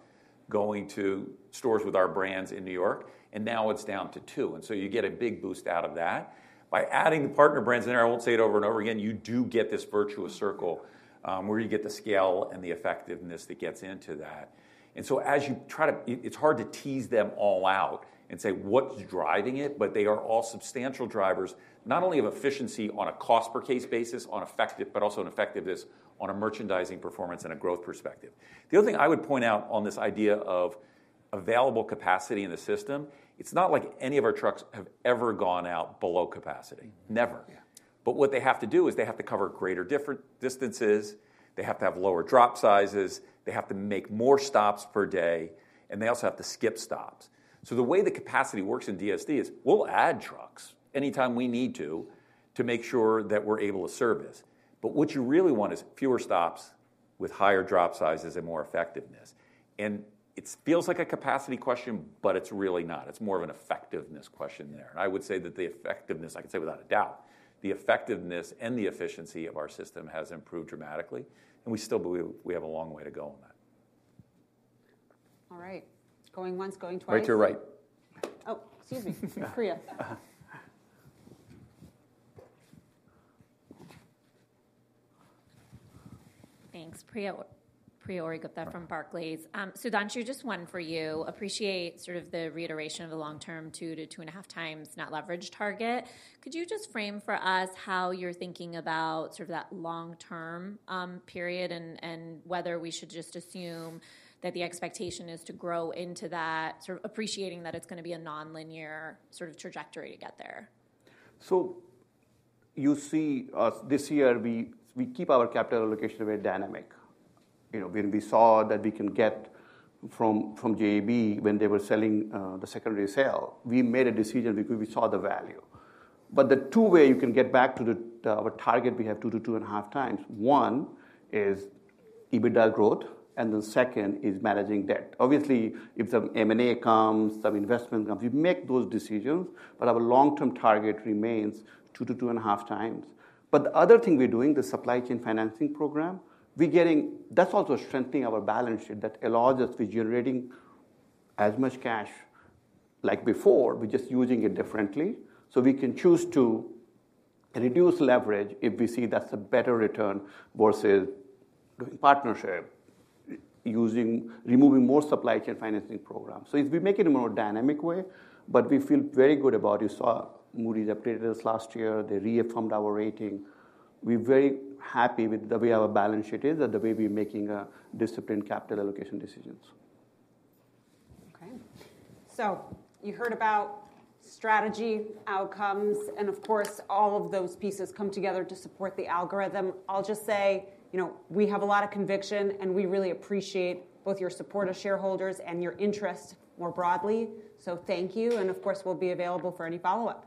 going to stores with our brands in New York and now it's down to 2. And so you get a big boost out of that by adding the partner brands in there. I won't say it over and over again. You do get this virtuous circle where you get the scale and the effectiveness that gets into that. And so as you try to, it's hard to tease them all out and say what's driving it. But they are all substantial drivers not only of efficiency on a cost per case basis on effective, but also an effectiveness on a merchandising performance and a growth perspective. The other thing I would point out on this idea of available capacity in the system, it's not like any of our trucks have ever gone out below capacity. Never. But what they have to do is they have to cover greater distances, they have to have lower drop sizes, they have to make more stops per day and they also have to skip stops. So the way the capacity works in DSD is we'll add trucks anytime we need to to make sure that we're able to service. But what you really want is fewer stops with higher drop sizes and more effectiveness. It feels like a capacity question. But. But it's really not. It's more of an effectiveness question there. I would say that the effectiveness, I can say without a doubt the effectiveness and the efficiency of our system has improved dramatically and we still believe we have a long way to go on that. All right, going once, going twice. Right to your right. Oh, excuse me. Priya. Thanks. Priya. Priya Ohri-Gupta from Barclays. Sudhanshu, just one for you. Appreciate sort of the reiteration of the long-term 2-2.5 times net leverage target. Could you just frame for us how you're thinking about sort of that long-term period and whether we should just assume that the expectation is to grow into that sort of appreciating that it's going to be a non-linear sort of trajectory to get there. So you see this year we keep our capital allocation very dynamic. When we saw that we can get from JAB when they were selling the secondary sale, we made a decision because we saw the value. But the two way you can get back to our target, we have 2-2.5x. One is EBITDA growth and the second is managing debt. Obviously if the M&A comes some investment, you make those decisions. But our long-term target remains 2-2.5x. But the other thing we're doing, the supply chain financing program we're getting that's also strengthening our balance sheet that allows us to be generating as much cash like before. We're just using it differently so we can choose to reduce leverage if we see that's a better return versus partnership, removing more supply chain financing program. So if we make it a more dynamic way. But we feel very good about. You saw Moody's updated us last year. They reaffirmed our rating. We're very happy with the way our balance sheet is and the way we're making disciplined capital allocation decisions. Okay, so you heard about strategy outcomes and of course all of those pieces come together to support the algorithm. I'll just say, you know we have a lot of conviction, and we really appreciate both your support of shareholders and your interest more broadly, so thank you. Of course, we'll be available for any follow up.